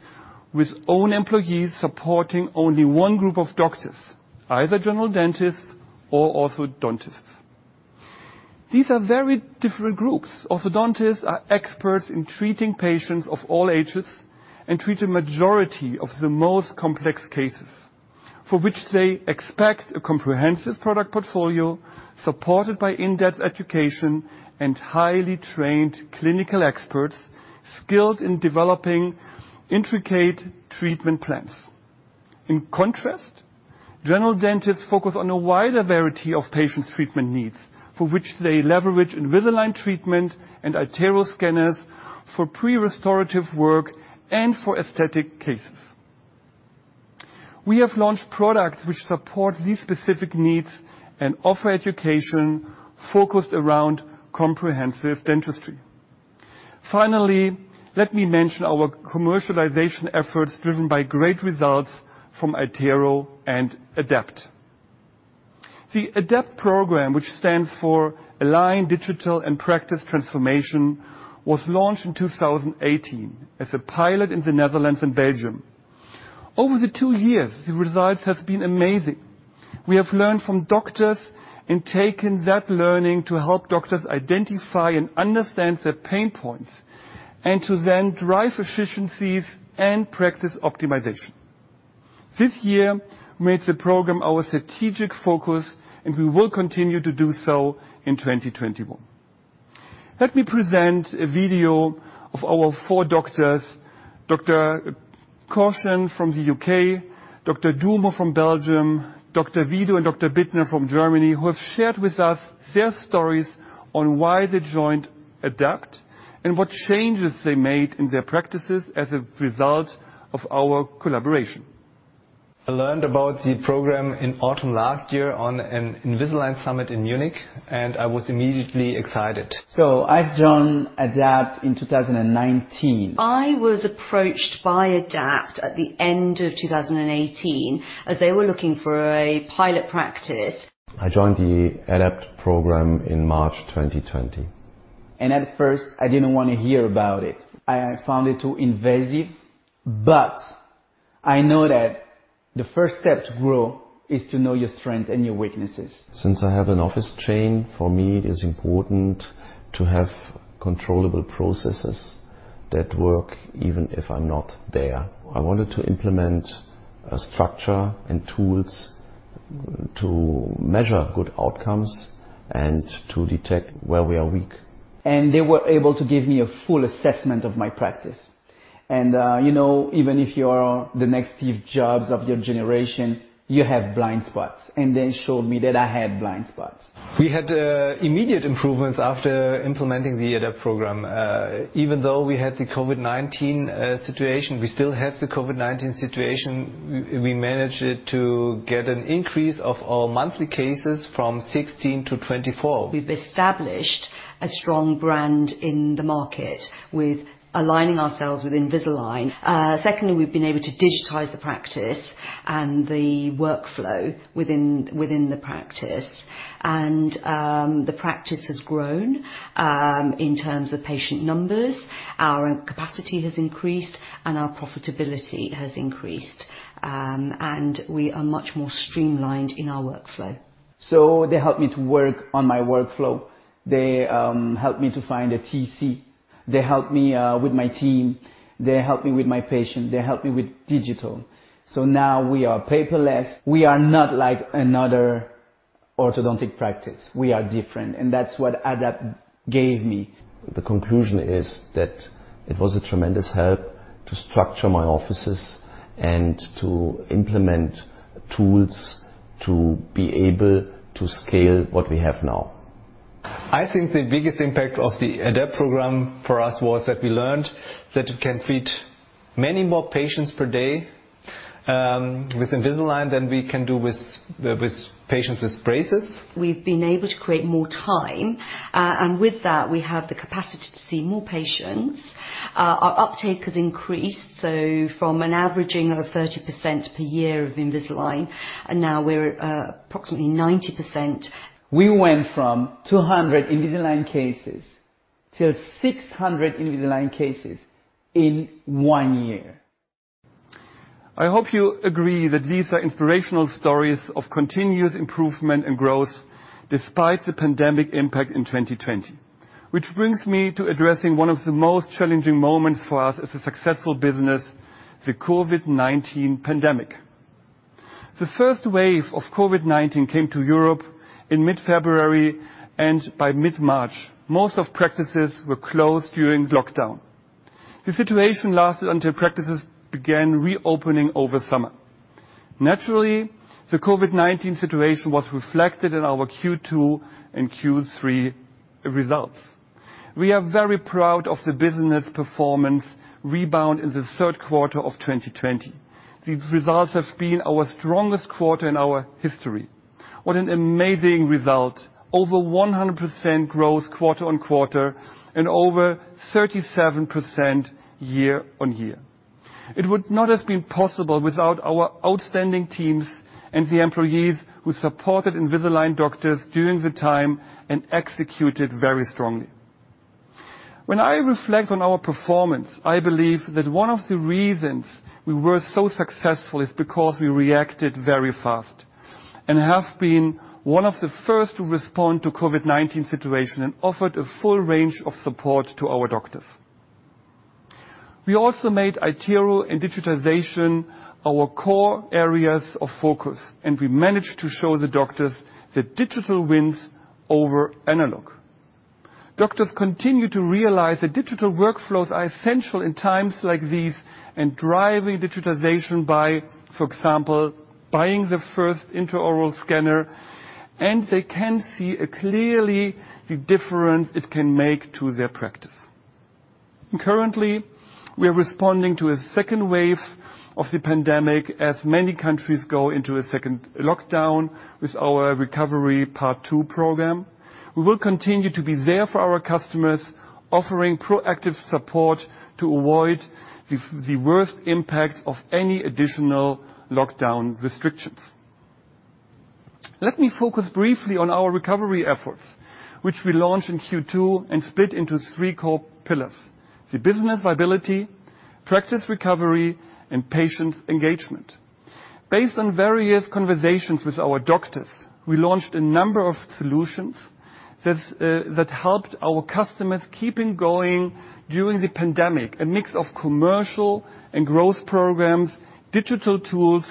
with own employees supporting only one group of doctors, either general dentists or orthodontists. These are very different groups. Orthodontists are experts in treating patients of all ages and treat a majority of the most complex cases, for which they expect a comprehensive product portfolio supported by in-depth education and highly trained clinical experts skilled in developing intricate treatment plans. In contrast, general dentists focus on a wider variety of patients' treatment needs, for which they leverage Invisalign treatment and iTero scanners for pre-restorative work and for aesthetic cases. We have launched products which support these specific needs and offer education focused around comprehensive dentistry. Finally, let me mention our commercialization efforts driven by great results from iTero and ADAPT. The ADAPT program, which stands for Align Digital and Practice Transformation, was launched in 2018 as a pilot in the Netherlands and Belgium. Over the two years, the results have been amazing. We have learned from doctors and taken that learning to help doctors identify and understand their pain points and to then drive efficiencies and practice optimization. This year, we made the program our strategic focus, and we will continue to do so in 2021. Let me present a video of our four doctors, Dr. Cawshan from the U.K., Dr. Dumor from Belgium, Dr. Wiedu, and Dr. Bittner from Germany, who have shared with us their stories on why they joined ADAPT and what changes they made in their practices as a result of our collaboration. I learned about the program in autumn last year on an Invisalign summit in Munich. I was immediately excited. I joined ADAPT in 2019. I was approached by ADAPT at the end of 2018 as they were looking for a pilot practice. I joined the ADAPT Program in March 2020. At first, I didn't want to hear about it. I found it too invasive. I know that the first step to grow is to know your strengths and your weaknesses. Since I have an office chain, for me, it is important to have controllable processes that work even if I'm not there. I wanted to implement a structure and tools to measure good outcomes and to detect where we are weak. They were able to give me a full assessment of my practice. Even if you are the next Steve Jobs of your generation, you have blind spots. They showed me that I had blind spots. We had immediate improvements after implementing the ADAPT program. Even though we had the COVID-19 situation, we still have the COVID-19 situation, we managed to get an increase of our monthly cases from 16 - 24. We've established a strong brand in the market with aligning ourselves with Invisalign. Secondly, we've been able to digitize the practice and the workflow within the practice. The practice has grown in terms of patient numbers. Our capacity has increased, and our profitability has increased. We are much more streamlined in our workflow. They helped me to work on my workflow. They helped me to find a TC. They helped me with my team. They helped me with my patient. They helped me with digital. Now we are paperless. We are not like another orthodontic practice. We are different, and that's what ADAPT gave me. The conclusion is that it was a tremendous help to structure my offices and to implement tools to be able to scale what we have now. I think the biggest impact of the ADAPT program for us was that we learned that it can treat many more patients per day with Invisalign than we can do with patients with braces. We've been able to create more time, and with that, we have the capacity to see more patients. Our uptake has increased, so from an averaging of 30% per year of Invisalign, and now we're approximately 90%. We went from 200 Invisalign cases to 600 Invisalign cases in one year. I hope you agree that these are inspirational stories of continuous improvement and growth despite the pandemic impact in 2020. Which brings me to addressing one of the most challenging moments for us as a successful business, the COVID-19 pandemic. The first wave of COVID-19 came to Europe in mid-February, and by mid-March, most practices were closed during lockdown. The situation lasted until practices began reopening over summer. Naturally, the COVID-19 situation was reflected in our Q2 and Q3 results. We are very proud of the business performance rebound in the third quarter of 2020. These results have been our strongest quarter in our history. What an amazing result. Over 100% growth quarter-over-quarter and over 37% year-over-year. It would not have been possible without our outstanding teams and the employees who supported Invisalign doctors during the time and executed very strongly. When I reflect on our performance, I believe that one of the reasons we were so successful is because we reacted very fast and have been one of the first to respond to COVID-19 situation and offered a full range of support to our doctors. We also made iTero and digitization our core areas of focus, and we managed to show the doctors that digital wins over analog. Doctors continue to realize that digital workflows are essential in times like these and driving digitization by, for example, buying the first intraoral scanner, and they can see clearly the difference it can make to their practice. Currently, we are responding to a second wave of the pandemic, as many countries go into a second lockdown with our Recovery Part Two program. We will continue to be there for our customers, offering proactive support to avoid the worst impact of any additional lockdown restrictions. Let me focus briefly on our recovery efforts, which we launched in Q2 and split into three core pillars. The business viability, practice recovery, and patient engagement. Based on various conversations with our doctors, we launched a number of solutions that helped our customers keeping going during the pandemic. A mix of commercial and growth programs, digital tools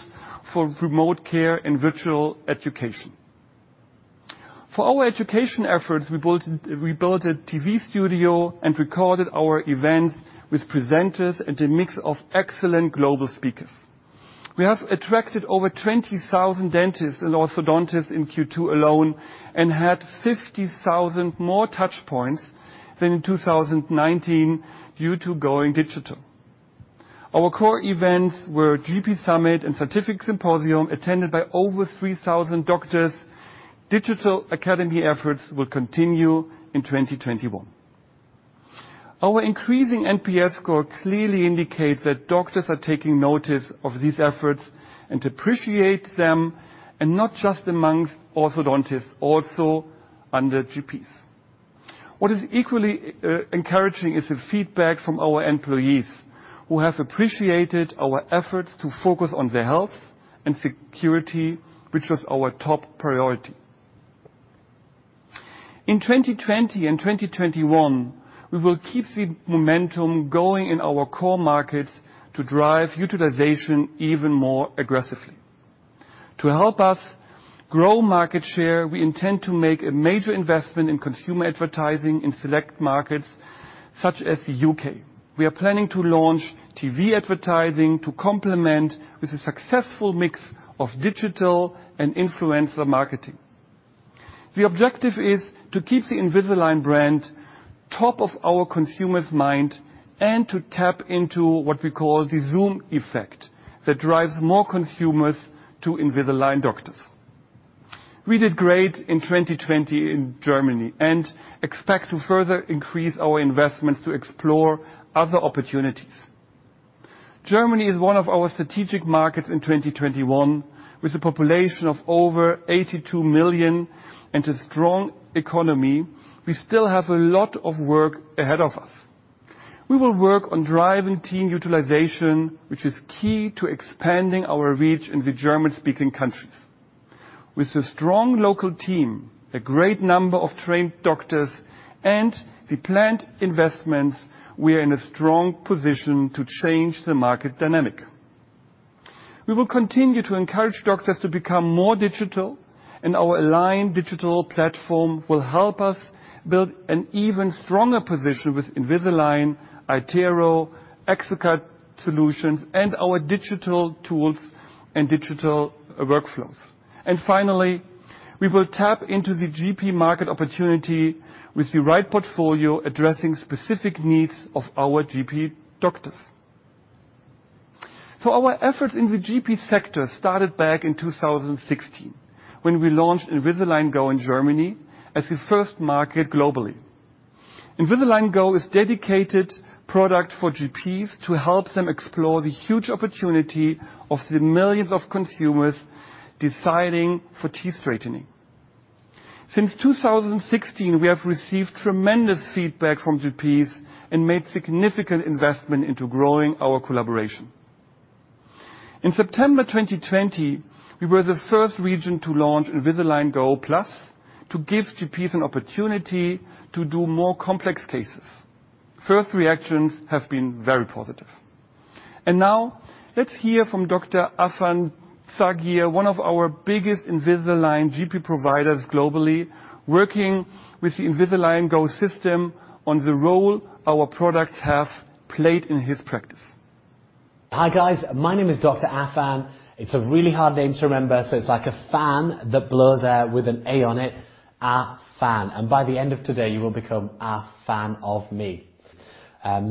for remote care and virtual education. For our education efforts, we built a TV studio and recorded our events with presenters and a mix of excellent global speakers. We have attracted over 20,000 dentists and orthodontists in Q2 alone and had 50,000 more touch points than in 2019 due to going digital. Our core events were Invisalign GP Summit and Invisalign Scientific Symposium, attended by over 3,000 doctors. Digital academy efforts will continue in 2021. Our increasing NPS score clearly indicates that doctors are taking notice of these efforts and appreciate them, and not just amongst orthodontists, also under GPs. What is equally encouraging is the feedback from our employees, who have appreciated our efforts to focus on their health and security, which was our top priority. In 2020 and 2021, we will keep the momentum going in our core markets to drive utilization even more aggressively. To help us grow market share, we intend to make a major investment in consumer advertising in select markets such as the U.K. We are planning to launch TV advertising to complement with a successful mix of digital and influencer marketing. The objective is to keep the Invisalign brand top of our consumer's mind and to tap into what we call the Zoom effect, that drives more consumers to Invisalign doctors. We did great in 2020 in Germany and expect to further increase our investments to explore other opportunities. Germany is one of our strategic markets in 2021, with a population of over 82 million and a strong economy. We still have a lot of work ahead of us. We will work on driving team utilization, which is key to expanding our reach in the German-speaking countries. With a strong local team, a great number of trained doctors, and the planned investments, we are in a strong position to change the market dynamic. We will continue to encourage doctors to become more digital, and our Align Digital Platform will help us build an even stronger position with Invisalign, iTero, exocad solutions, and our digital tools and digital workflows. Finally, we will tap into the GP market opportunity with the right portfolio, addressing specific needs of our GP doctors. Our efforts in the GP sector started back in 2016, when we launched Invisalign Go in Germany as the first market globally. Invisalign Go is dedicated product for GPs to help them explore the huge opportunity of the millions of consumers deciding for teeth straightening. Since 2016, we have received tremendous feedback from GPs and made significant investment into growing our collaboration. In September 2020, we were the first region to launch Invisalign Go Plus to give GPs an opportunity to do more complex cases. First reactions have been very positive. Now, let's hear from Dr. Affan Saghir, one of our biggest Invisalign GP providers globally, working with the Invisalign Go system on the role our products have played in his practice. Hi, guys. My name is Dr. Affan. It's a really hard name to remember, it's like a fan that blows air with an A on it, Affan. By the end of today, you will become a fan of me. I'm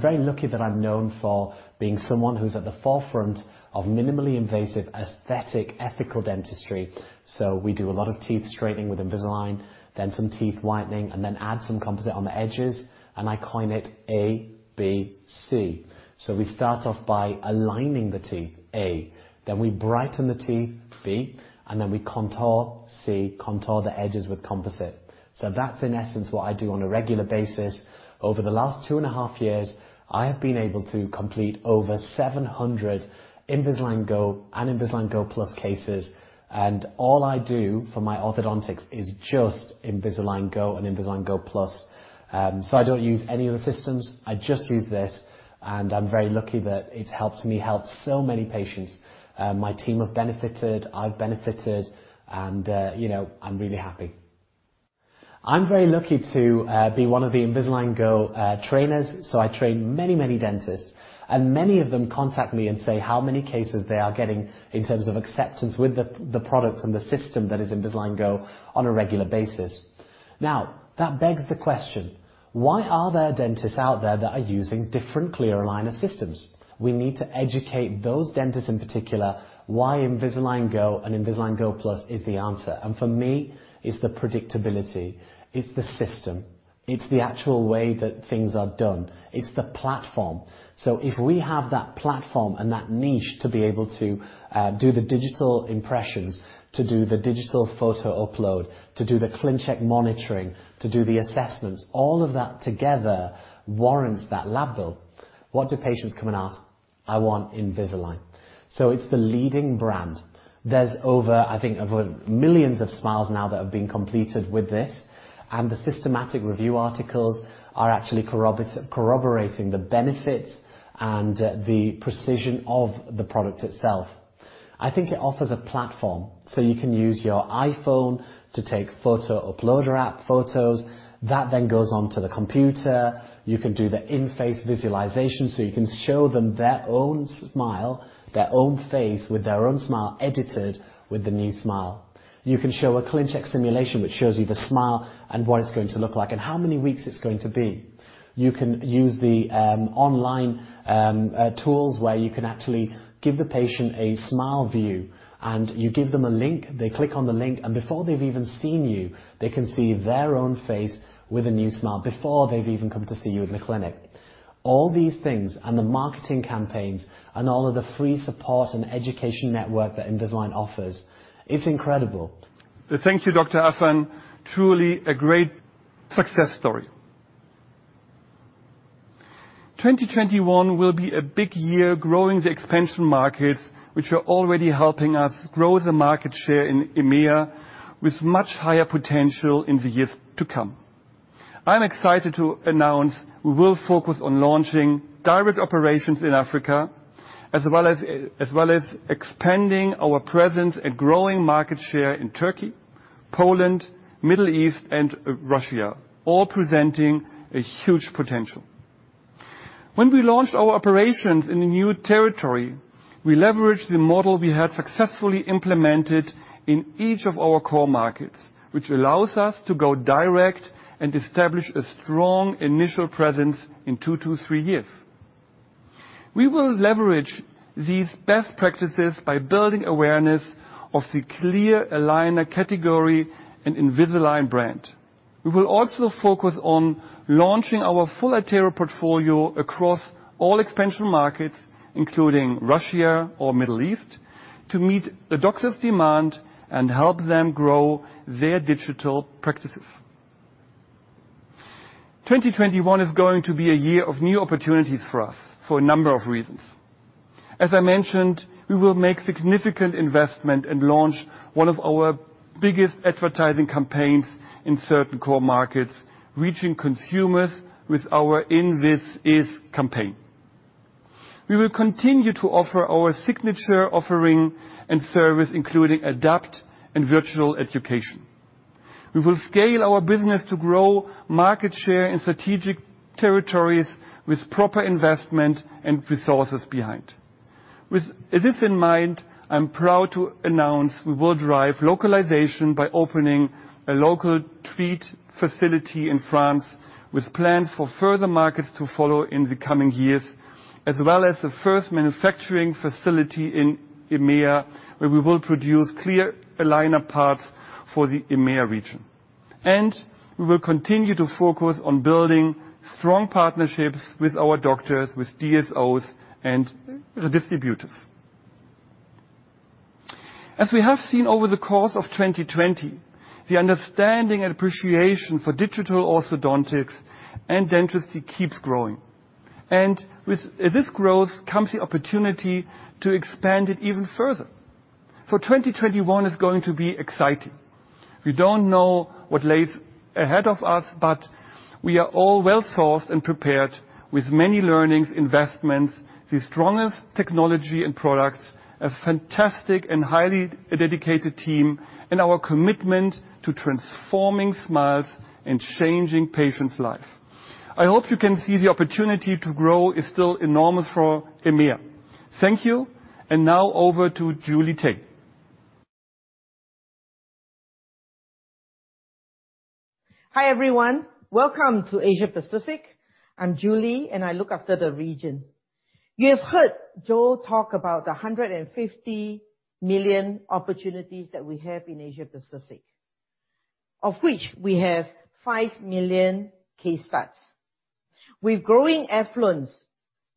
very lucky that I'm known for being someone who's at the forefront of minimally invasive, aesthetic, ethical dentistry. We do a lot of teeth straightening with Invisalign, then some teeth whitening, and then add some composite on the edges, and I coin it ABC. We start off by aligning the teeth, A. We brighten the teeth, B. We contour, C, contour the edges with composite. That's, in essence, what I do on a regular basis. Over the last two and a half years, I have been able to complete over 700 Invisalign Go and Invisalign Go Plus cases. All I do for my orthodontics is just Invisalign Go and Invisalign Go Plus. I don't use any other systems. I just use this, and I'm very lucky that it's helped me help so many patients. My team have benefited, I've benefited, and I'm really happy. I'm very lucky to be one of the Invisalign Go trainers, so I train many dentists, and many of them contact me and say how many cases they are getting in terms of acceptance with the products and the system that is Invisalign Go on a regular basis. That begs the question, why are there dentists out there that are using different clear aligner systems? We need to educate those dentists in particular why Invisalign Go and Invisalign Go Plus is the answer. For me, it's the predictability. It's the system. It's the actual way that things are done. It's the platform. If we have that platform and that niche to be able to do the digital impressions, to do the digital photo upload, to do the ClinCheck monitoring, to do the assessments, all of that together warrants that lab bill. What do patients come and ask? "I want Invisalign." It's the leading brand. There's over, I think, over millions of smiles now that have been completed with this, and the systematic review articles are actually corroborating the benefits and the precision of the product itself. I think it offers a platform, so you can use your iPhone to take Photo Uploader app photos. That then goes onto the computer. You can do the in-face visualization, so you can show them their own smile, their own face with their own smile edited with the new smile. You can show a ClinCheck simulation, which shows you the smile and what it's going to look like and how many weeks it's going to be. You can use the online tools where you can actually give the patient a SmileView, and you give them a link. They click on the link, and before they've even seen you, they can see their own face with a new smile before they've even come to see you in the clinic. All these things and the marketing campaigns and all of the free support and education network that Invisalign offers, it's incredible. Thank you, Dr. Affan. Truly a great success story. 2021 will be a big year growing the expansion markets, which are already helping us grow the market share in EMEA with much higher potential in the years to come. I'm excited to announce we will focus on launching direct operations in Africa, as well as expanding our presence and growing market share in Turkey, Poland, Middle East, and Russia, all presenting a huge potential. When we launched our operations in a new territory, we leveraged the model we had successfully implemented in each of our core markets, which allows us to go direct and establish a strong initial presence in two to three years. We will leverage these best practices by building awareness of the clear aligner category and Invisalign brand. We will also focus on launching our full iTero portfolio across all expansion markets, including Russia or Middle East, to meet the doctors' demand and help them grow their digital practices. 2021 is going to be a year of new opportunities for us for a number of reasons. As I mentioned, we will make significant investment and launch one of our biggest advertising campaigns in certain core markets, reaching consumers with our Invisalign campaign. We will continue to offer our signature offering and service, including ADAPT and virtual education. We will scale our business to grow market share in strategic territories with proper investment and resources behind. With this in mind, I'm proud to announce we will drive localization by opening a local Treat facility in France with plans for further markets to follow in the coming years, as well as the first manufacturing facility in EMEA, where we will produce clear aligner parts for the EMEA region. We will continue to focus on building strong partnerships with our doctors, with DSOs, and distributors. As we have seen over the course of 2020, the understanding and appreciation for digital orthodontics and dentistry keeps growing. With this growth comes the opportunity to expand it even further. 2021 is going to be exciting. We don't know what lays ahead of us, but we are all well-sourced and prepared with many learnings, investments, the strongest technology and products, a fantastic and highly dedicated team, and our commitment to transforming smiles and changing patients' life. I hope you can see the opportunity to grow is still enormous for EMEA. Thank you. Now over to Julie Tay. Hi, everyone. Welcome to Asia Pacific. I'm Julie, and I look after the region. You have heard Joe talk about the 150 million opportunities that we have in Asia Pacific, of which we have 5 million case starts. With growing affluence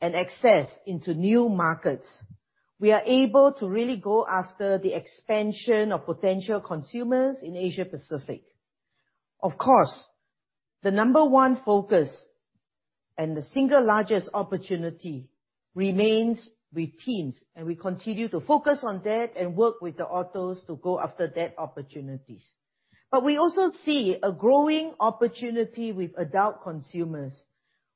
and access into new markets, we are able to really go after the expansion of potential consumers in Asia Pacific. Of course, the number one focus and the single largest opportunity remains with teens, and we continue to focus on that and work with the orthos to go after that opportunities. We also see a growing opportunity with adult consumers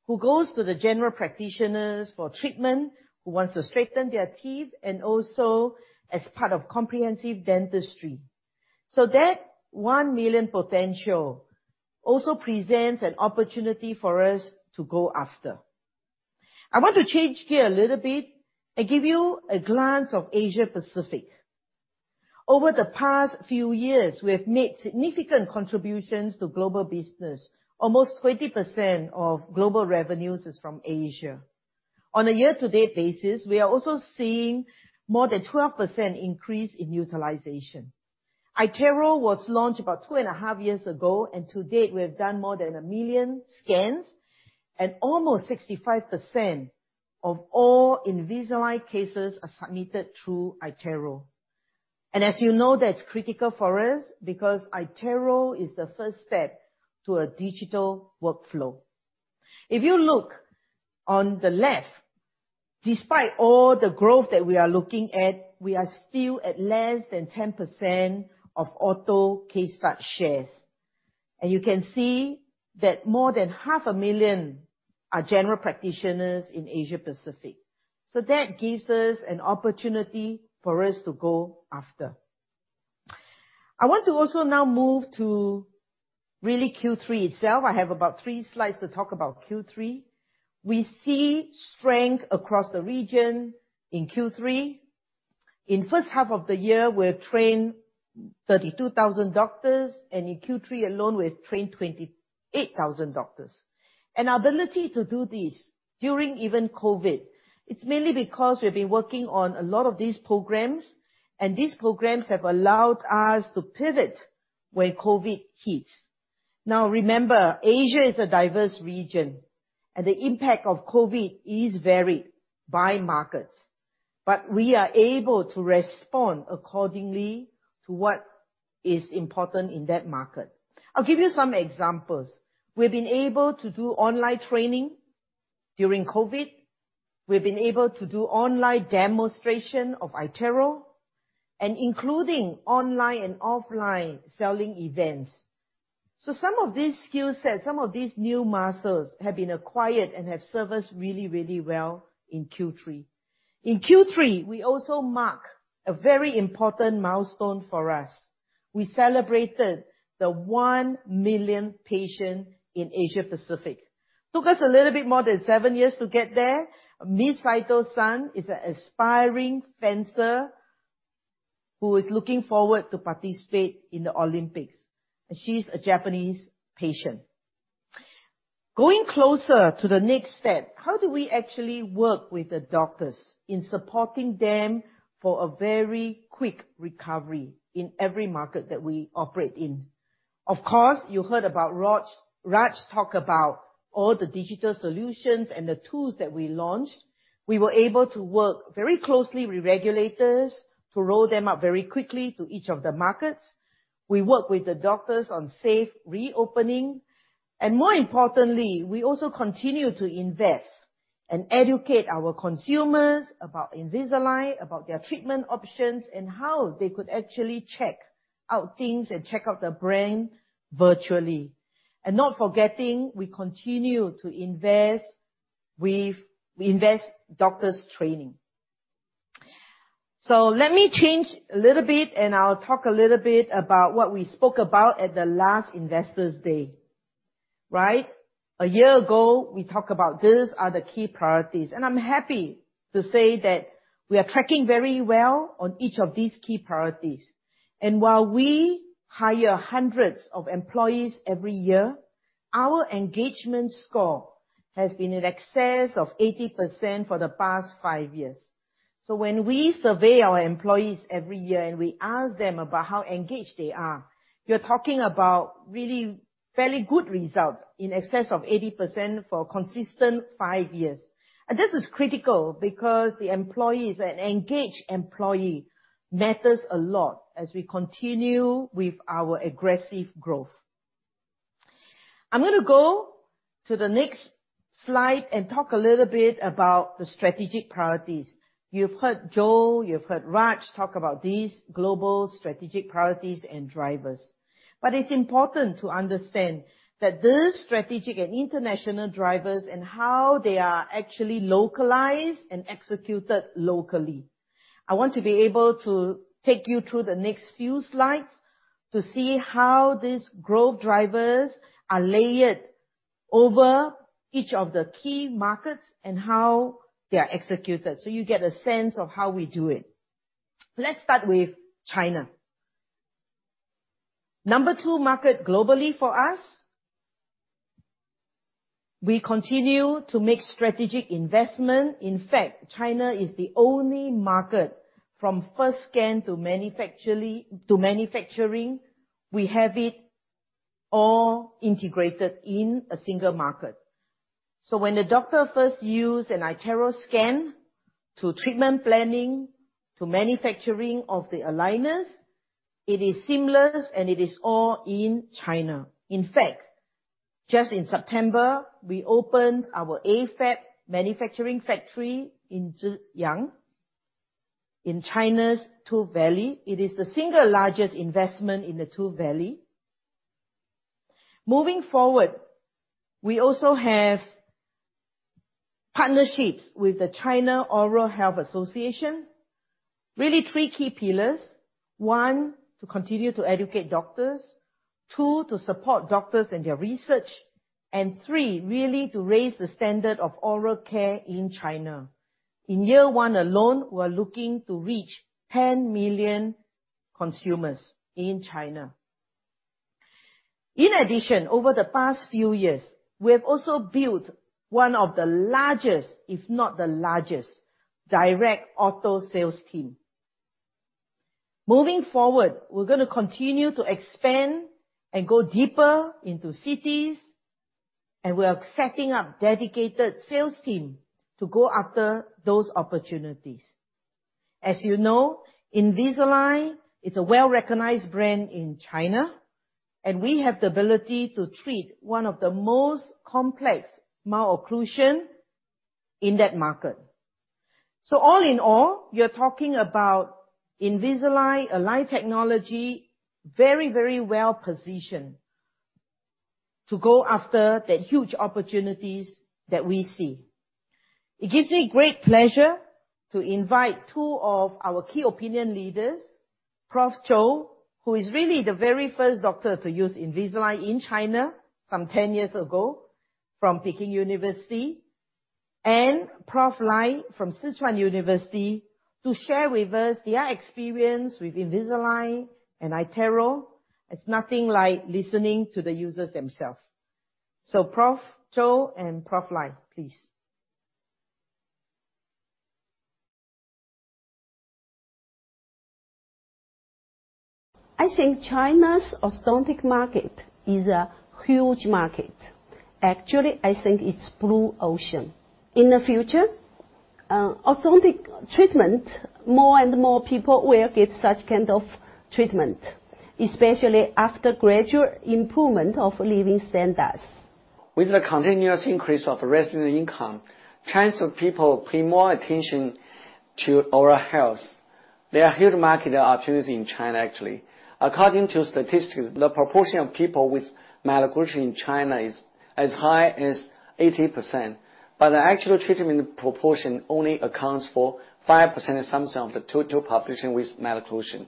who goes to the general practitioners for treatment, who wants to straighten their teeth, and also as part of comprehensive dentistry. That 1 million potential also presents an opportunity for us to go after. I want to change gear a little bit and give you a glance of Asia Pacific. Over the past few years, we have made significant contributions to global business. Almost 20% of global revenues is from Asia. On a year-to-date basis, we are also seeing more than 12% increase in utilization. iTero was launched about two and a half years ago, and to date we have done more than a million scans, and almost 65% of all Invisalign cases are submitted through iTero. As you know, that's critical for us because iTero is the first step to a digital workflow. If you look on the left, despite all the growth that we are looking at, we are still at less than 10% of ortho case start shares. You can see that more than half a million are general practitioners in Asia Pacific. That gives us an opportunity for us to go after. I want to also now move to really Q3 itself. I have about three slides to talk about Q3. We see strength across the region in Q3. In first half of the year, we have trained 32,000 doctors, and in Q3 alone, we have trained 28,000 doctors. Our ability to do this during even COVID, it's mainly because we've been working on a lot of these programs, and these programs have allowed us to pivot when COVID hit. Remember, Asia is a diverse region, and the impact of COVID is varied by markets, but we are able to respond accordingly to what is important in that market. I'll give you some examples. We've been able to do online training during COVID. We've been able to do online demonstration of iTero, and including online and offline selling events. Some of these skill sets, some of these new muscles, have been acquired and have served us really, really well in Q3. In Q3, we also mark a very important milestone for us. We celebrated the 1 million patient in Asia Pacific. Took us a little bit more than seven years to get there. Misato-san is an aspiring fencer who is looking forward to participate in the Olympics, and she's a Japanese patient. Going closer to the next step, how do we actually work with the doctors in supporting them for a very quick recovery in every market that we operate in? Of course, you heard about Raj talk about all the digital solutions and the tools that we launched. We were able to work very closely with regulators to roll them out very quickly to each of the markets. We work with the doctors on safe reopening. More importantly, we also continue to invest and educate our consumers about Invisalign, about their treatment options, and how they could actually check out things and check out the brand virtually. Not forgetting, we continue to invest doctors' training. Let me change a little bit, and I'll talk a little bit about what we spoke about at the last Investors Day. Right? A year ago, we talk about these are the key priorities, and I'm happy to say that we are tracking very well on each of these key priorities. While we hire hundreds of employees every year, our engagement score has been in excess of 80% for the past five years. When we survey our employees every year and we ask them about how engaged they are, you're talking about really fairly good results, in excess of 80% for a consistent five years. This is critical because the employees, an engaged employee matters a lot as we continue with our aggressive growth. I'm going to go to the next slide and talk a little bit about the strategic priorities. You've heard Joe, you've heard Raj talk about these global strategic priorities and drivers. It's important to understand that these strategic and international drivers and how they are actually localized and executed locally. I want to be able to take you through the next few slides to see how these growth drivers are layered over each of the key markets and how they are executed, so you get a sense of how we do it. Let's start with China. Number two market globally for us. We continue to make strategic investment. China is the only market from first scan to manufacturing. We have it all integrated in a single market. When a doctor first use an iTero scan to treatment planning, to manufacturing of the aligners, it is seamless and it is all in China. Just in September, we opened our AFAB manufacturing factory in Ziyang in China Dental Valley. It is the single largest investment in the China Dental Valley. We also have partnerships with the Chinese Stomatological Association. Really three key pillars. One, to continue to educate doctors. Two, to support doctors in their research. Three, really to raise the standard of oral care in China. In year one alone, we're looking to reach 10 million consumers in China. In addition, over the past few years, we have also built one of the largest, if not the largest, direct ortho sales team. Moving forward, we're going to continue to expand and go deeper into cities. We are setting up dedicated sales team to go after those opportunities. As you know, Invisalign, it's a well-recognized brand in China. We have the ability to treat one of the most complex malocclusion in that market. All in all, you're talking about Invisalign, Align Technology, very well positioned to go after the huge opportunities that we see. It gives me great pleasure to invite two of our key opinion leaders, Prof Zhou, who is really the very first doctor to use Invisalign in China some 10 years ago from Peking University, and Prof Lai from Sichuan University, to share with us their experience with Invisalign and iTero. It's nothing like listening to the users themselves. Prof Zhou and Prof Lai, please. I think China's orthodontic market is a huge market. Actually, I think it's blue ocean. In the future, orthodontic treatment, more and more people will get such kind of treatment, especially after gradual improvement of living standards. With the continuous increase of resident income, Chinese people pay more attention to oral health. There are huge market opportunities in China, actually. According to statistics, the proportion of people with malocclusion in China is as high as 80%, but the actual treatment proportion only accounts for 5% assumption of the total population with malocclusion.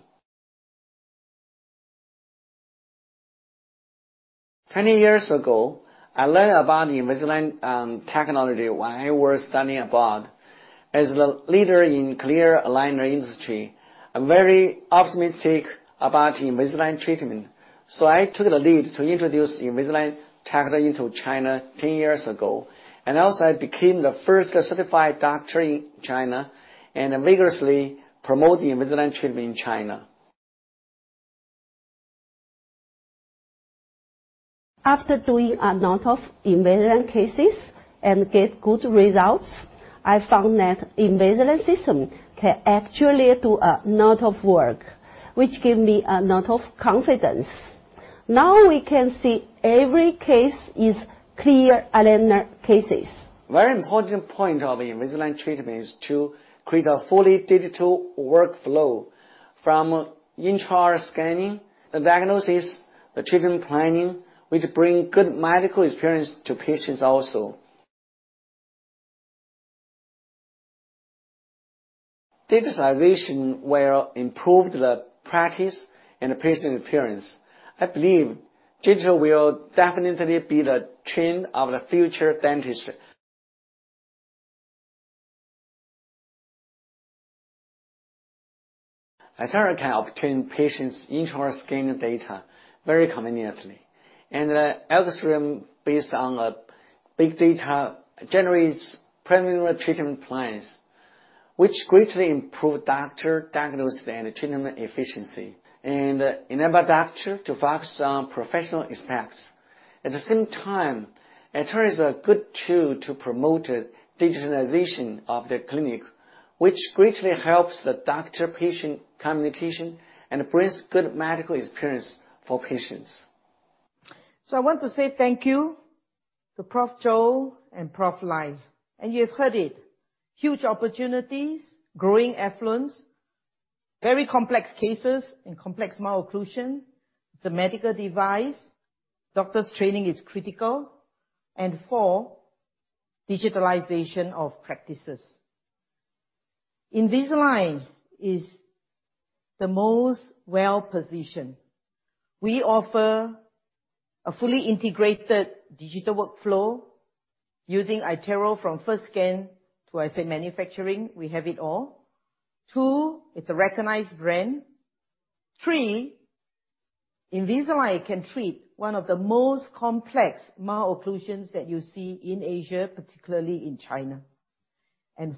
20 years ago, I learned about the Invisalign technology when I was studying abroad. As the leader in clear aligner industry, I'm very optimistic about Invisalign treatment. I took the lead to introduce Invisalign technology into China 10 years ago. Also, I became the first certified doctor in China and am vigorously promoting Invisalign treatment in China. After doing a lot of Invisalign cases and get good results, I found that Invisalign System can actually do a lot of work, which give me a lot of confidence. Now we can see every case is clear aligner cases. Very important point of Invisalign treatment is to create a fully digital workflow from intraoral scanning, the diagnosis, the treatment planning, which bring good medical experience to patients also. Digitalization will improve the practice and the patient experience. I believe digital will definitely be the trend of the future dentistry. iTero can obtain patients' intraoral scanning data very conveniently. The algorithm, based on big data, generates preliminary treatment plans, which greatly improve doctor diagnosis and treatment efficiency and enable doctor to focus on professional aspects. At the same time, iTero is a good tool to promote the digitization of the clinic, which greatly helps the doctor-patient communication and brings good medical experience for patients. I want to say thank you to Prof Zhou and Prof Lai. You have heard it, huge opportunities, growing affluence, very complex cases and complex malocclusion. It's a medical device. Doctor's training is critical. Four, digitalization of practices. Invisalign is the most well-positioned. We offer a fully integrated digital workflow using iTero from first scan to, I say, manufacturing. We have it all. Two, it's a recognized brand. Three, Invisalign can treat one of the most complex malocclusions that you see in Asia, particularly in China.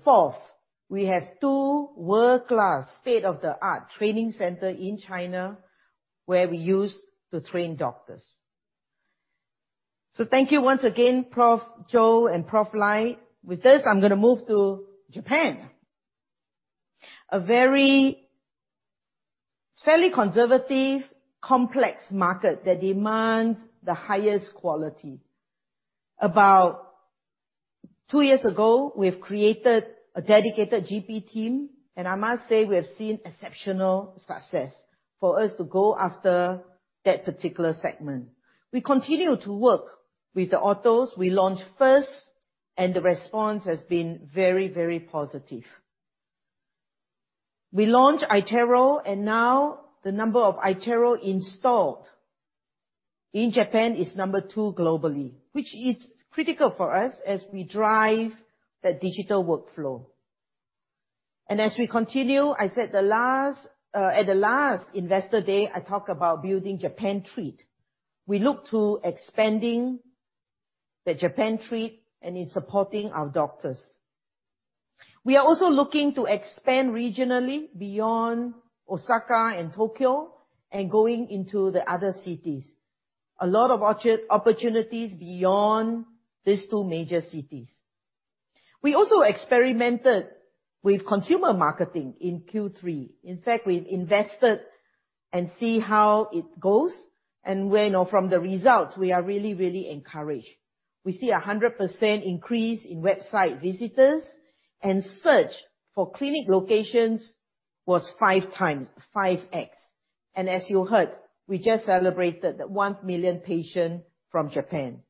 Fourth, we have two world-class state-of-the-art training center in China where we use to train doctors. Thank you once again, Prof Zhou and Prof Lai. With this, I'm going to move to Japan. A very fairly conservative, complex market that demands the highest quality. About two years ago, we've created a dedicated GP team, and I must say, we have seen exceptional success for us to go after that particular segment. We continue to work with the orthos. We launched first, and the response has been very, very positive. We launched iTero, and now the number of iTero installed in Japan is number two globally, which is critical for us as we drive the digital workflow. As we continue, at the last Investor Day, I talk about building Japan Treat. We look to expanding the Japan Treat and in supporting our doctors. We are also looking to expand regionally beyond Osaka and Tokyo and going into the other cities. A lot of opportunities beyond these two major cities. We also experimented with consumer marketing in Q3. In fact, we've invested and see how it goes. From the results, we are really encouraged. We see 100% increase in website visitors, and search for clinic locations was five times, 5x. As you heard, we just celebrated the 1 million patient from Japan.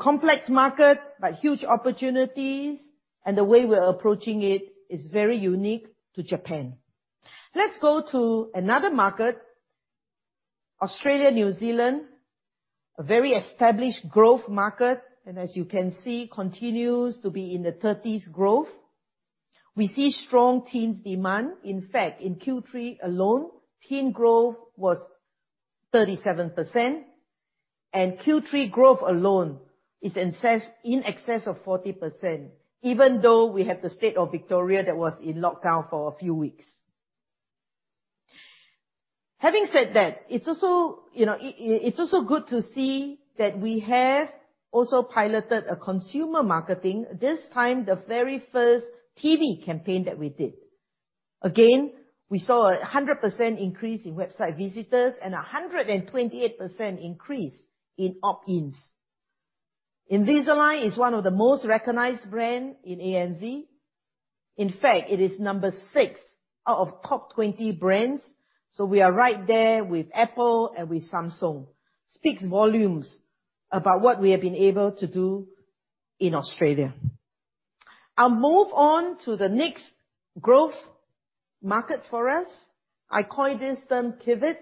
Complex market, but huge opportunities, and the way we're approaching it is very unique to Japan. Let's go to another market, Australia, New Zealand, a very established growth market. As you can see, continues to be in the 30s growth. We see strong teens demand. In fact, in Q3 alone, teen growth was 37%, and Q3 growth alone is in excess of 40%, even though we have the state of Victoria that was in lockdown for a few weeks. Having said that, it's also good to see that we have also piloted a consumer marketing. This time, the very first TV campaign that we did. Again, we saw 100% increase in website visitors and 128% increase in opt-ins. Invisalign is one of the most recognized brand in ANZ. In fact, it is number 6 out of top 20 brands. We are right there with Apple and with Samsung. Speaks volumes about what we have been able to do in Australia. I'll move on to the next growth market for us. I call this term KIVT,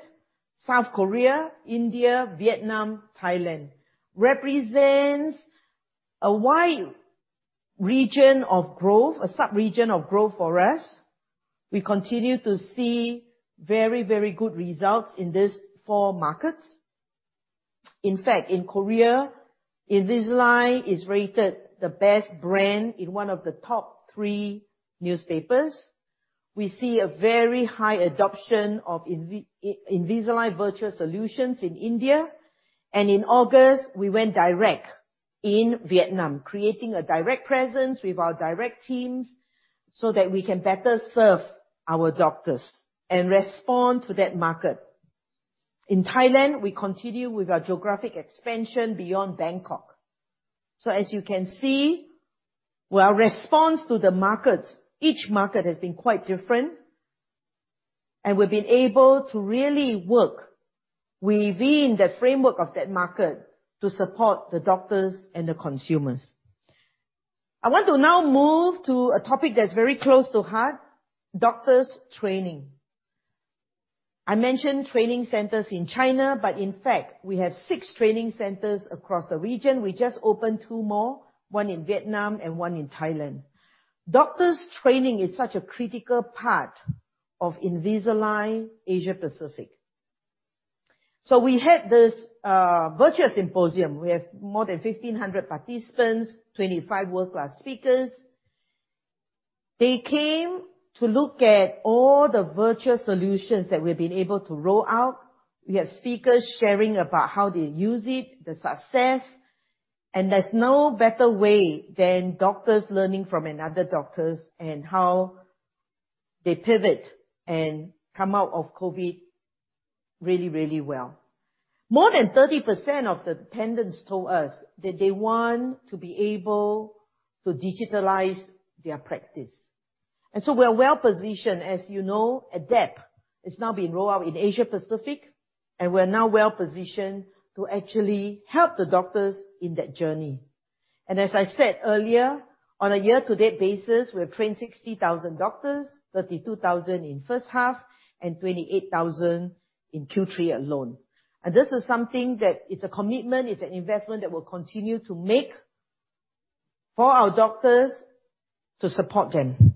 South Korea, India, Vietnam, Thailand. Represents a wide region of growth, a subregion of growth for us. We continue to see very, very good results in these four markets. In fact, in Korea, Invisalign is rated the best brand in one of the top three newspapers. We see a very high adoption of Invisalign Virtual Care in India. In August, we went direct in Vietnam, creating a direct presence with our direct teams so that we can better serve our doctors and respond to that market. In Thailand, we continue with our geographic expansion beyond Bangkok. As you can see, our response to the markets, each market has been quite different, and we've been able to really work within the framework of that market to support the doctors and the consumers. I want to now move to a topic that's very close to heart, doctors' training. I mentioned training centers in China, but in fact, we have six training centers across the region. We just opened two more, one in Vietnam and one in Thailand. Doctors' training is such a critical part of Invisalign Asia Pacific. We had this virtual symposium. We have more than 1,500 participants, 25 world-class speakers. They came to look at all the virtual solutions that we've been able to roll out. We had speakers sharing about how they use it, the success, and there's no better way than doctors learning from another doctors and how they pivot and come out of COVID really, really well. More than 30% of the attendants told us that they want to be able to digitalize their practice. We are well-positioned. As you know, ADAPT is now being rolled out in Asia Pacific, and we're now well-positioned to actually help the doctors in that journey. As I said earlier, on a year-to-date basis, we have trained 60,000 doctors, 32,000 in first half and 28,000 in Q3 alone. This is something that it's a commitment, it's an investment that we'll continue to make for our doctors to support them.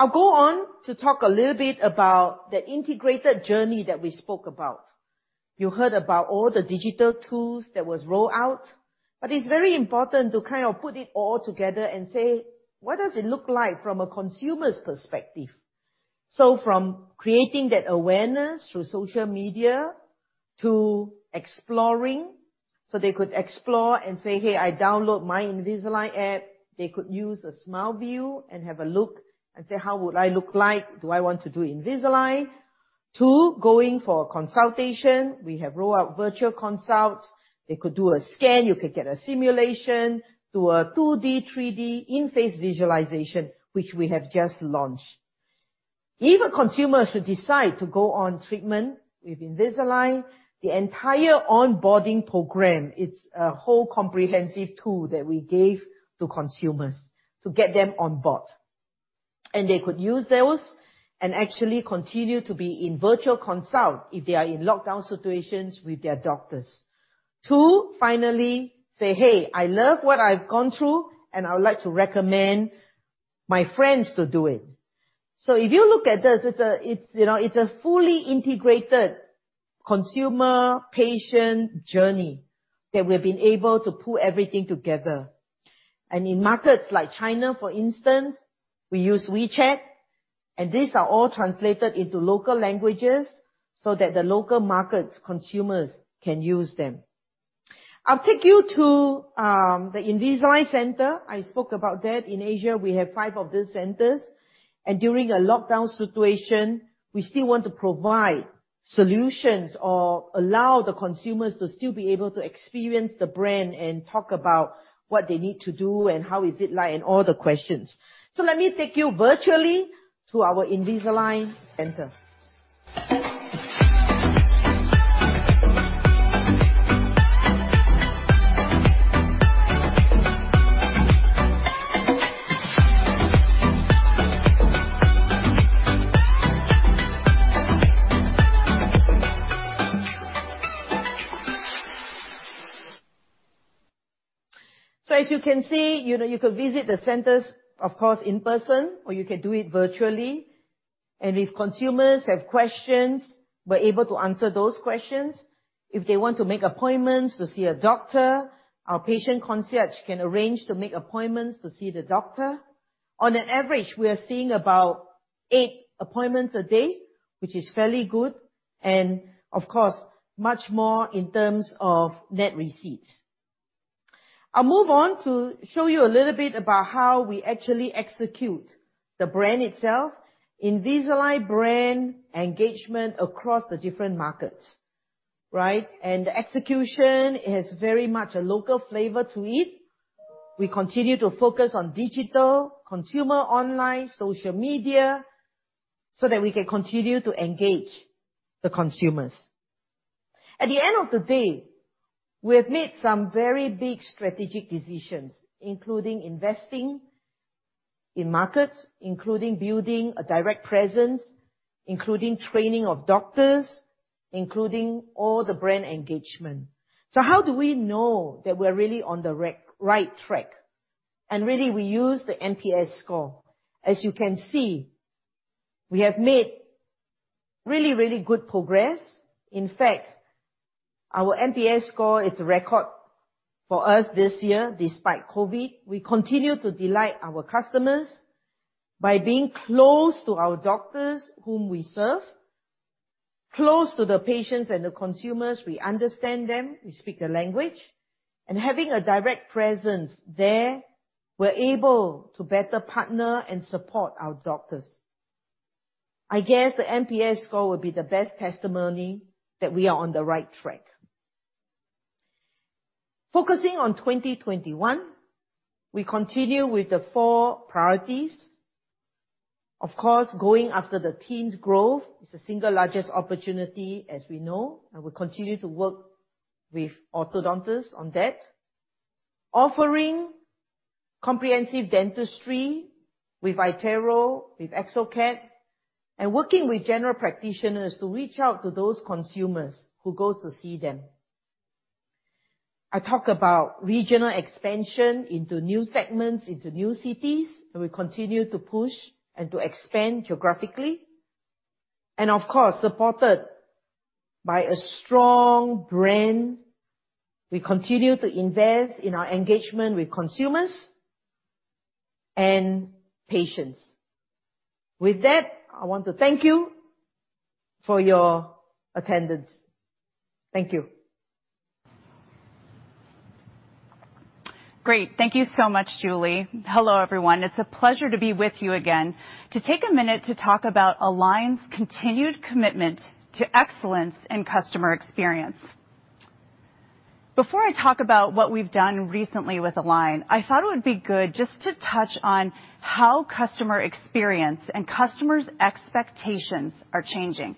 I'll go on to talk a little bit about the integrated journey that we spoke about. You heard about all the digital tools that was rolled out. It's very important to kind of put it all together and say, "What does it look like from a consumer's perspective?" From creating that awareness through social media to exploring, so they could explore and say, "Hey, I download my Invisalign app." They could use a SmileView and have a look and say, "How would I look like? Do I want to do Invisalign?" To going for a consultation. We have rolled out virtual consult. They could do a scan. You could get a simulation. Do a 2D/3D in-face visualization, which we have just launched. If a consumer should decide to go on treatment with Invisalign, the entire onboarding program, it's a whole comprehensive tool that we gave to consumers to get them on board. They could use those and actually continue to be in virtual consult if they are in lockdown situations with their doctors. To finally say, "Hey, I love what I've gone through, and I would like to recommend my friends to do it." If you look at this, it's a fully integrated consumer-patient journey that we've been able to pull everything together. In markets like China, for instance, we use WeChat, and these are all translated into local languages so that the local market consumers can use them. I'll take you to the Invisalign center. I spoke about that. In Asia, we have five of the centers, during a lockdown situation, we still want to provide solutions or allow the consumers to still be able to experience the brand and talk about what they need to do and how is it like and all the questions. Let me take you virtually to our Invisalign center. As you can see, you could visit the centers, of course, in person, or you could do it virtually. If consumers have questions, we're able to answer those questions. If they want to make appointments to see a doctor, our patient concierge can arrange to make appointments to see the doctor. On an average, we are seeing about eight appointments a day, which is fairly good, and of course, much more in terms of net receipts. I'll move on to show you a little bit about how we actually execute the brand itself, Invisalign brand engagement across the different markets. Right? The execution has very much a local flavor to it. We continue to focus on digital, consumer online, social media, so that we can continue to engage the consumers. At the end of the day, we have made some very big strategic decisions, including investing in markets, including building a direct presence, including training of doctors, including all the brand engagement. How do we know that we're really on the right track? Really, we use the NPS score. As you can see, we have made really, really good progress. In fact, our NPS score, it's a record for us this year. Despite COVID, we continue to delight our customers by being close to our doctors whom we serve, close to the patients and the consumers. We understand them, we speak the language. Having a direct presence there, we're able to better partner and support our doctors. I guess the NPS score would be the best testimony that we are on the right track. Focusing on 2021, we continue with the four priorities. Of course, going after the teens growth is the single largest opportunity, as we know, and we continue to work with orthodontists on that. Offering comprehensive dentistry with iTero, with exocad, and working with general practitioners to reach out to those consumers who go to see them. I talk about regional expansion into new segments, into new cities, and we continue to push and to expand geographically. Of course, supported by a strong brand, we continue to invest in our engagement with consumers and patients. With that, I want to thank you for your attendance. Thank you. Great. Thank you so much, Julie. Hello, everyone. It's a pleasure to be with you again to take a minute to talk about Align's continued commitment to excellence in customer experience. Before I talk about what we've done recently with Align, I thought it would be good just to touch on how customer experience and customers' expectations are changing.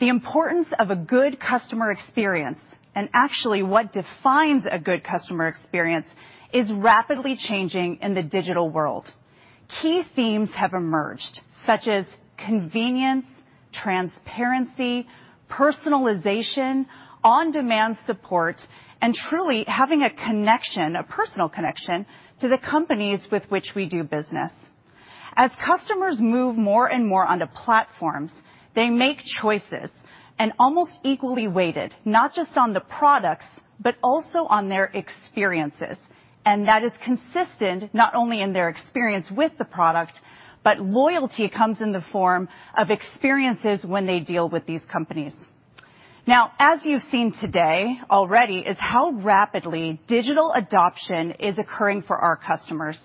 The importance of a good customer experience, and actually what defines a good customer experience, is rapidly changing in the digital world. Key themes have emerged, such as convenience, transparency, personalization, on-demand support, and truly having a connection, a personal connection, to the companies with which we do business. As customers move more and more onto platforms, they make choices, and almost equally weighted, not just on the products, but also on their experiences. That is consistent, not only in their experience with the product, but loyalty comes in the form of experiences when they deal with these companies. As you've seen today already, is how rapidly digital adoption is occurring for our customers.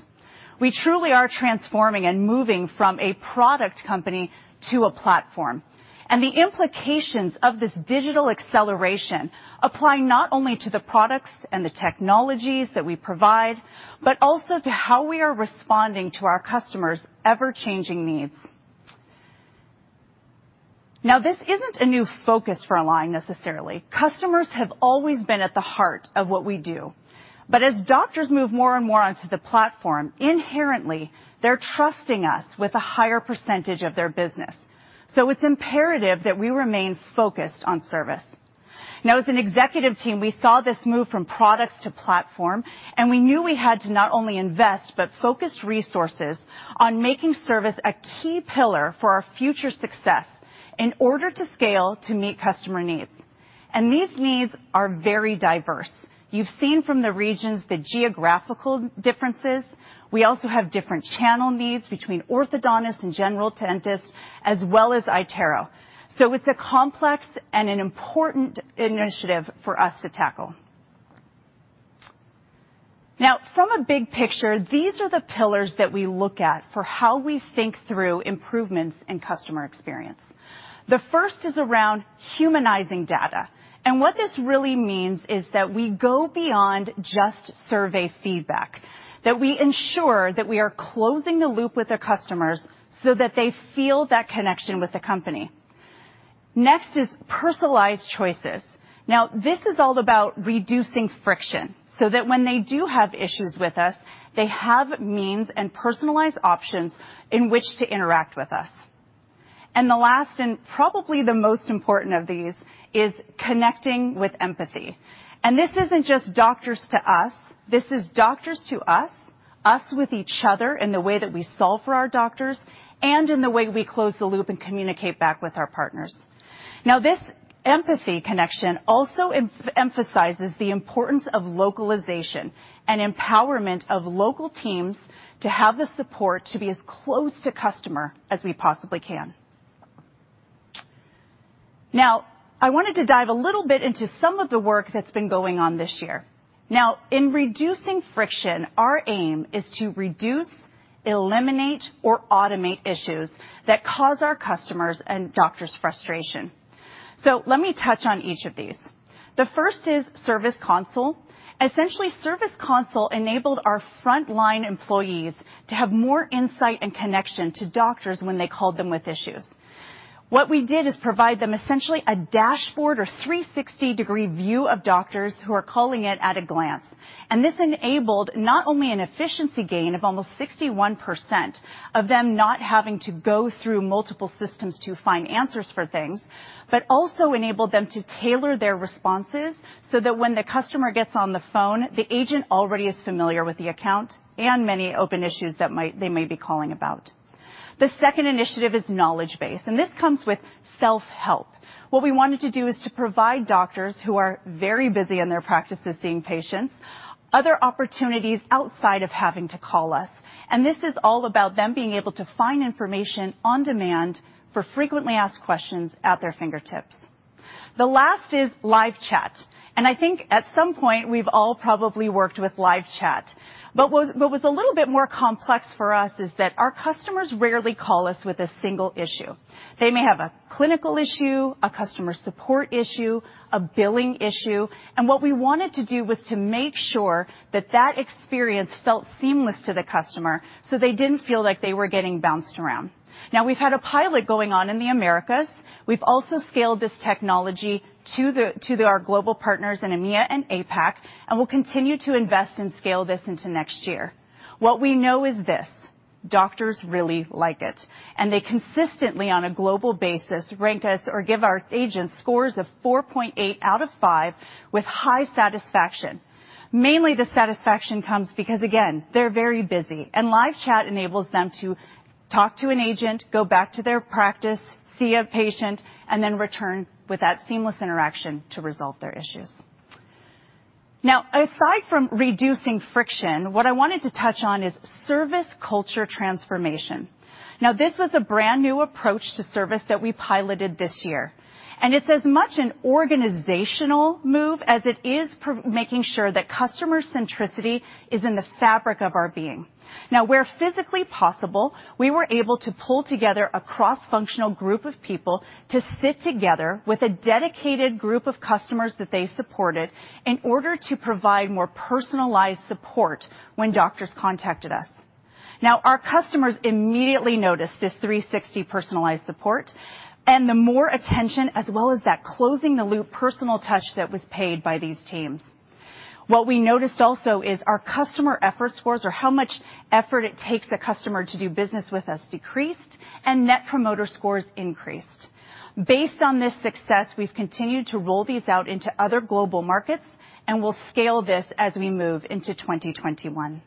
We truly are transforming and moving from a product company to a platform, and the implications of this digital acceleration apply not only to the products and the technologies that we provide, but also to how we are responding to our customers' ever-changing needs. This isn't a new focus for Align, necessarily. Customers have always been at the heart of what we do. As doctors move more and more onto the platform, inherently, they're trusting us with a higher percentage of their business. It's imperative that we remain focused on service. As an executive team, we saw this move from products to platform, and we knew we had to not only invest, but focus resources on making service a key pillar for our future success in order to scale to meet customer needs. These needs are very diverse. You've seen from the regions the geographical differences. We also have different channel needs between orthodontists and general dentists, as well as iTero. It's a complex and an important initiative for us to tackle. From a big picture, these are the pillars that we look at for how we think through improvements in customer experience. The first is around humanizing data. What this really means is that we go beyond just survey feedback. That we ensure that we are closing the loop with our customers so that they feel that connection with the company. Next is personalized choices. This is all about reducing friction so that when they do have issues with us, they have means and personalized options in which to interact with us. The last, and probably the most important of these, is connecting with empathy. This isn't just doctors to us. This is doctors to us with each other in the way that we solve for our doctors, and in the way we close the loop and communicate back with our partners. This empathy connection also emphasizes the importance of localization and empowerment of local teams to have the support to be as close to customer as we possibly can. I wanted to dive a little bit into some of the work that's been going on this year. In reducing friction, our aim is to reduce, eliminate, or automate issues that cause our customers and doctors frustration. Let me touch on each of these. The first is Service Console. Essentially, Service Console enabled our frontline employees to have more insight and connection to doctors when they called them with issues. What we did is provide them essentially a dashboard or 360 degree view of doctors who are calling in at a glance. This enabled not only an efficiency gain of almost 61% of them not having to go through multiple systems to find answers for things, but also enabled them to tailor their responses so that when the customer gets on the phone, the agent already is familiar with the account and many open issues that they may be calling about. The second initiative is knowledge base. This comes with self-help. What we wanted to do is to provide doctors, who are very busy in their practices seeing patients, other opportunities outside of having to call us. This is all about them being able to find information on demand for frequently asked questions at their fingertips. The last is live chat. I think at some point we've all probably worked with live chat. What was a little bit more complex for us is that our customers rarely call us with a single issue. They may have a clinical issue, a customer support issue, a billing issue. What we wanted to do was to make sure that that experience felt seamless to the customer so they didn't feel like they were getting bounced around. Now, we've had a pilot going on in the Americas. We've also scaled this technology to our global partners in EMEA and APAC. We'll continue to invest and scale this into next year. What we know is this: doctors really like it. They consistently, on a global basis, rank us or give our agents scores of 4.8 out of five with high satisfaction. Mainly the satisfaction comes because, again, they're very busy. Live chat enables them to talk to an agent, go back to their practice, see a patient, and then return with that seamless interaction to resolve their issues. Aside from reducing friction, what I wanted to touch on is service culture transformation. This was a brand-new approach to service that we piloted this year. It's as much an organizational move as it is making sure that customer centricity is in the fabric of our being. Where physically possible, we were able to pull together a cross-functional group of people to sit together with a dedicated group of customers that they supported in order to provide more personalized support when doctors contacted us. Our customers immediately noticed this 360 personalized support, and the more attention, as well as that closing the loop personal touch that was paid by these teams. What we noticed also is our customer effort scores, or how much effort it takes a customer to do business with us, decreased, and net promoter scores increased. Based on this success, we've continued to roll these out into other global markets, and we'll scale this as we move into 2021.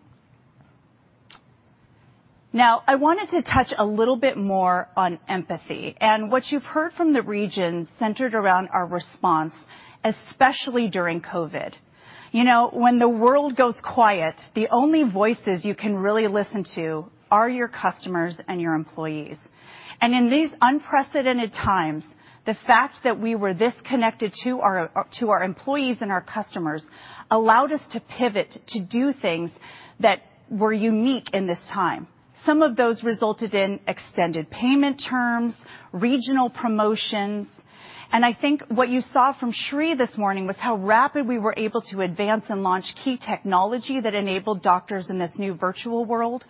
I wanted to touch a little bit more on empathy and what you've heard from the regions centered around our response, especially during COVID. When the world goes quiet, the only voices you can really listen to are your customers and your employees. In these unprecedented times, the fact that we were this connected to our employees and our customers allowed us to pivot to do things that were unique in this time. Some of those resulted in extended payment terms, regional promotions. I think what you saw from Sri this morning was how rapid we were able to advance and launch key technology that enabled doctors in this new virtual world,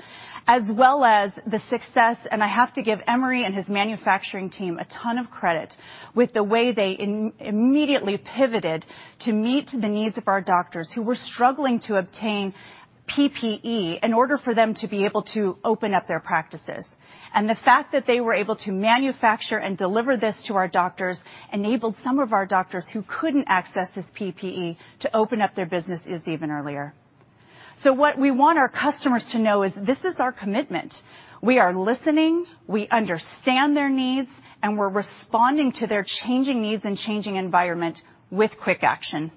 as well as the success. I have to give Emory and his manufacturing team a ton of credit with the way they immediately pivoted to meet the needs of our doctors who were struggling to obtain PPE in order for them to be able to open up their practices. The fact that they were able to manufacture and deliver this to our doctors enabled some of our doctors who couldn't access this PPE to open up their businesses even earlier. What we want our customers to know is this is our commitment. We are listening, we understand their needs, and we're responding to their changing needs and changing environment with quick action.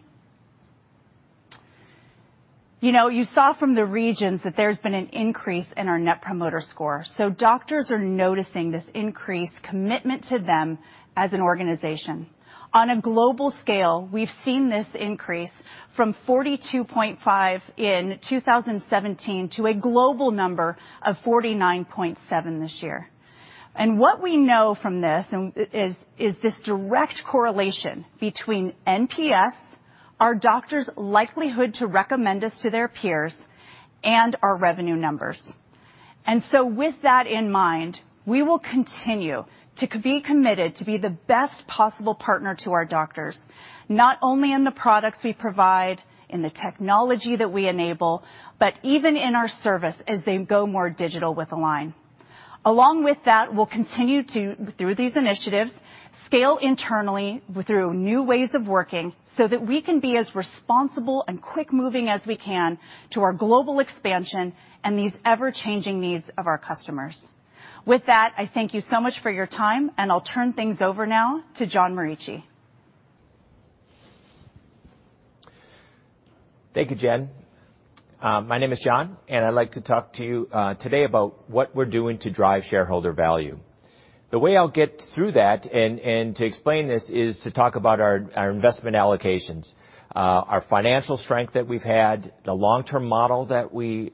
You saw from the regions that there's been an increase in our net promoter score. Doctors are noticing this increased commitment to them as an organization. On a global scale, we've seen this increase from 42.5 in 2017 to a global number of 49.7 this year. What we know from this is this direct correlation between NPS, our doctors' likelihood to recommend us to their peers, and our revenue numbers. With that in mind, we will continue to be committed to be the best possible partner to our doctors, not only in the products we provide, in the technology that we enable, but even in our service as they go more digital with Align. Along with that, we'll continue, through these initiatives, scale internally through new ways of working so that we can be as responsible and quick-moving as we can to our global expansion and these ever-changing needs of our customers. With that, I thank you so much for your time, and I'll turn things over now to John Morici. Thank you, Jen. My name is John, I'd like to talk to you today about what we're doing to drive shareholder value. The way I'll get through that and to explain this is to talk about our investment allocations, our financial strength that we've had, the long-term model that we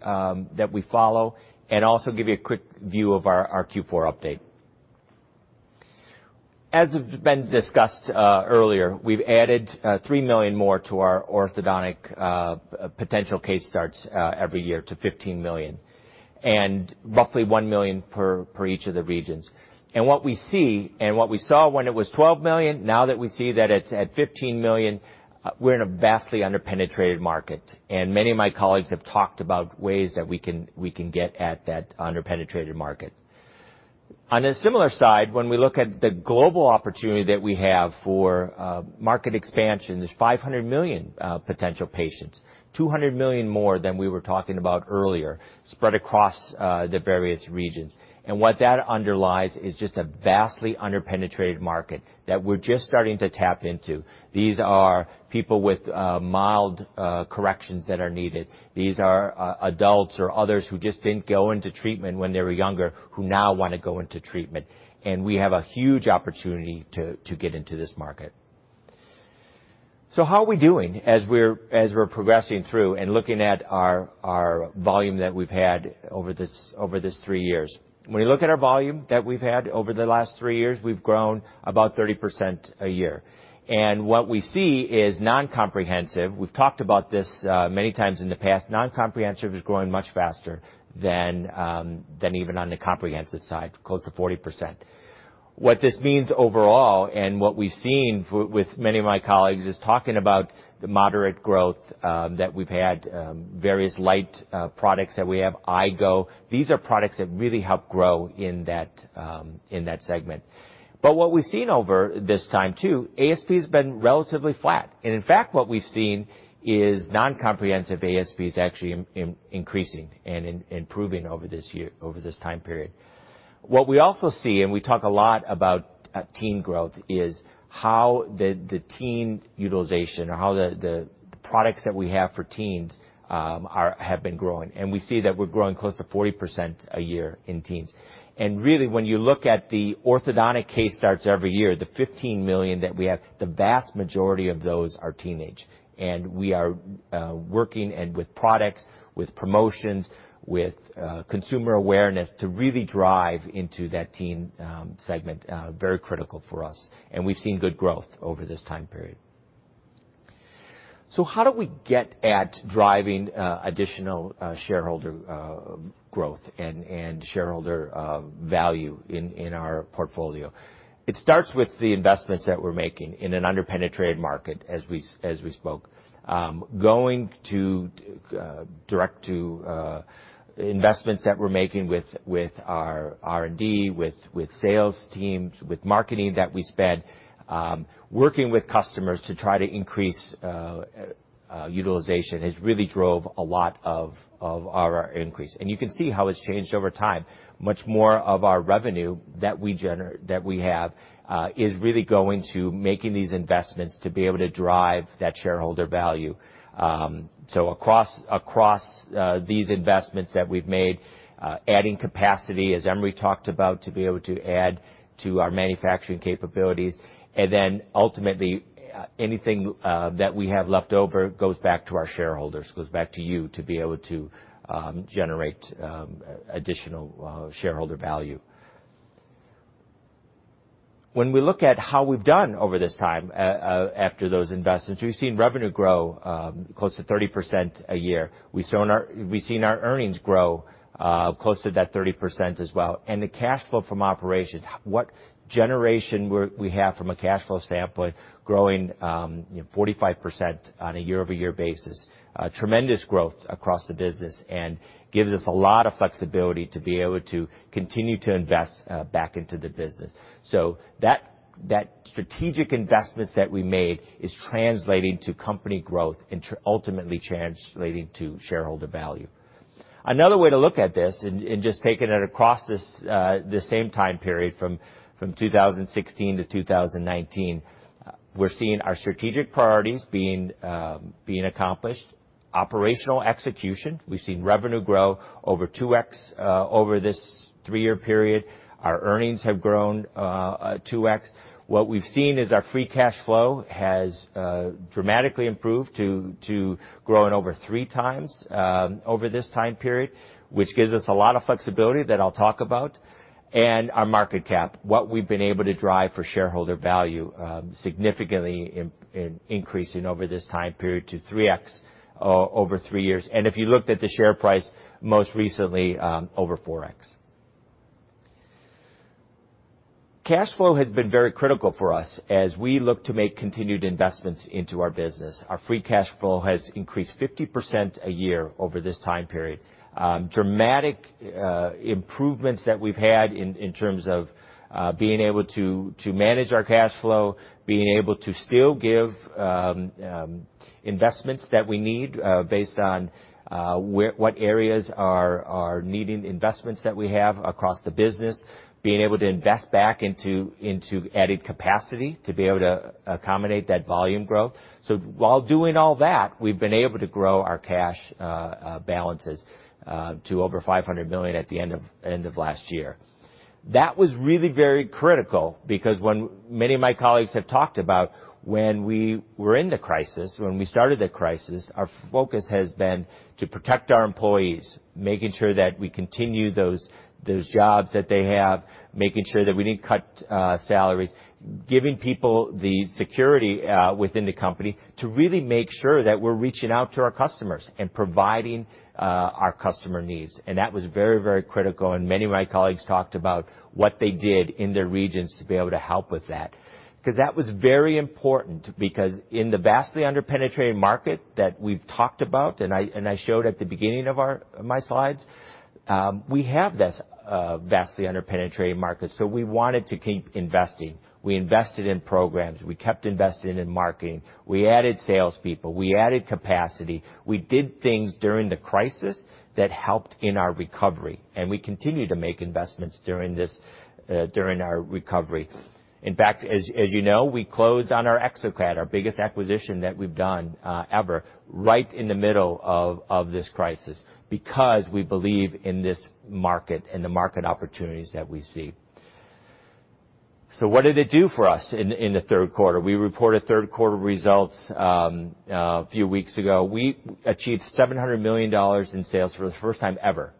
follow, and also give you a quick view of our Q4 update. As has been discussed earlier, we've added 3 million more to our orthodontic potential case starts every year to 15 million, roughly 1 million per each of the regions. What we see and what we saw when it was 12 million, now that we see that it's at 15 million, we're in a vastly under-penetrated market. Many of my colleagues have talked about ways that we can get at that under-penetrated market. On a similar side, when we look at the global opportunity that we have for market expansion, there's 500 million potential patients, 200 million more than we were talking about earlier, spread across the various regions. What that underlies is just a vastly under-penetrated market that we're just starting to tap into. These are people with mild corrections that are needed. These are adults or others who just didn't go into treatment when they were younger, who now want to go into treatment. We have a huge opportunity to get into this market. How are we doing as we're progressing through and looking at our volume that we've had over these three years? When we look at our volume that we've had over the last three years, we've grown about 30% a year. What we see is non-comprehensive. We've talked about this many times in the past. Non-comprehensive is growing much faster than even on the comprehensive side, close to 40%. What this means overall, and what we've seen with many of my colleagues, is talking about the moderate growth that we've had, various light products that we have, iGo. These are products that really help grow in that segment. What we've seen over this time, too, ASP has been relatively flat. In fact, what we've seen is non-comprehensive ASP is actually increasing and improving over this time period. What we also see, and we talk a lot about teen growth, is how the teen utilization or how the products that we have for teens have been growing. We see that we're growing close to 40% a year in teens. Really, when you look at the orthodontic case starts every year, the 15 million that we have, the vast majority of those are teenage. We are working and with products, with promotions, with consumer awareness to really drive into that teen segment, very critical for us. We've seen good growth over this time period. How do we get at driving additional shareholder growth and shareholder value in our portfolio? It starts with the investments that we're making in an under-penetrated market, as we spoke. Going to direct to investments that we're making with our R&D, with sales teams, with marketing that we spend, working with customers to try to increase utilization has really drove a lot of our increase. You can see how it's changed over time. Much more of our revenue that we have is really going to making these investments to be able to drive that shareholder value. Across these investments that we've made, adding capacity, as Emory talked about, to be able to add to our manufacturing capabilities, and then ultimately anything that we have left over goes back to our shareholders, goes back to you to be able to generate additional shareholder value. When we look at how we've done over this time, after those investments, we've seen revenue grow close to 30% a year. We've seen our earnings grow close to that 30% as well. The cash flow from operations, what generation we have from a cash flow standpoint, growing 45% on a year-over-year basis. Tremendous growth across the business, and gives us a lot of flexibility to be able to continue to invest back into the business. That strategic investments that we made is translating to company growth and ultimately translating to shareholder value. Another way to look at this and just taking it across this same time period from 2016 - 2019, we're seeing our strategic priorities being accomplished. Operational execution, we've seen revenue grow over 2x over this three-year period. Our earnings have grown 2x. What we've seen is our free cash flow has dramatically improved to growing over three times over this time period, which gives us a lot of flexibility that I'll talk about. Our market cap, what we've been able to drive for shareholder value, significantly increasing over this time period to 3x over three years. If you looked at the share price, most recently over 4x. Cash flow has been very critical for us as we look to make continued investments into our business. Our free cash flow has increased 50% a year over this time period. Dramatic improvements that we've had in terms of being able to manage our cash flow, being able to still give investments that we need based on what areas are needing investments that we have across the business, being able to invest back into added capacity to be able to accommodate that volume growth. While doing all that, we've been able to grow our cash balances to over $500 million at the end of last year. That was really very critical because when many of my colleagues have talked about when we were in the crisis, when we started the crisis, our focus has been to protect our employees, making sure that we continue those jobs that they have, making sure that we didn't cut salaries, giving people the security within the company to really make sure that we're reaching out to our customers and providing our customer needs. That was very, very critical, and many of my colleagues talked about what they did in their regions to be able to help with that. That was very important, because in the vastly under-penetrated market that we've talked about, and I showed at the beginning of my slides, we have this vastly under-penetrated market, so we wanted to keep investing. We invested in programs. We kept investing in marketing. We added sales people. We added capacity. We did things during the crisis that helped in our recovery, and we continue to make investments during our recovery. In fact, as you know, we closed on our exocad, our biggest acquisition that we've done ever, right in the middle of this crisis, because we believe in this market and the market opportunities that we see. What did it do for us in the third quarter? We reported third quarter results a few weeks ago. We achieved $700 million in sales for the first time ever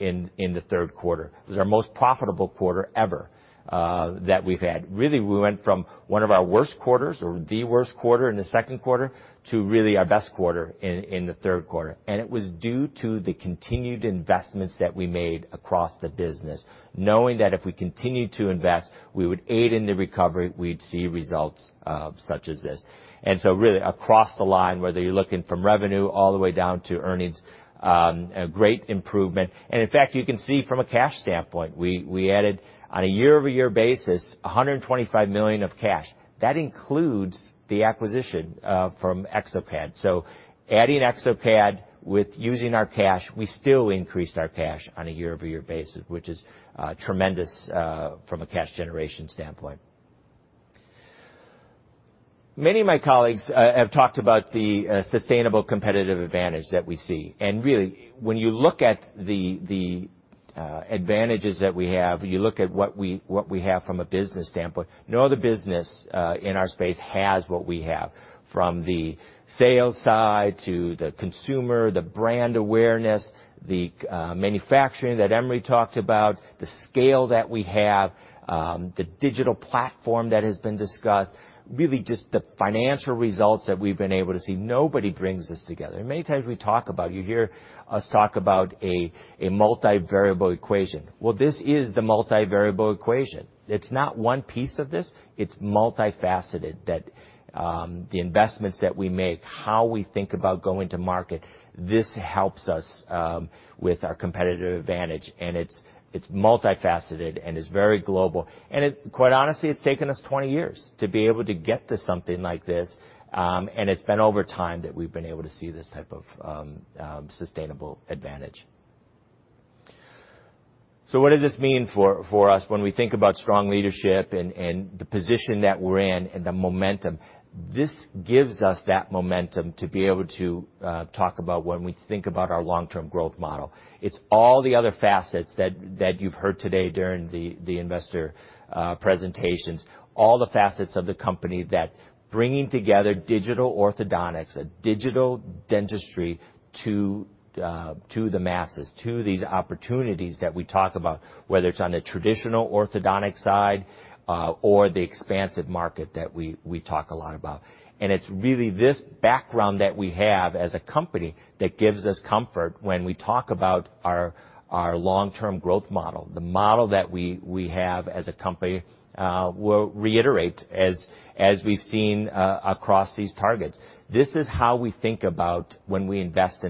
in the third quarter. It was our most profitable quarter ever that we've had. Really, we went from one of our worst quarters, or the worst quarter in the second quarter, to really our best quarter in the third quarter. It was due to the continued investments that we made across the business, knowing that if we continued to invest, we would aid in the recovery, we'd see results such as this. Really across the line, whether you're looking from revenue all the way down to earnings, a great improvement. In fact, you can see from a cash standpoint, we added on a year-over-year basis, $125 million of cash. That includes the acquisition from exocad. So adding exocad with using our cash, we still increased our cash on a year-over-year basis, which is tremendous from a cash generation standpoint. Many of my colleagues have talked about the sustainable competitive advantage that we see. Really, when you look at the advantages that we have, you look at what we have from a business standpoint, no other business in our space has what we have. From the sales side to the consumer, the brand awareness, the manufacturing that Emory talked about, the scale that we have, the Align Digital Platform that has been discussed, really just the financial results that we've been able to see. Nobody brings this together. Many times we talk about, you hear us talk about a multivariable equation. Well, this is the multivariable equation. It's not one piece of this. It's multifaceted. That the investments that we make, how we think about going to market, this helps us with our competitive advantage, and it's multifaceted and is very global. It, quite honestly, it's taken us 20 years to be able to get to something like this, and it's been over time that we've been able to see this type of sustainable advantage. What does this mean for us when we think about strong leadership and the position that we're in and the momentum. This gives us that momentum to be able to talk about when we think about our long-term growth model. It's all the other facets that you've heard today during the investor presentations, all the facets of the company that bringing together digital orthodontics and digital dentistry to the masses, to these opportunities that we talk about, whether it's on the traditional orthodontic side or the expansive market that we talk a lot about. It's really this background that we have as a company that gives us comfort when we talk about our long-term growth model. The model that we have as a company, we'll reiterate as we've seen across these targets. This is how we think about when we invest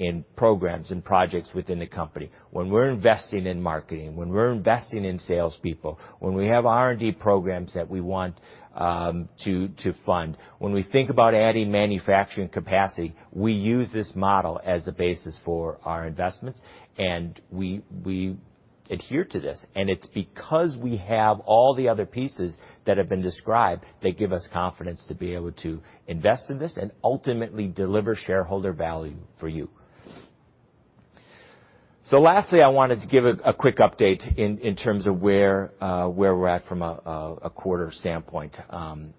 in programs and projects within the company. When we're investing in marketing, when we're investing in salespeople, when we have R&D programs that we want to fund, when we think about adding manufacturing capacity, we use this model as a basis for our investments, and we adhere to this. It's because we have all the other pieces that have been described that give us confidence to be able to invest in this and ultimately deliver shareholder value for you. Lastly, I wanted to give a quick update in terms of where we're at from a quarter standpoint.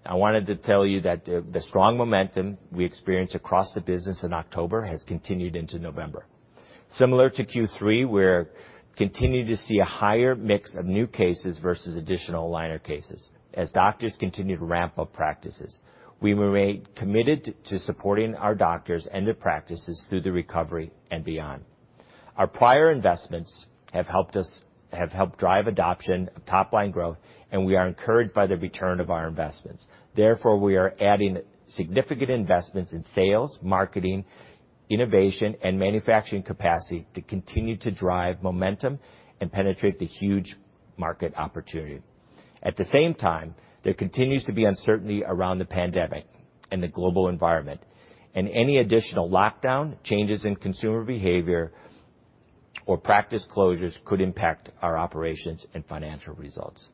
I wanted to tell you that the strong momentum we experienced across the business in October has continued into November. Similar to Q3, we're continuing to see a higher mix of new cases versus additional aligner cases as doctors continue to ramp up practices. We remain committed to supporting our doctors and their practices through the recovery and beyond. Our prior investments have helped drive adoption of top-line growth, and we are encouraged by the return of our investments. We are adding significant investments in sales, marketing, innovation, and manufacturing capacity to continue to drive momentum and penetrate the huge market opportunity. At the same time, there continues to be uncertainty around the pandemic and the global environment. Any additional lockdown, changes in consumer behavior, or practice closures could impact our operations and financial results.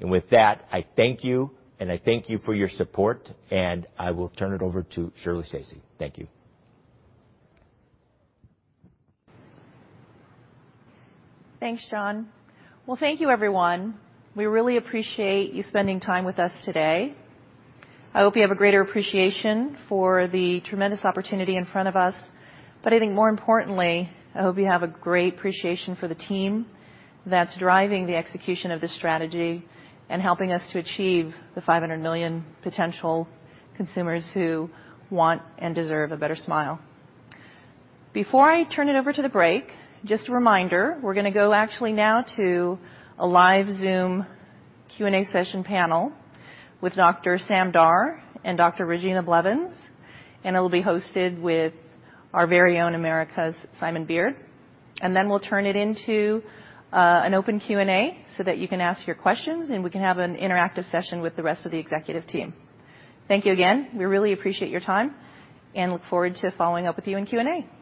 With that, I thank you, and I thank you for your support, and I will turn it over to Shirley Stacy. Thank you. Thanks, John. Well, thank you, everyone. We really appreciate you spending time with us today. I hope you have a greater appreciation for the tremendous opportunity in front of us. I think more importantly, I hope you have a great appreciation for the team that's driving the execution of this strategy and helping us to achieve the 500 million potential consumers who want and deserve a better smile. Before I turn it over to the break, just a reminder, we're going to go actually now to a live Zoom Q&A session panel with Dr. Sam Daher and Dr. Regina Blevins, and it'll be hosted with our very own Americas' Simon Beard. Then we'll turn it into an open Q&A so that you can ask your questions, and we can have an interactive session with the rest of the executive team. Thank you again. We really appreciate your time and look forward to following up with you in Q&A.